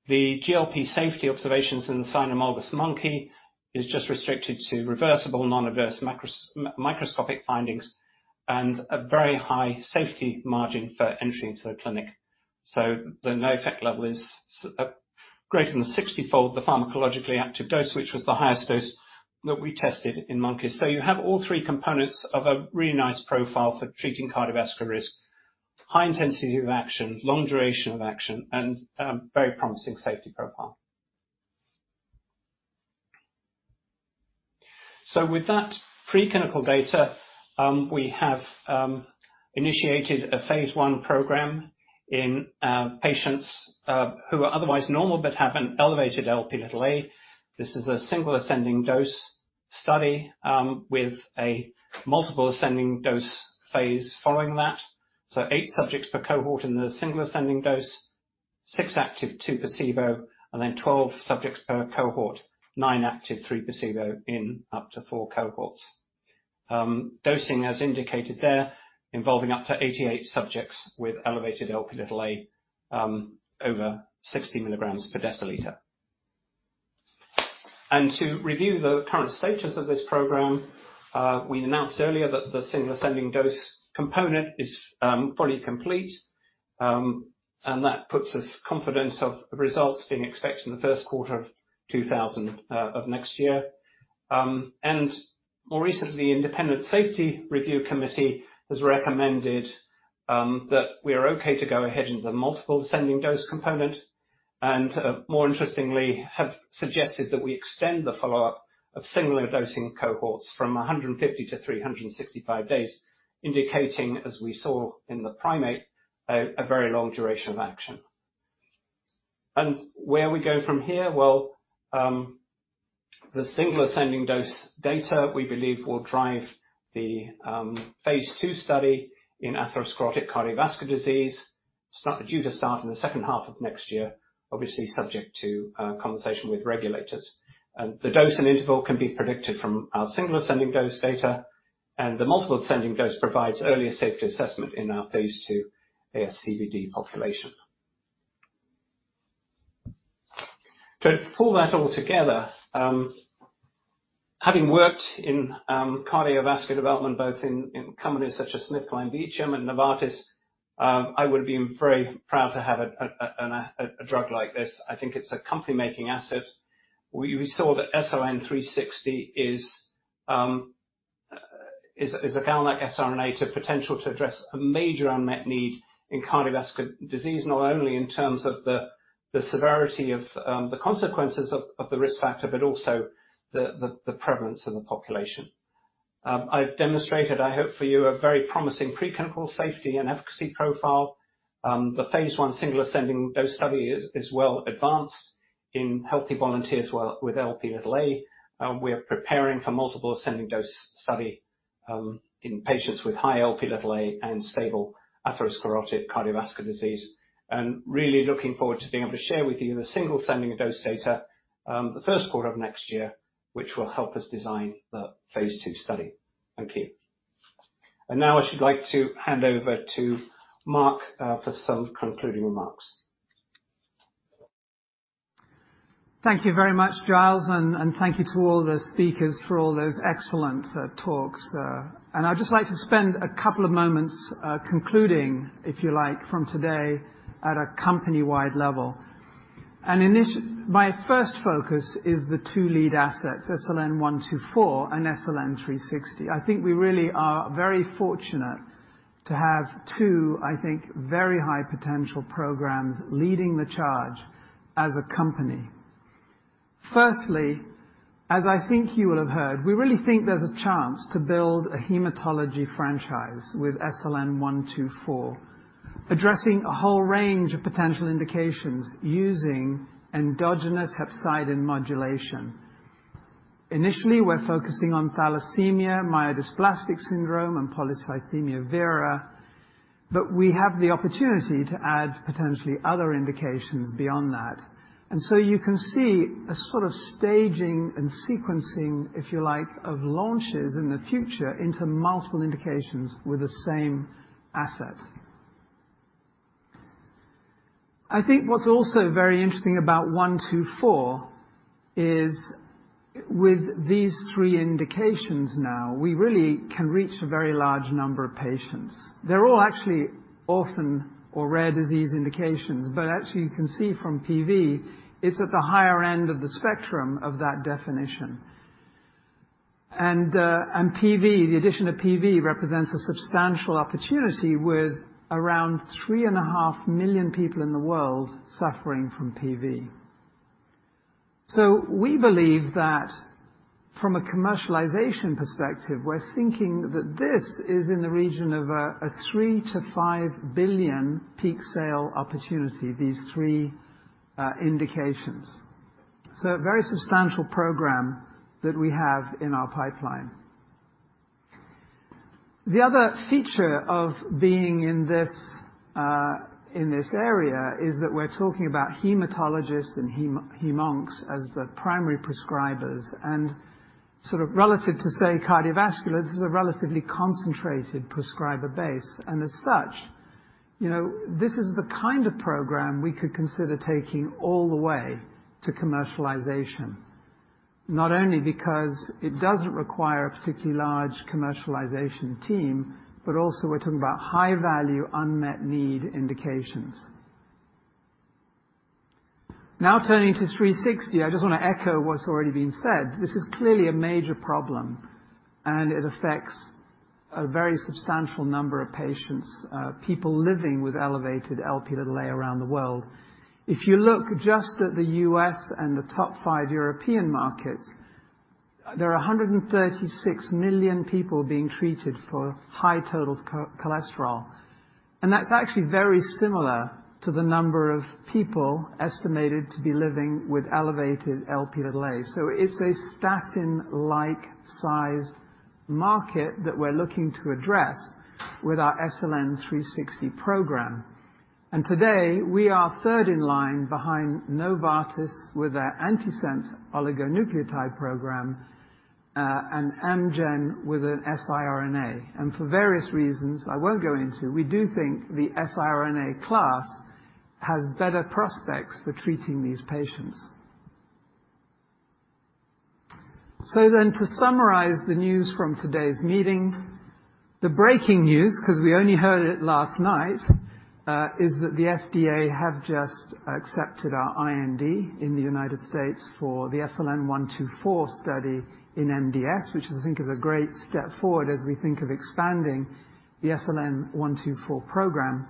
The GLP safety observations in the cynomolgus monkey is just restricted to reversible non-adverse microscopic findings and a very high safety margin for entry into the clinic. The no-effect level is greater than 60-fold the pharmacologically active dose, which was the highest dose that we tested in monkeys. You have all three components of a really nice profile for treating cardiovascular risk, high intensity of action, long duration of action, and very promising safety profile. With that preclinical data, we have initiated a phase I program in patients who are otherwise normal but have an elevated Lp(a). This is a single-ascending dose study with a multiple-ascending dose phase following that. Eight subjects per cohort in the single ascending dose, six active, two placebo, and then 12 subjects per cohort, nine active, three placebo in up to four cohorts. Dosing, as indicated there, involving up to 88 subjects with elevated Lp(a) over 60mg per deciliter. To review the current status of this program, we announced earlier that the single ascending dose component is fully complete, and that puts us confident of results being expected in the first quarter of 2000 of next year. More recently, independent safety review committee has recommended that we are okay to go ahead into the multiple ascending dose component. More interestingly, have suggested that we extend the follow-up of singular dosing cohorts from 150 to 365 days, indicating, as we saw in the primate, a very long duration of action. Where we go from here? Well, the single ascending dose data we believe will drive the phase II study in atherosclerotic cardiovascular disease. It's not due to start in the second half of next year, obviously subject to conversation with regulators. The dose and interval can be predicted from our single ascending dose data, and the multiple ascending dose provides earlier safety assessment in our phase II ASCVD population. To pull that all together, having worked in cardiovascular development both in companies such as SmithKline Beecham and Novartis, I would be very proud to have a drug like this. I think it's a company-making asset. We saw that SLN360 is a GalNAc siRNA with potential to address a major unmet need in cardiovascular disease, not only in terms of the severity of the consequences of the risk factor, but also the prevalence in the population. I've demonstrated, I hope for you, a very promising preclinical safety and efficacy profile. The phase I single ascending dose study is well advanced in healthy volunteers with Lp(a), and we are preparing for multiple ascending dose study in patients with high Lp(a) and stable atherosclerotic cardiovascular disease. Really looking forward to being able to share with you the single ascending dose data, the first quarter of next year, which will help us design the phase II study. Thank you. Now I should like to hand over to Mark for some concluding remarks. Thank you very much, Giles, and thank you to all the speakers for all those excellent talks. I'd just like to spend a couple of moments concluding, if you like, from today at a company-wide level. My first focus is the two lead assets, SLN124 and SLN360. I think we really are very fortunate to have two, I think, very high potential programs leading the charge as a company. Firstly, as I think you will have heard, we really think there's a chance to build a hematology franchise with SLN124, addressing a whole range of potential indications using endogenous hepcidin modulation. Initially, we're focusing on thalassemia, myelodysplastic syndrome, and polycythemia vera, but we have the opportunity to add potentially other indications beyond that. You can see a sort of staging and sequencing, if you like, of launches in the future into multiple indications with the same asset. I think what's also very interesting about SLN124 is with these three indications now, we really can reach a very large number of patients. They're all actually orphan or rare disease indications, but actually you can see from PV, it's at the higher end of the spectrum of that definition. The addition of PV represents a substantial opportunity with around 3.5 million people in the world suffering from PV. We believe that from a commercialization perspective, we're thinking that this is in the region of a 3 billion-5 billion peak sale opportunity, these three indications. A very substantial program that we have in our pipeline. The other feature of being in this area is that we're talking about hematologists and hem oncs as the primary prescribers and sort of relative to, say, cardiovascular, this is a relatively concentrated prescriber base. as such, this is the kind of program we could consider taking all the way to commercialization. Not only because it doesn't require a particularly large commercialization team, but also we're talking about high-value, unmet need indications. Now turning to SLN360, I just want to echo what's already been said. This is clearly a major problem, and it affects a very substantial number of patients, people living with elevated Lp(a) around the world. If you look just at the U.S. and the top five European markets, there are 136 million people being treated for high total cholesterol. that's actually very similar to the number of people estimated to be living with elevated Lp(a). it's a statin-like size market that we're looking to address with our SLN360 program. today, we are third in line behind Novartis with their antisense oligonucleotide program, and Amgen with an siRNA. for various reasons I won't go into, we do think the siRNA class has better prospects for treating these patients. to summarize the news from today's meeting, the breaking news, because we only heard it last night, is that the FDA have just accepted our IND in the United States for the SLN124 study in MDS, which I think is a great step forward as we think of expanding the SLN124 program.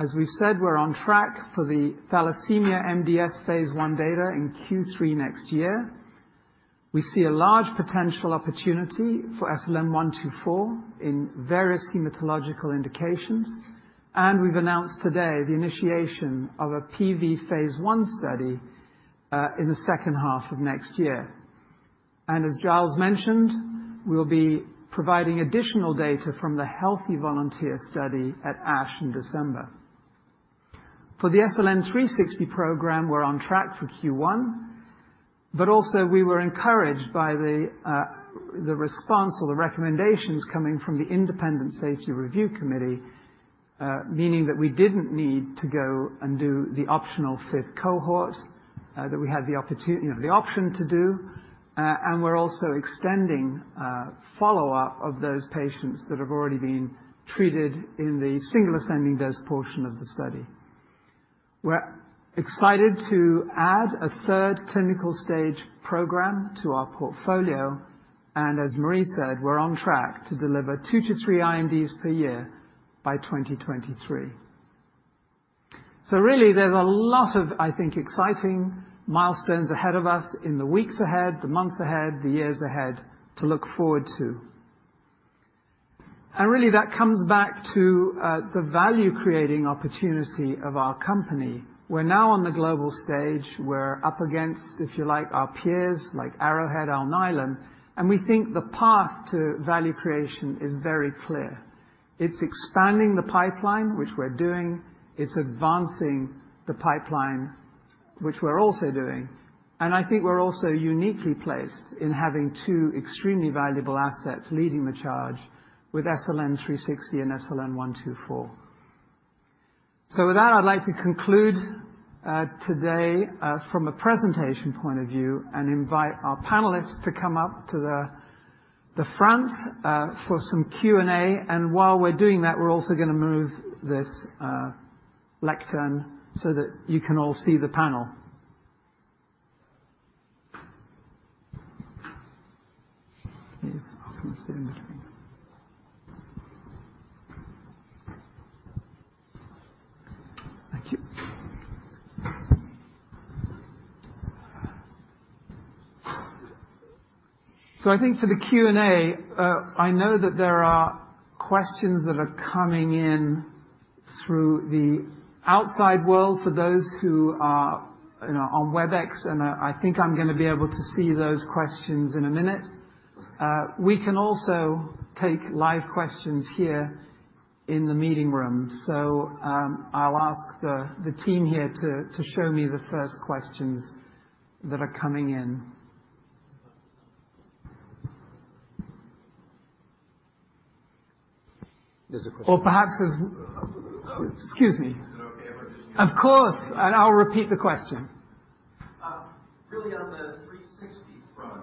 As we've said, we're on track for the thalassemia MDS phase I data in Q3 next year. We see a large potential opportunity for SLN124 in various hematological indications, we've announced today the initiation of a PV phase I study in the 2nd half of next year. As Giles mentioned, we'll be providing additional data from the healthy volunteer study at ASH in December. For the SLN360 program, we're on track for Q1, but also we were encouraged by the response or the recommendations coming from the independent safety review committee, meaning that we didn't need to go and do the optional 5th cohort that we had the option to do. We're also extending follow-up of those patients that have already been treated in the single ascending dose portion of the study. We're excited to add a third clinical stage program to our portfolio. As Marie said, we're on track to deliver two-three INDs per year by 2023. Really there's a lot of, I think, exciting milestones ahead of us in the weeks ahead, the months ahead, the years ahead to look forward to. Really that comes back to the value-creating opportunity of our company. We're now on the global stage. We're up against, if you like, our peers like Arrowhead, Alnylam, and we think the path to value creation is very clear. It's expanding the pipeline, which we're doing. It's advancing the pipeline, which we're also doing. I think we're also uniquely placed in having two extremely valuable assets leading the charge with SLN360 and SLN124. With that, I'd like to conclude today from a presentation point of view and invite our panelists to come up to the front for some Q&A. While we're doing that, we're also going to move this lectern so that you can all see the panel. Please. I'll come and sit in between. Thank you. I think for the Q&A, I know that there are questions that are coming in through the outside world for those who are on Webex, and I think I'm going to be able to see those questions in a minute. We can also take live questions here in the meeting room. I'll ask the team here to show me the first questions that are coming in. There's a question. Excuse me. Is it okay if I just- Of course. I'll repeat the question. Really on the SLN360 front,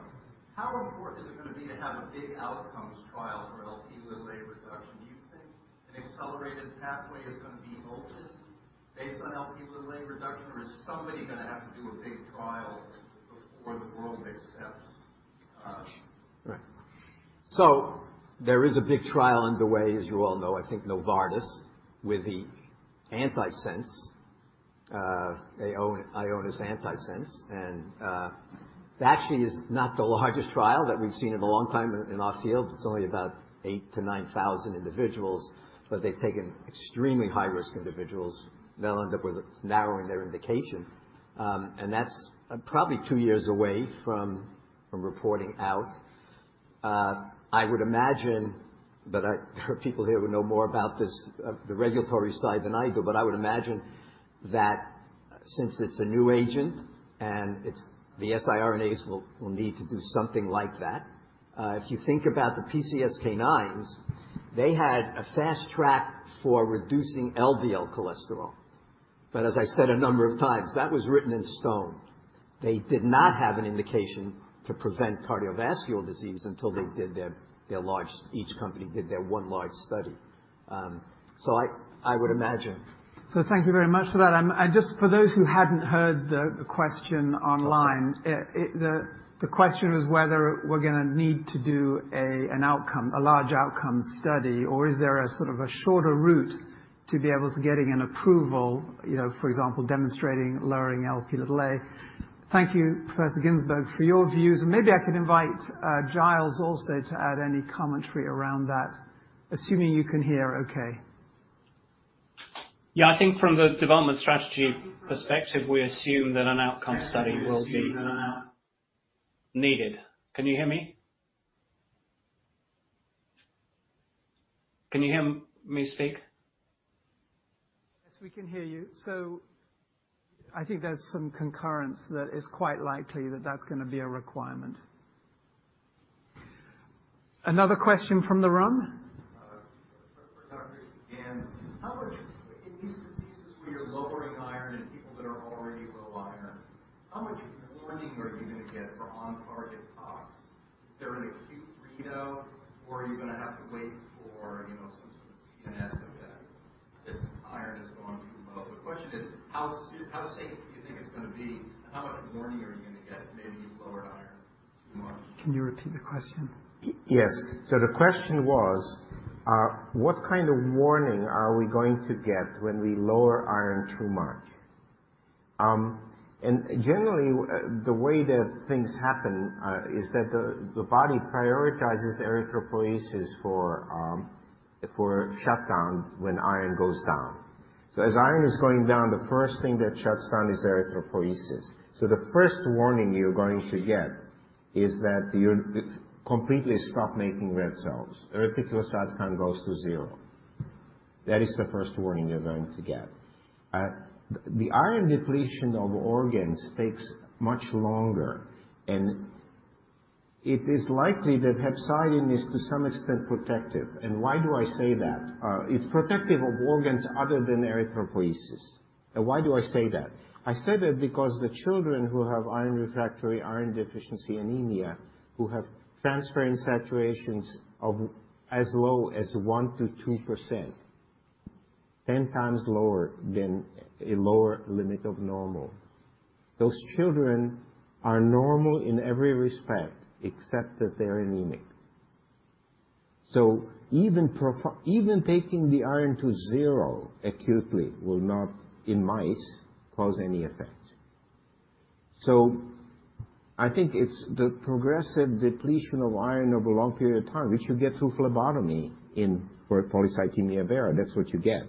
how important is it going to be to have a big outcomes trial for Lp(a) reduction? Do you think an accelerated pathway is going to be halted based on Lp(a) reduction, or is somebody going to have to do a big trial before the world accepts? Right. There is a big trial underway, as you all know, I think Novartis with the antisense. They own Ionis Antisense. That actually is not the largest trial that we've seen in a long time in our field. It's only about eight to nine thousand individuals, but they've taken extremely high-risk individuals. They'll end up with narrowing their indication. That's probably two years away from reporting out. I would imagine, but there are people here who know more about the regulatory side than I do, but I would imagine that since it's a new agent and the siRNAs will need to do something like that. If you think about the PCSK9s, they had a fast track for reducing LDL cholesterol. As I said a number of times, that was written in stone. They did not have an indication to prevent cardiovascular disease until each company did their one large study. I would imagine. thank you very much for that. just for those who hadn't heard the question online- It's all set. The question was whether we're going to need to do a large outcome study or is there a sort of a shorter route to be able to getting an approval, for example, demonstrating lowering Lp(a). Thank you, Professor Ginsberg, for your views. Maybe I could invite Giles also to add any commentary around that, assuming you can hear okay. Yeah. I think from the development strategy perspective, we assume that an outcome study will be needed. Can you hear me? Can you hear me, Steve? Yes, we can hear you. I think there's some concurrence that it's quite likely that that's going to be a requirement. Another question from the room. For Dr. Ganz. In these diseases where you're lowering iron in people that are already low iron. How much warning are you going to get for on-target tox? Is there an acute readout or are you going to have to wait for some sort of CNS effect if iron is going too low? The question is, how safe do you think it's going to be? How much warning are you going to get if maybe you've lowered iron too much? Can you repeat the question? Yes. The question was, what kind of warning are we going to get when we lower iron too much? Generally, the way that things happen is that the body prioritizes erythropoiesis for shutdown when iron goes down. As iron is going down, the first thing that shuts down is erythropoiesis. The first warning you're going to get is that you completely stop making red cells. Erythropoiesis count goes to zero. That is the first warning you're going to get. The iron depletion of organs takes much longer, and it is likely that hepcidin is to some extent protective. Why do I say that? It's protective of organs other than erythropoiesis. Why do I say that? I say that because the children who have iron refractory, iron deficiency anemia, who have transferrin saturations of as low as 1%-2%, 10 times lower than a lower limit of normal. Those children are normal in every respect except that they're anemic. Even taking the iron to zero acutely will not, in mice, cause any effect. I think it's the progressive depletion of iron over a long period of time, which you get through phlebotomy for polycythemia vera. That's what you get.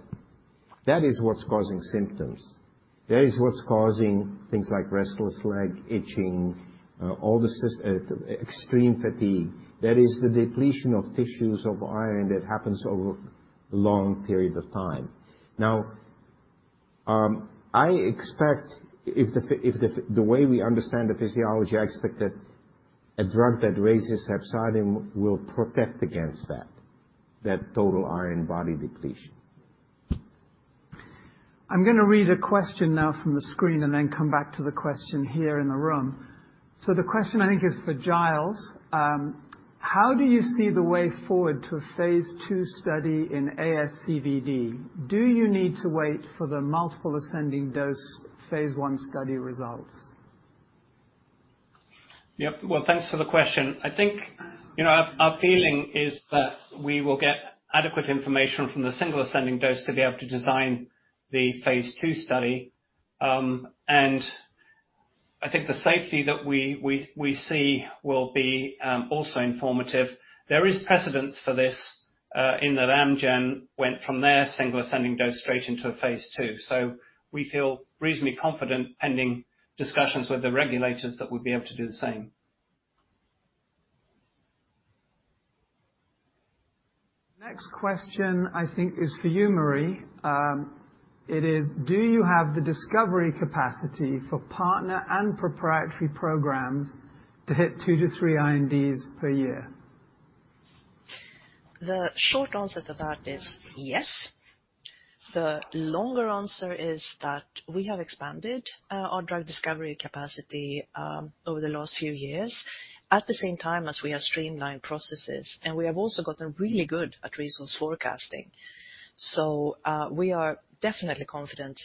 That is what's causing symptoms. That is what's causing things like restless leg, itching, extreme fatigue. That is the depletion of tissues of iron that happens over a long period of time. Now, I expect if the way we understand the physiology, I expect that a drug that raises hepcidin will protect against that total iron body depletion. I'm going to read a question now from the screen and then come back to the question here in the room. The question I think is for Giles. How do you see the way forward to a phase II study in ASCVD? Do you need to wait for the multiple ascending dose phase I study results? Yep. Well, thanks for the question. I think our feeling is that we will get adequate information from the single ascending dose to be able to design the phase II study. I think the safety that we see will be also informative. There is precedence for this, in that Amgen went from their single ascending dose straight into a phase II. We feel reasonably confident pending discussions with the regulators that we'll be able to do the same. Next question I think is for you, Marie. It is, do you have the discovery capacity for partner and proprietary programs to hit two to three INDs per year? The short answer to that is yes. The longer answer is that we have expanded our drug discovery capacity over the last few years at the same time as we have streamlined processes, and we have also gotten really good at resource forecasting. We are definitely confident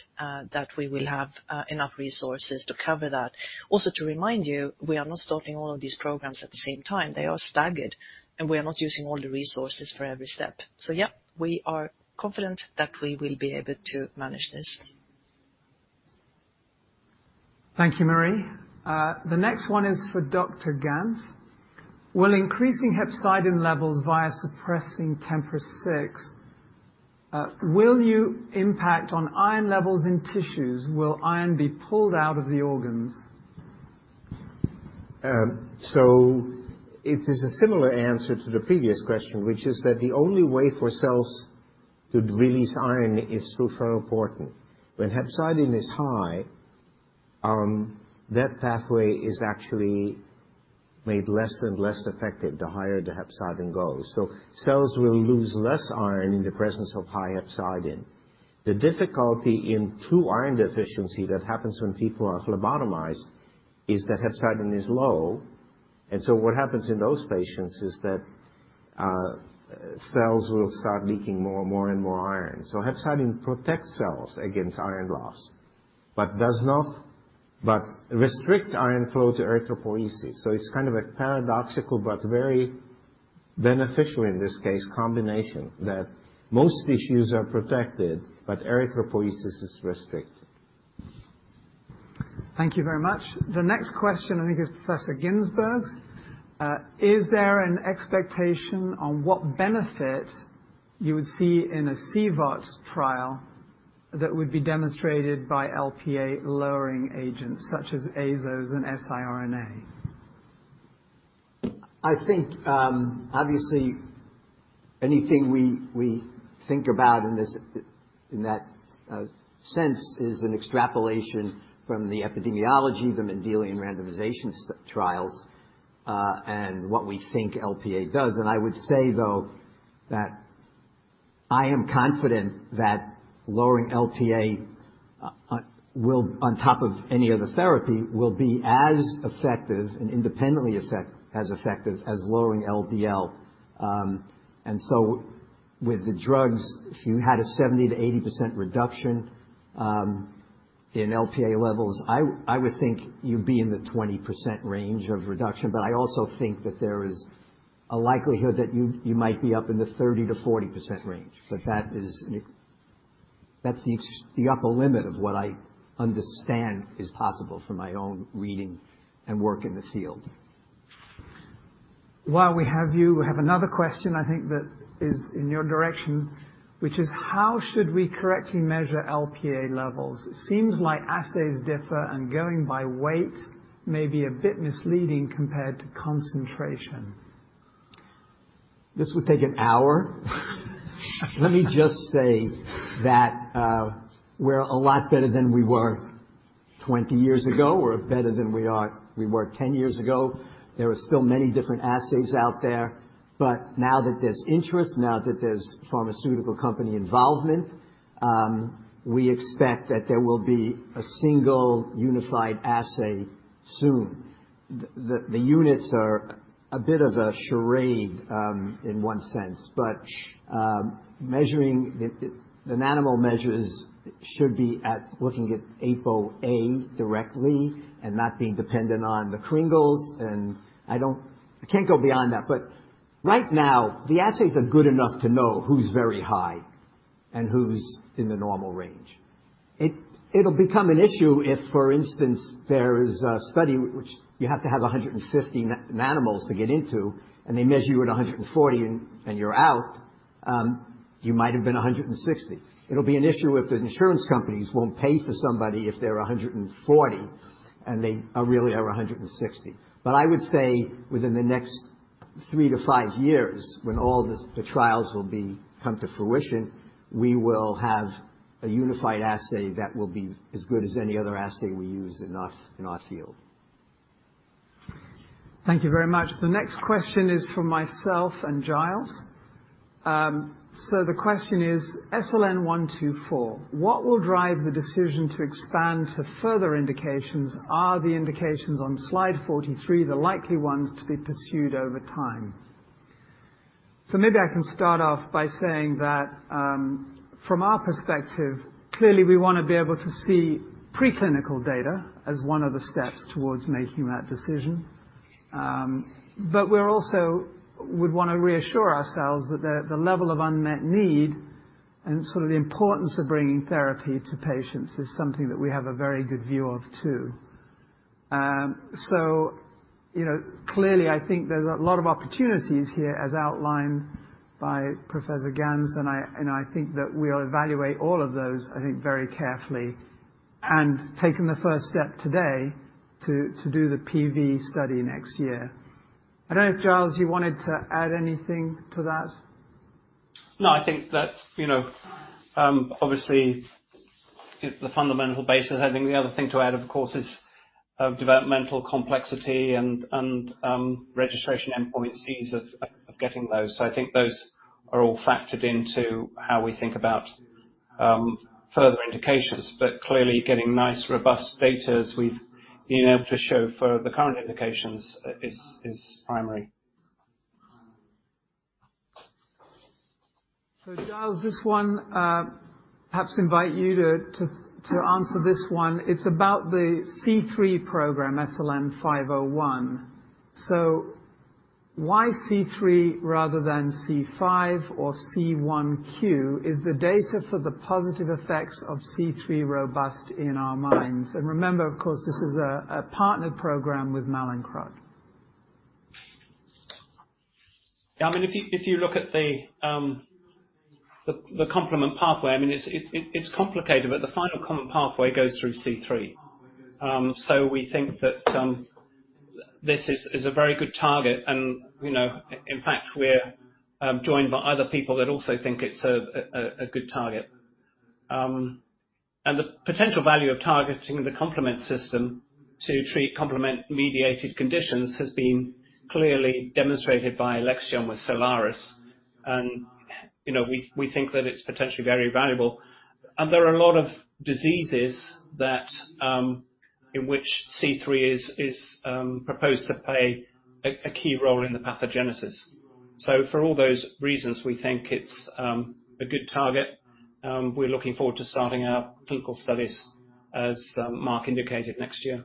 that we will have enough resources to cover that. Also, to remind you, we are not starting all of these programs at the same time. They are staggered, and we are not using all the resources for every step. Yeah, we are confident that we will be able to manage this. Thank you, Marie. The next one is for Dr. Ganz. Will increasing hepcidin levels via suppressing TMPRSS6, will you impact on iron levels in tissues? Will iron be pulled out of the organs? It is a similar answer to the previous question, which is that the only way for cells to release iron is through ferroportin. When hepcidin is high, that pathway is actually made less and less effective the higher the hepcidin goes. Cells will lose less iron in the presence of high hepcidin. The difficulty in true iron deficiency that happens when people are phlebotomized is that hepcidin is low. What happens in those patients is that cells will start leaking more and more iron. Hepcidin protects cells against iron loss, but restricts iron flow to erythropoiesis. It's kind of a paradoxical but very beneficial, in this case, combination that most tissues are protected, but erythropoiesis is restricted. Thank you very much. The next question, I think, is Professor Ginsberg's. Is there an expectation on what benefit you would see in a CVOT trial that would be demonstrated by Lp(a)-lowering agents such as ASOs and siRNA? I think, obviously, anything we think about in that sense is an extrapolation from the epidemiology, the Mendelian randomization trials, and what we think Lp(a) does. I would say, though, I am confident that lowering LPA, on top of any other therapy, will be as effective and independently as effective as lowering LDL. With the drugs, if you had a 70%-80% reduction in LPA levels, I would think you'd be in the 20% range of reduction. I also think that there is a likelihood that you might be up in the 30%-40% range. That's the upper limit of what I understand is possible from my own reading and work in the field. While we have you, we have another question, I think that is in your direction, which is, "How should we correctly measure Lp(a) levels? It seems like assays differ, and going by weight may be a bit misleading compared to concentration. This would take an hour. Let me just say that we're a lot better than we were 20 years ago. We're better than we were 10 years ago. There are still many different assays out there, but now that there's interest, now that there's pharmaceutical company involvement, we expect that there will be a single unified assay soon. The units are a bit of a charade in one sense, but measuring the nanomolar measures should be at looking at Apo(a) directly and not being dependent on the kringles, and I can't go beyond that. Right now, the assays are good enough to know who's very high and who's in the normal range. It'll become an issue if, for instance, there is a study which you have to have 150 animals to get into, and they measure you at 140, and you're out. You might have been 160. It'll be an issue if the insurance companies won't pay for somebody if they're 140, and they really are 160. I would say within the next three-five years, when all the trials will come to fruition, we will have a unified assay that will be as good as any other assay we use in our field. Thank you very much. The next question is from myself and Giles. The question is SLN124. "What will drive the decision to expand to further indications? Are the indications on slide 43 the likely ones to be pursued over time?" Maybe I can start off by saying that, from our perspective, clearly, we want to be able to see preclinical data as one of the steps towards making that decision. We also would want to reassure ourselves that the level of unmet need and sort of the importance of bringing therapy to patients is something that we have a very good view of, too. Clearly, I think there's a lot of opportunities here as outlined by Professor Ganz, and I think that we'll evaluate all of those, I think, very carefully. Taken the first step today to do the PV study next year. I don't know if, Giles, you wanted to add anything to that? No, I think that obviously is the fundamental basis. I think the other thing to add, of course, is developmental complexity and registration endpoint ease of getting those. I think those are all factored into how we think about further indications. Clearly, getting nice, robust data as we've been able to show for the current indications is primary. Giles, this one perhaps invite you to answer this one. It's about the C3 program, SLN501. Why C3 rather than C5 or C1q? Is the data for the positive effects of C3 robust in our minds? Remember, of course, this is a partnered program with Mallinckrodt. If you look at the complement pathway, it's complicated, but the final complement pathway goes through C3. We think that this is a very good target and in fact, we're joined by other people that also think it's a good target. The potential value of targeting the complement system to treat complement-mediated conditions has been clearly demonstrated by Alexion with SOLIRIS, and we think that it's potentially very valuable. There are a lot of diseases in which C3 is proposed to play a key role in the pathogenesis. For all those reasons, we think it's a good target. We're looking forward to starting our clinical studies as Mark indicated next year.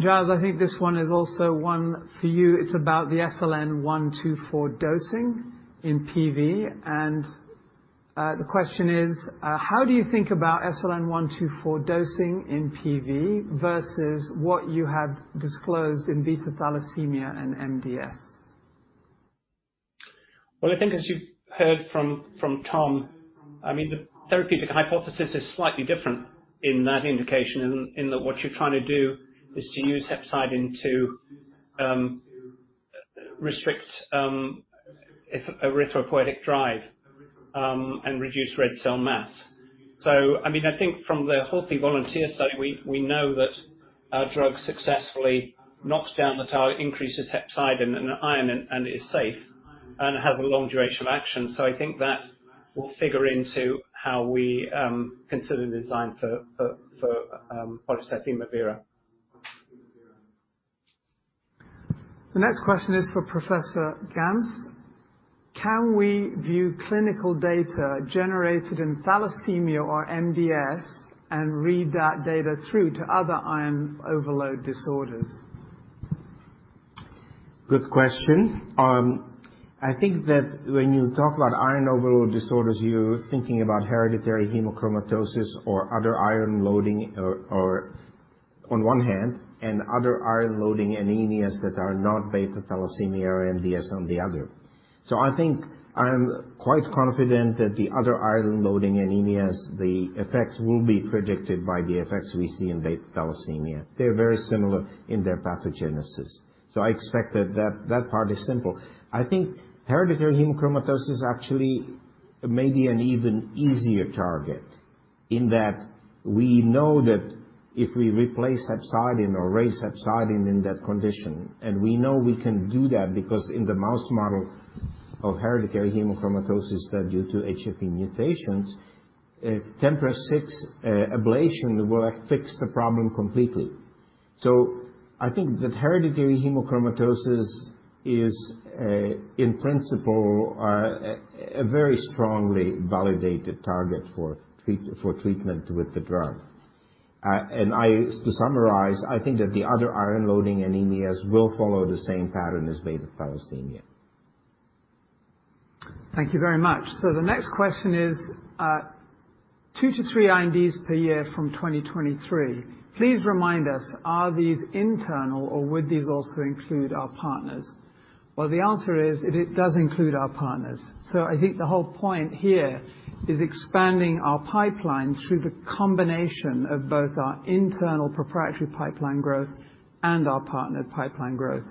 Giles, I think this one is also one for you. It's about the SLN-124 dosing in PV, and the question is, "How do you think about SLN-124 dosing in PV versus what you have disclosed in beta thalassemia and MDS? I think as you've heard from Tom, the therapeutic hypothesis is slightly different in that indication in that what you're trying to do is to use hepcidin to restrict erythropoietic drive and reduce red cell mass. I think from the healthy volunteer study, we know that our drug successfully knocks down the target, increases hepcidin and iron, and is safe, and it has a long duration of action. I think that will figure into how we consider the design for polycythemia vera. The next question is for Professor Ganz. Can we view clinical data generated in thalassemia or MDS and read that data through to other iron overload disorders? Good question. I think that when you talk about iron overload disorders, you're thinking about hereditary hemochromatosis or other iron loading on one hand, and other iron loading anemias that are not beta thalassemia or MDS on the other. I think I'm quite confident that the other iron loading anemias, the effects will be predicted by the effects we see in beta thalassemia. They're very similar in their pathogenesis. I expect that part is simple. I think hereditary hemochromatosis actually may be an even easier target, in that we know that if we replace hepcidin or raise hepcidin in that condition, and we know we can do that because in the mouse model of Hereditary Hemochromatosis due to HFE mutations, TMPRSS6 ablation will fix the problem completely. I think that Hereditary Hemochromatosis is, in principle, a very strongly validated target for treatment with the drug. To summarize, I think that the other iron loading anemias will follow the same pattern as beta thalassemia. Thank you very much. The next question is, two-three INDs per year from 2023. Please remind us, are these internal or would these also include our partners? The answer is, it does include our partners. I think the whole point here is expanding our pipeline through the combination of both our internal proprietary pipeline growth and our partnered pipeline growth.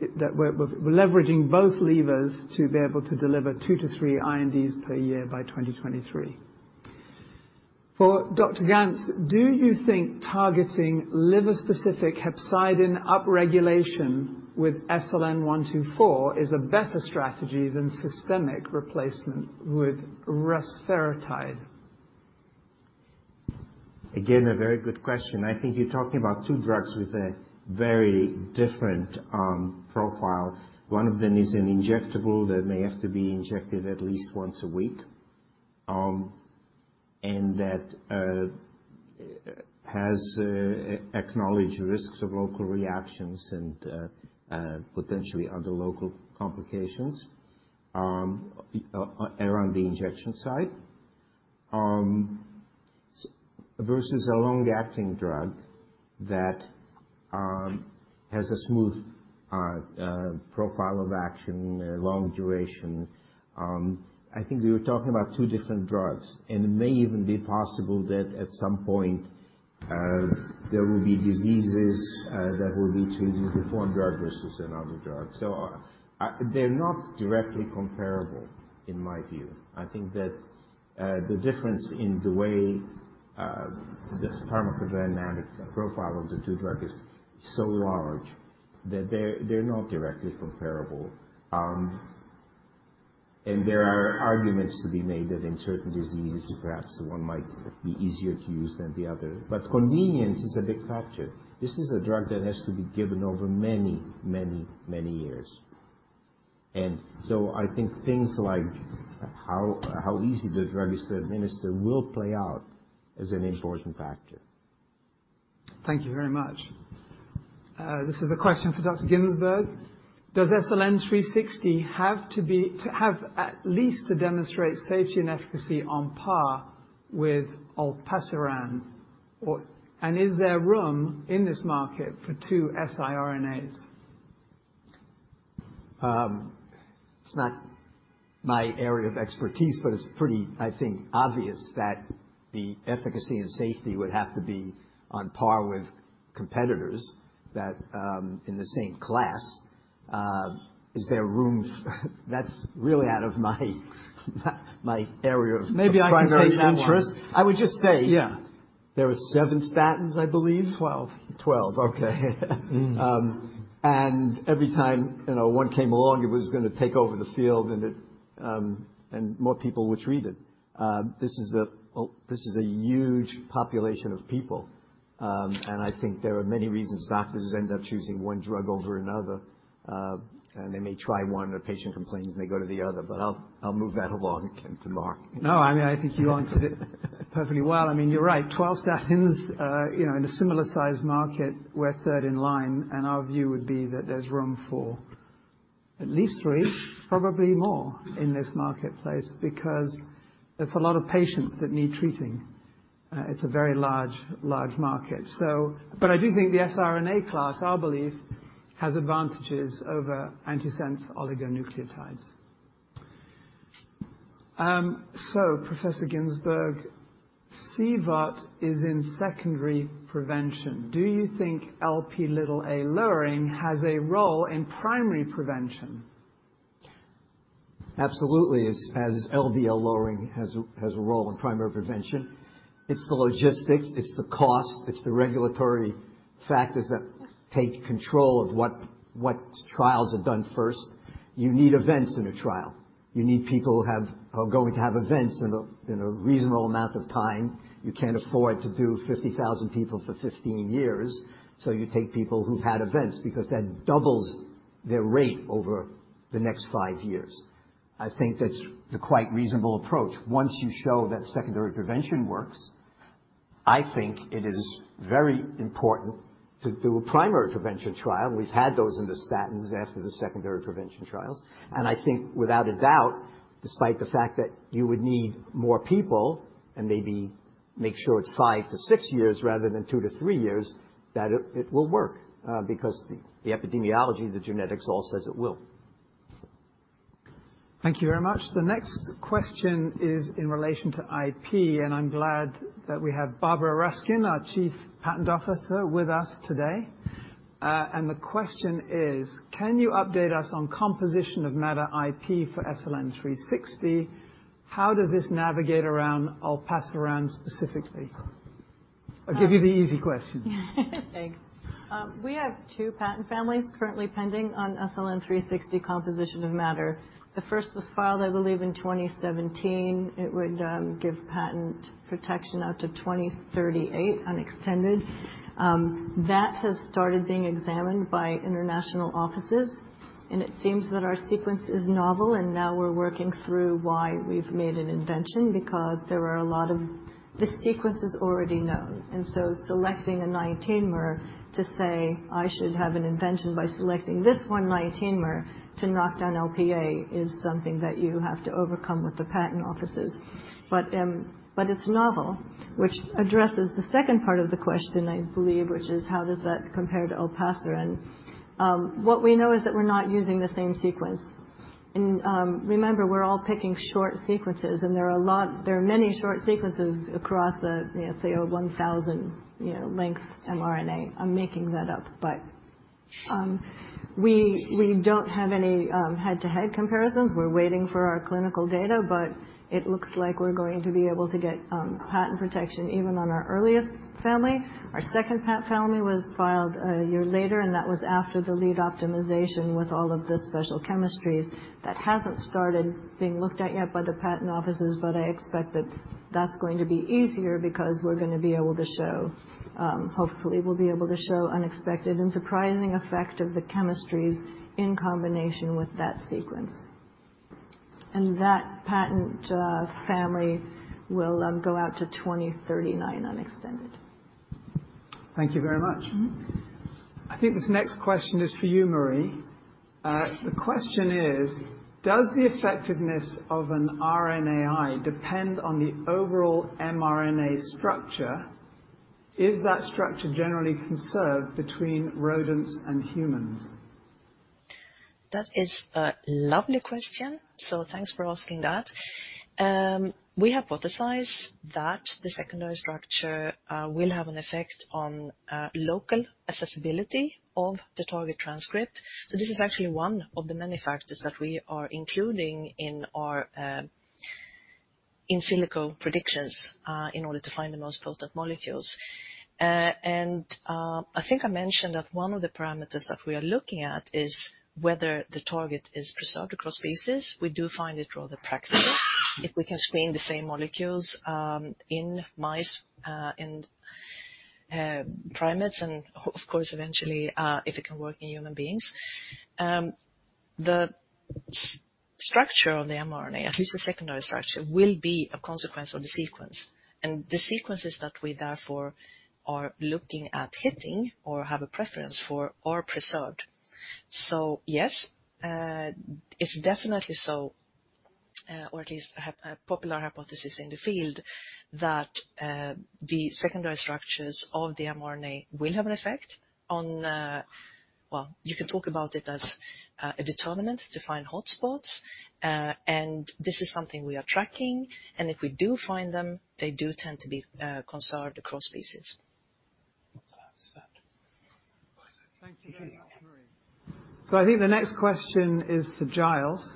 We're leveraging both levers to be able to deliver two-three INDs per year by 2023. For Dr. Ganz, do you think targeting liver-specific hepcidin upregulation with SLN124 is a better strategy than systemic replacement with rusfertide? A very good question. I think you're talking about two drugs with a very different profile. One of them is an injectable that may have to be injected at least once a week. That has acknowledged risks of local reactions and potentially other local complications around the injection site. Versus a long-acting drug that has a smooth profile of action, a long duration. I think we are talking about two different drugs. It may even be possible that at some point, there will be diseases that will be treated with one drug versus another drug. They're not directly comparable in my view. I think that the difference in the way this pharmacodynamic profile of the two drug is so large that they're not directly comparable. There are arguments to be made that in certain diseases, perhaps one might be easier to use than the other. But convenience is a big factor. This is a drug that has to be given over many, many, many years. I think things like how easy the drug is to administer will play out as an important factor. Thank you very much. This is a question for Dr. Ginsberg. Does SLN360 have at least to demonstrate safety and efficacy on par with olpasiran? Is there room in this market for two siRNAs? It's not my area of expertise, but it's pretty, I think, obvious that the efficacy and safety would have to be on par with competitors in the same class. That's really out of my area of expertise. Maybe I can take that one primary interest. I would just say- Yeah There are seven statins, I believe. 12. Okay. Every time one came along, it was going to take over the field and more people were treated. This is a huge population of people. I think there are many reasons doctors end up choosing one drug over another. They may try one, the patient complains, and they go to the other. I'll move that along to Mark. No, I think you answered it perfectly well. You're right. 12 statins in a similar size market, we're third in line, and our view would be that there's room for at least three, probably more in this marketplace because there's a lot of patients that need treating. It's a very large market. I do think the siRNA class, I believe, has advantages over antisense oligonucleotides. Professor Ginsberg, CVOT is in secondary prevention. Do you think Lp(a) lowering has a role in primary prevention? Absolutely, as LDL lowering has a role in primary prevention. It's the logistics, it's the cost, it's the regulatory factors that take control of what trials are done first. You need events in a trial. You need people who are going to have events in a reasonable amount of time. You can't afford to do 50,000 people for 15 years. You take people who've had events because that doubles their rate over the next five years. I think that's the quite reasonable approach. Once you show that secondary prevention works, I think it is very important to do a primary prevention trial. We've had those in the statins after the secondary prevention trials. I think without a doubt, despite the fact that you would need more people and maybe make sure it's five-six years rather than two-three years, that it will work, because the epidemiology, the genetics all says it will. Thank you very much. The next question is in relation to IP. I'm glad that we have Barbara Ruskin, our Chief Patent Officer, with us today. The question is, "Can you update us on composition of matter IP for SLN360? How does this navigate around olpasiran specifically?" I'll give you the easy question. Thanks. We have two patent families currently pending on SLN360 composition of matter. The first was filed, I believe, in 2017. It would give patent protection out to 2038 unextended. That has started being examined by international offices. It seems that our sequence is novel. Now we're working through why we've made an invention because the sequence is already known. Selecting a 19-mer to say, "I should have an invention by selecting this one 19-mer to knock down Lp(a)" is something that you have to overcome with the patent offices. It's novel, which addresses the second part of the question, I believe, which is how does that compare to olpasiran. What we know is that we're not using the same sequence. Remember, we're all picking short sequences and there are many short sequences across a 1,000 length mRNA. I'm making that up. We don't have any head-to-head comparisons. We're waiting for our clinical data, but it looks like we're going to be able to get patent protection even on our earliest family. Our second patent family was filed a year later, and that was after the lead optimization with all of the special chemistries. That hasn't started being looked at yet by the patent offices, but I expect that that's going to be easier because we're going to be able to show, hopefully, we'll be able to show unexpected and surprising effect of the chemistries in combination with that sequence. That patent family will go out to 2039 unextended. Thank you very much. I think this next question is for you, Marie. The question is, "Does the effectiveness of an RNAi depend on the overall mRNA structure? Is that structure generally conserved between rodents and humans? That is a lovely question. Thanks for asking that. We hypothesize that the secondary structure will have an effect on local accessibility of the target transcript. This is actually one of the many factors that we are including in silico predictions, in order to find the most potent molecules. I think I mentioned that one of the parameters that we are looking at is whether the target is preserved across species. We do find it rather practical if we can screen the same molecules in mice, in primates and, of course, eventually, if it can work in human beings. The structure of the mRNA, at least the secondary structure, will be a consequence of the sequence. The sequences that we therefore are looking at hitting or have a preference for are preserved. Yes, it's definitely so, or at least a popular hypothesis in the field that the secondary structures of the mRNA will have an effect on Well, you can talk about it as a determinant to find hotspots, and this is something we are tracking, and if we do find them, they do tend to be conserved across species. Thank you, Marie. I think the next question is for Giles,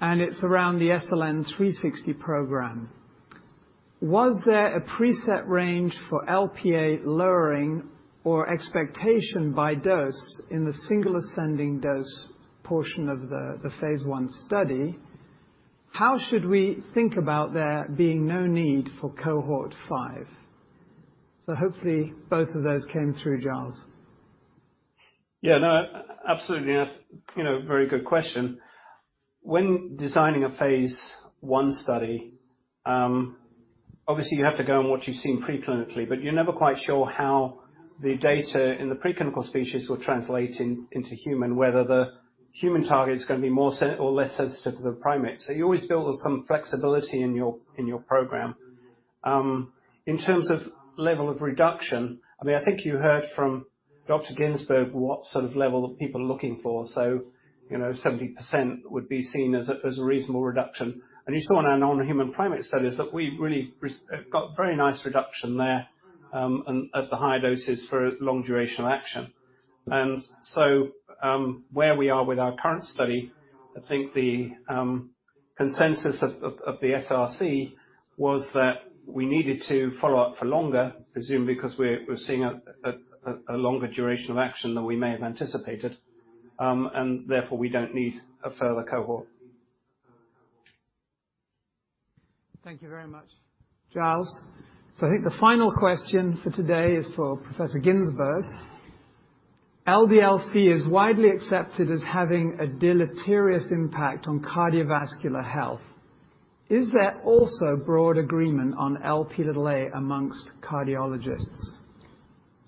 and it's around the SLN360 program. Was there a preset range for Lp(a) lowering or expectation by dose in the single ascending dose portion of the phase I study? How should we think about there being no need for cohort 5? Hopefully, both of those came through, Giles. Yeah. No, absolutely. Very good question. When designing a phase I study, obviously you have to go on what you've seen preclinically, but you're never quite sure how the data in the preclinical species will translate into human, whether the human target's going to be more or less sensitive to the primate. You always build some flexibility in your program. In terms of level of reduction, I think you heard from Dr. Ginsberg what sort of level are people looking for. 70% would be seen as a reasonable reduction. You saw in our nonhuman primate studies that we really got very nice reduction there, and at the higher doses for long durational action. Where we are with our current study, I think the consensus of the SRC was that we needed to follow up for longer, I presume because we're seeing a longer duration of action than we may have anticipated. Therefore, we don't need a further cohort. Thank you very much, Giles. I think the final question for today is for Professor Ginsberg. LDL-C is widely accepted as having a deleterious impact on cardiovascular health. Is there also broad agreement on Lp(a) amongst cardiologists?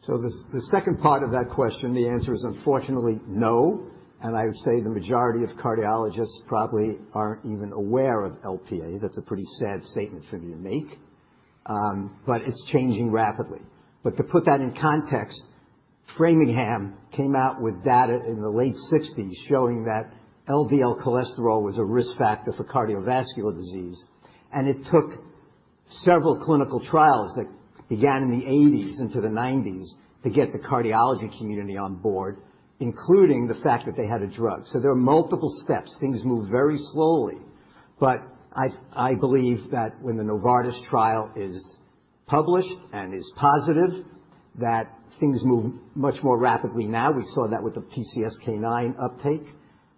The second part of that question, the answer is unfortunately no. I would say the majority of cardiologists probably aren't even aware of Lp(a). That's a pretty sad statement for me to make. It's changing rapidly. To put that in context, Framingham came out with data in the late 1960s showing that LDL cholesterol was a risk factor for cardiovascular disease. It took several clinical trials that began in the 1980s into the 1990s to get the cardiology community on board, including the fact that they had a drug. There are multiple steps. Things move very slowly. I believe that when the Novartis trial is published and is positive, that things move much more rapidly now, we saw that with the PCSK9 uptake,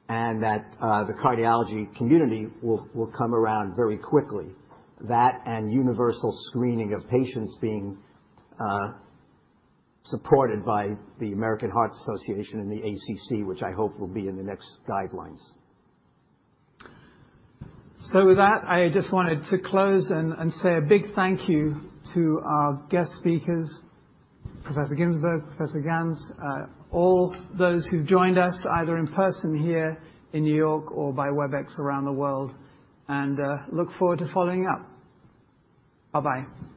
and that the cardiology community will come around very quickly. That, and universal screening of patients being supported by the American Heart Association and the ACC, which I hope will be in the next guidelines. With that, I just wanted to close and say a big thank you to our guest speakers, Professor Ginsberg, Professor Ganz, all those who joined us, either in person here in New York or by Webex around the world, and look forward to following up. Bye-bye.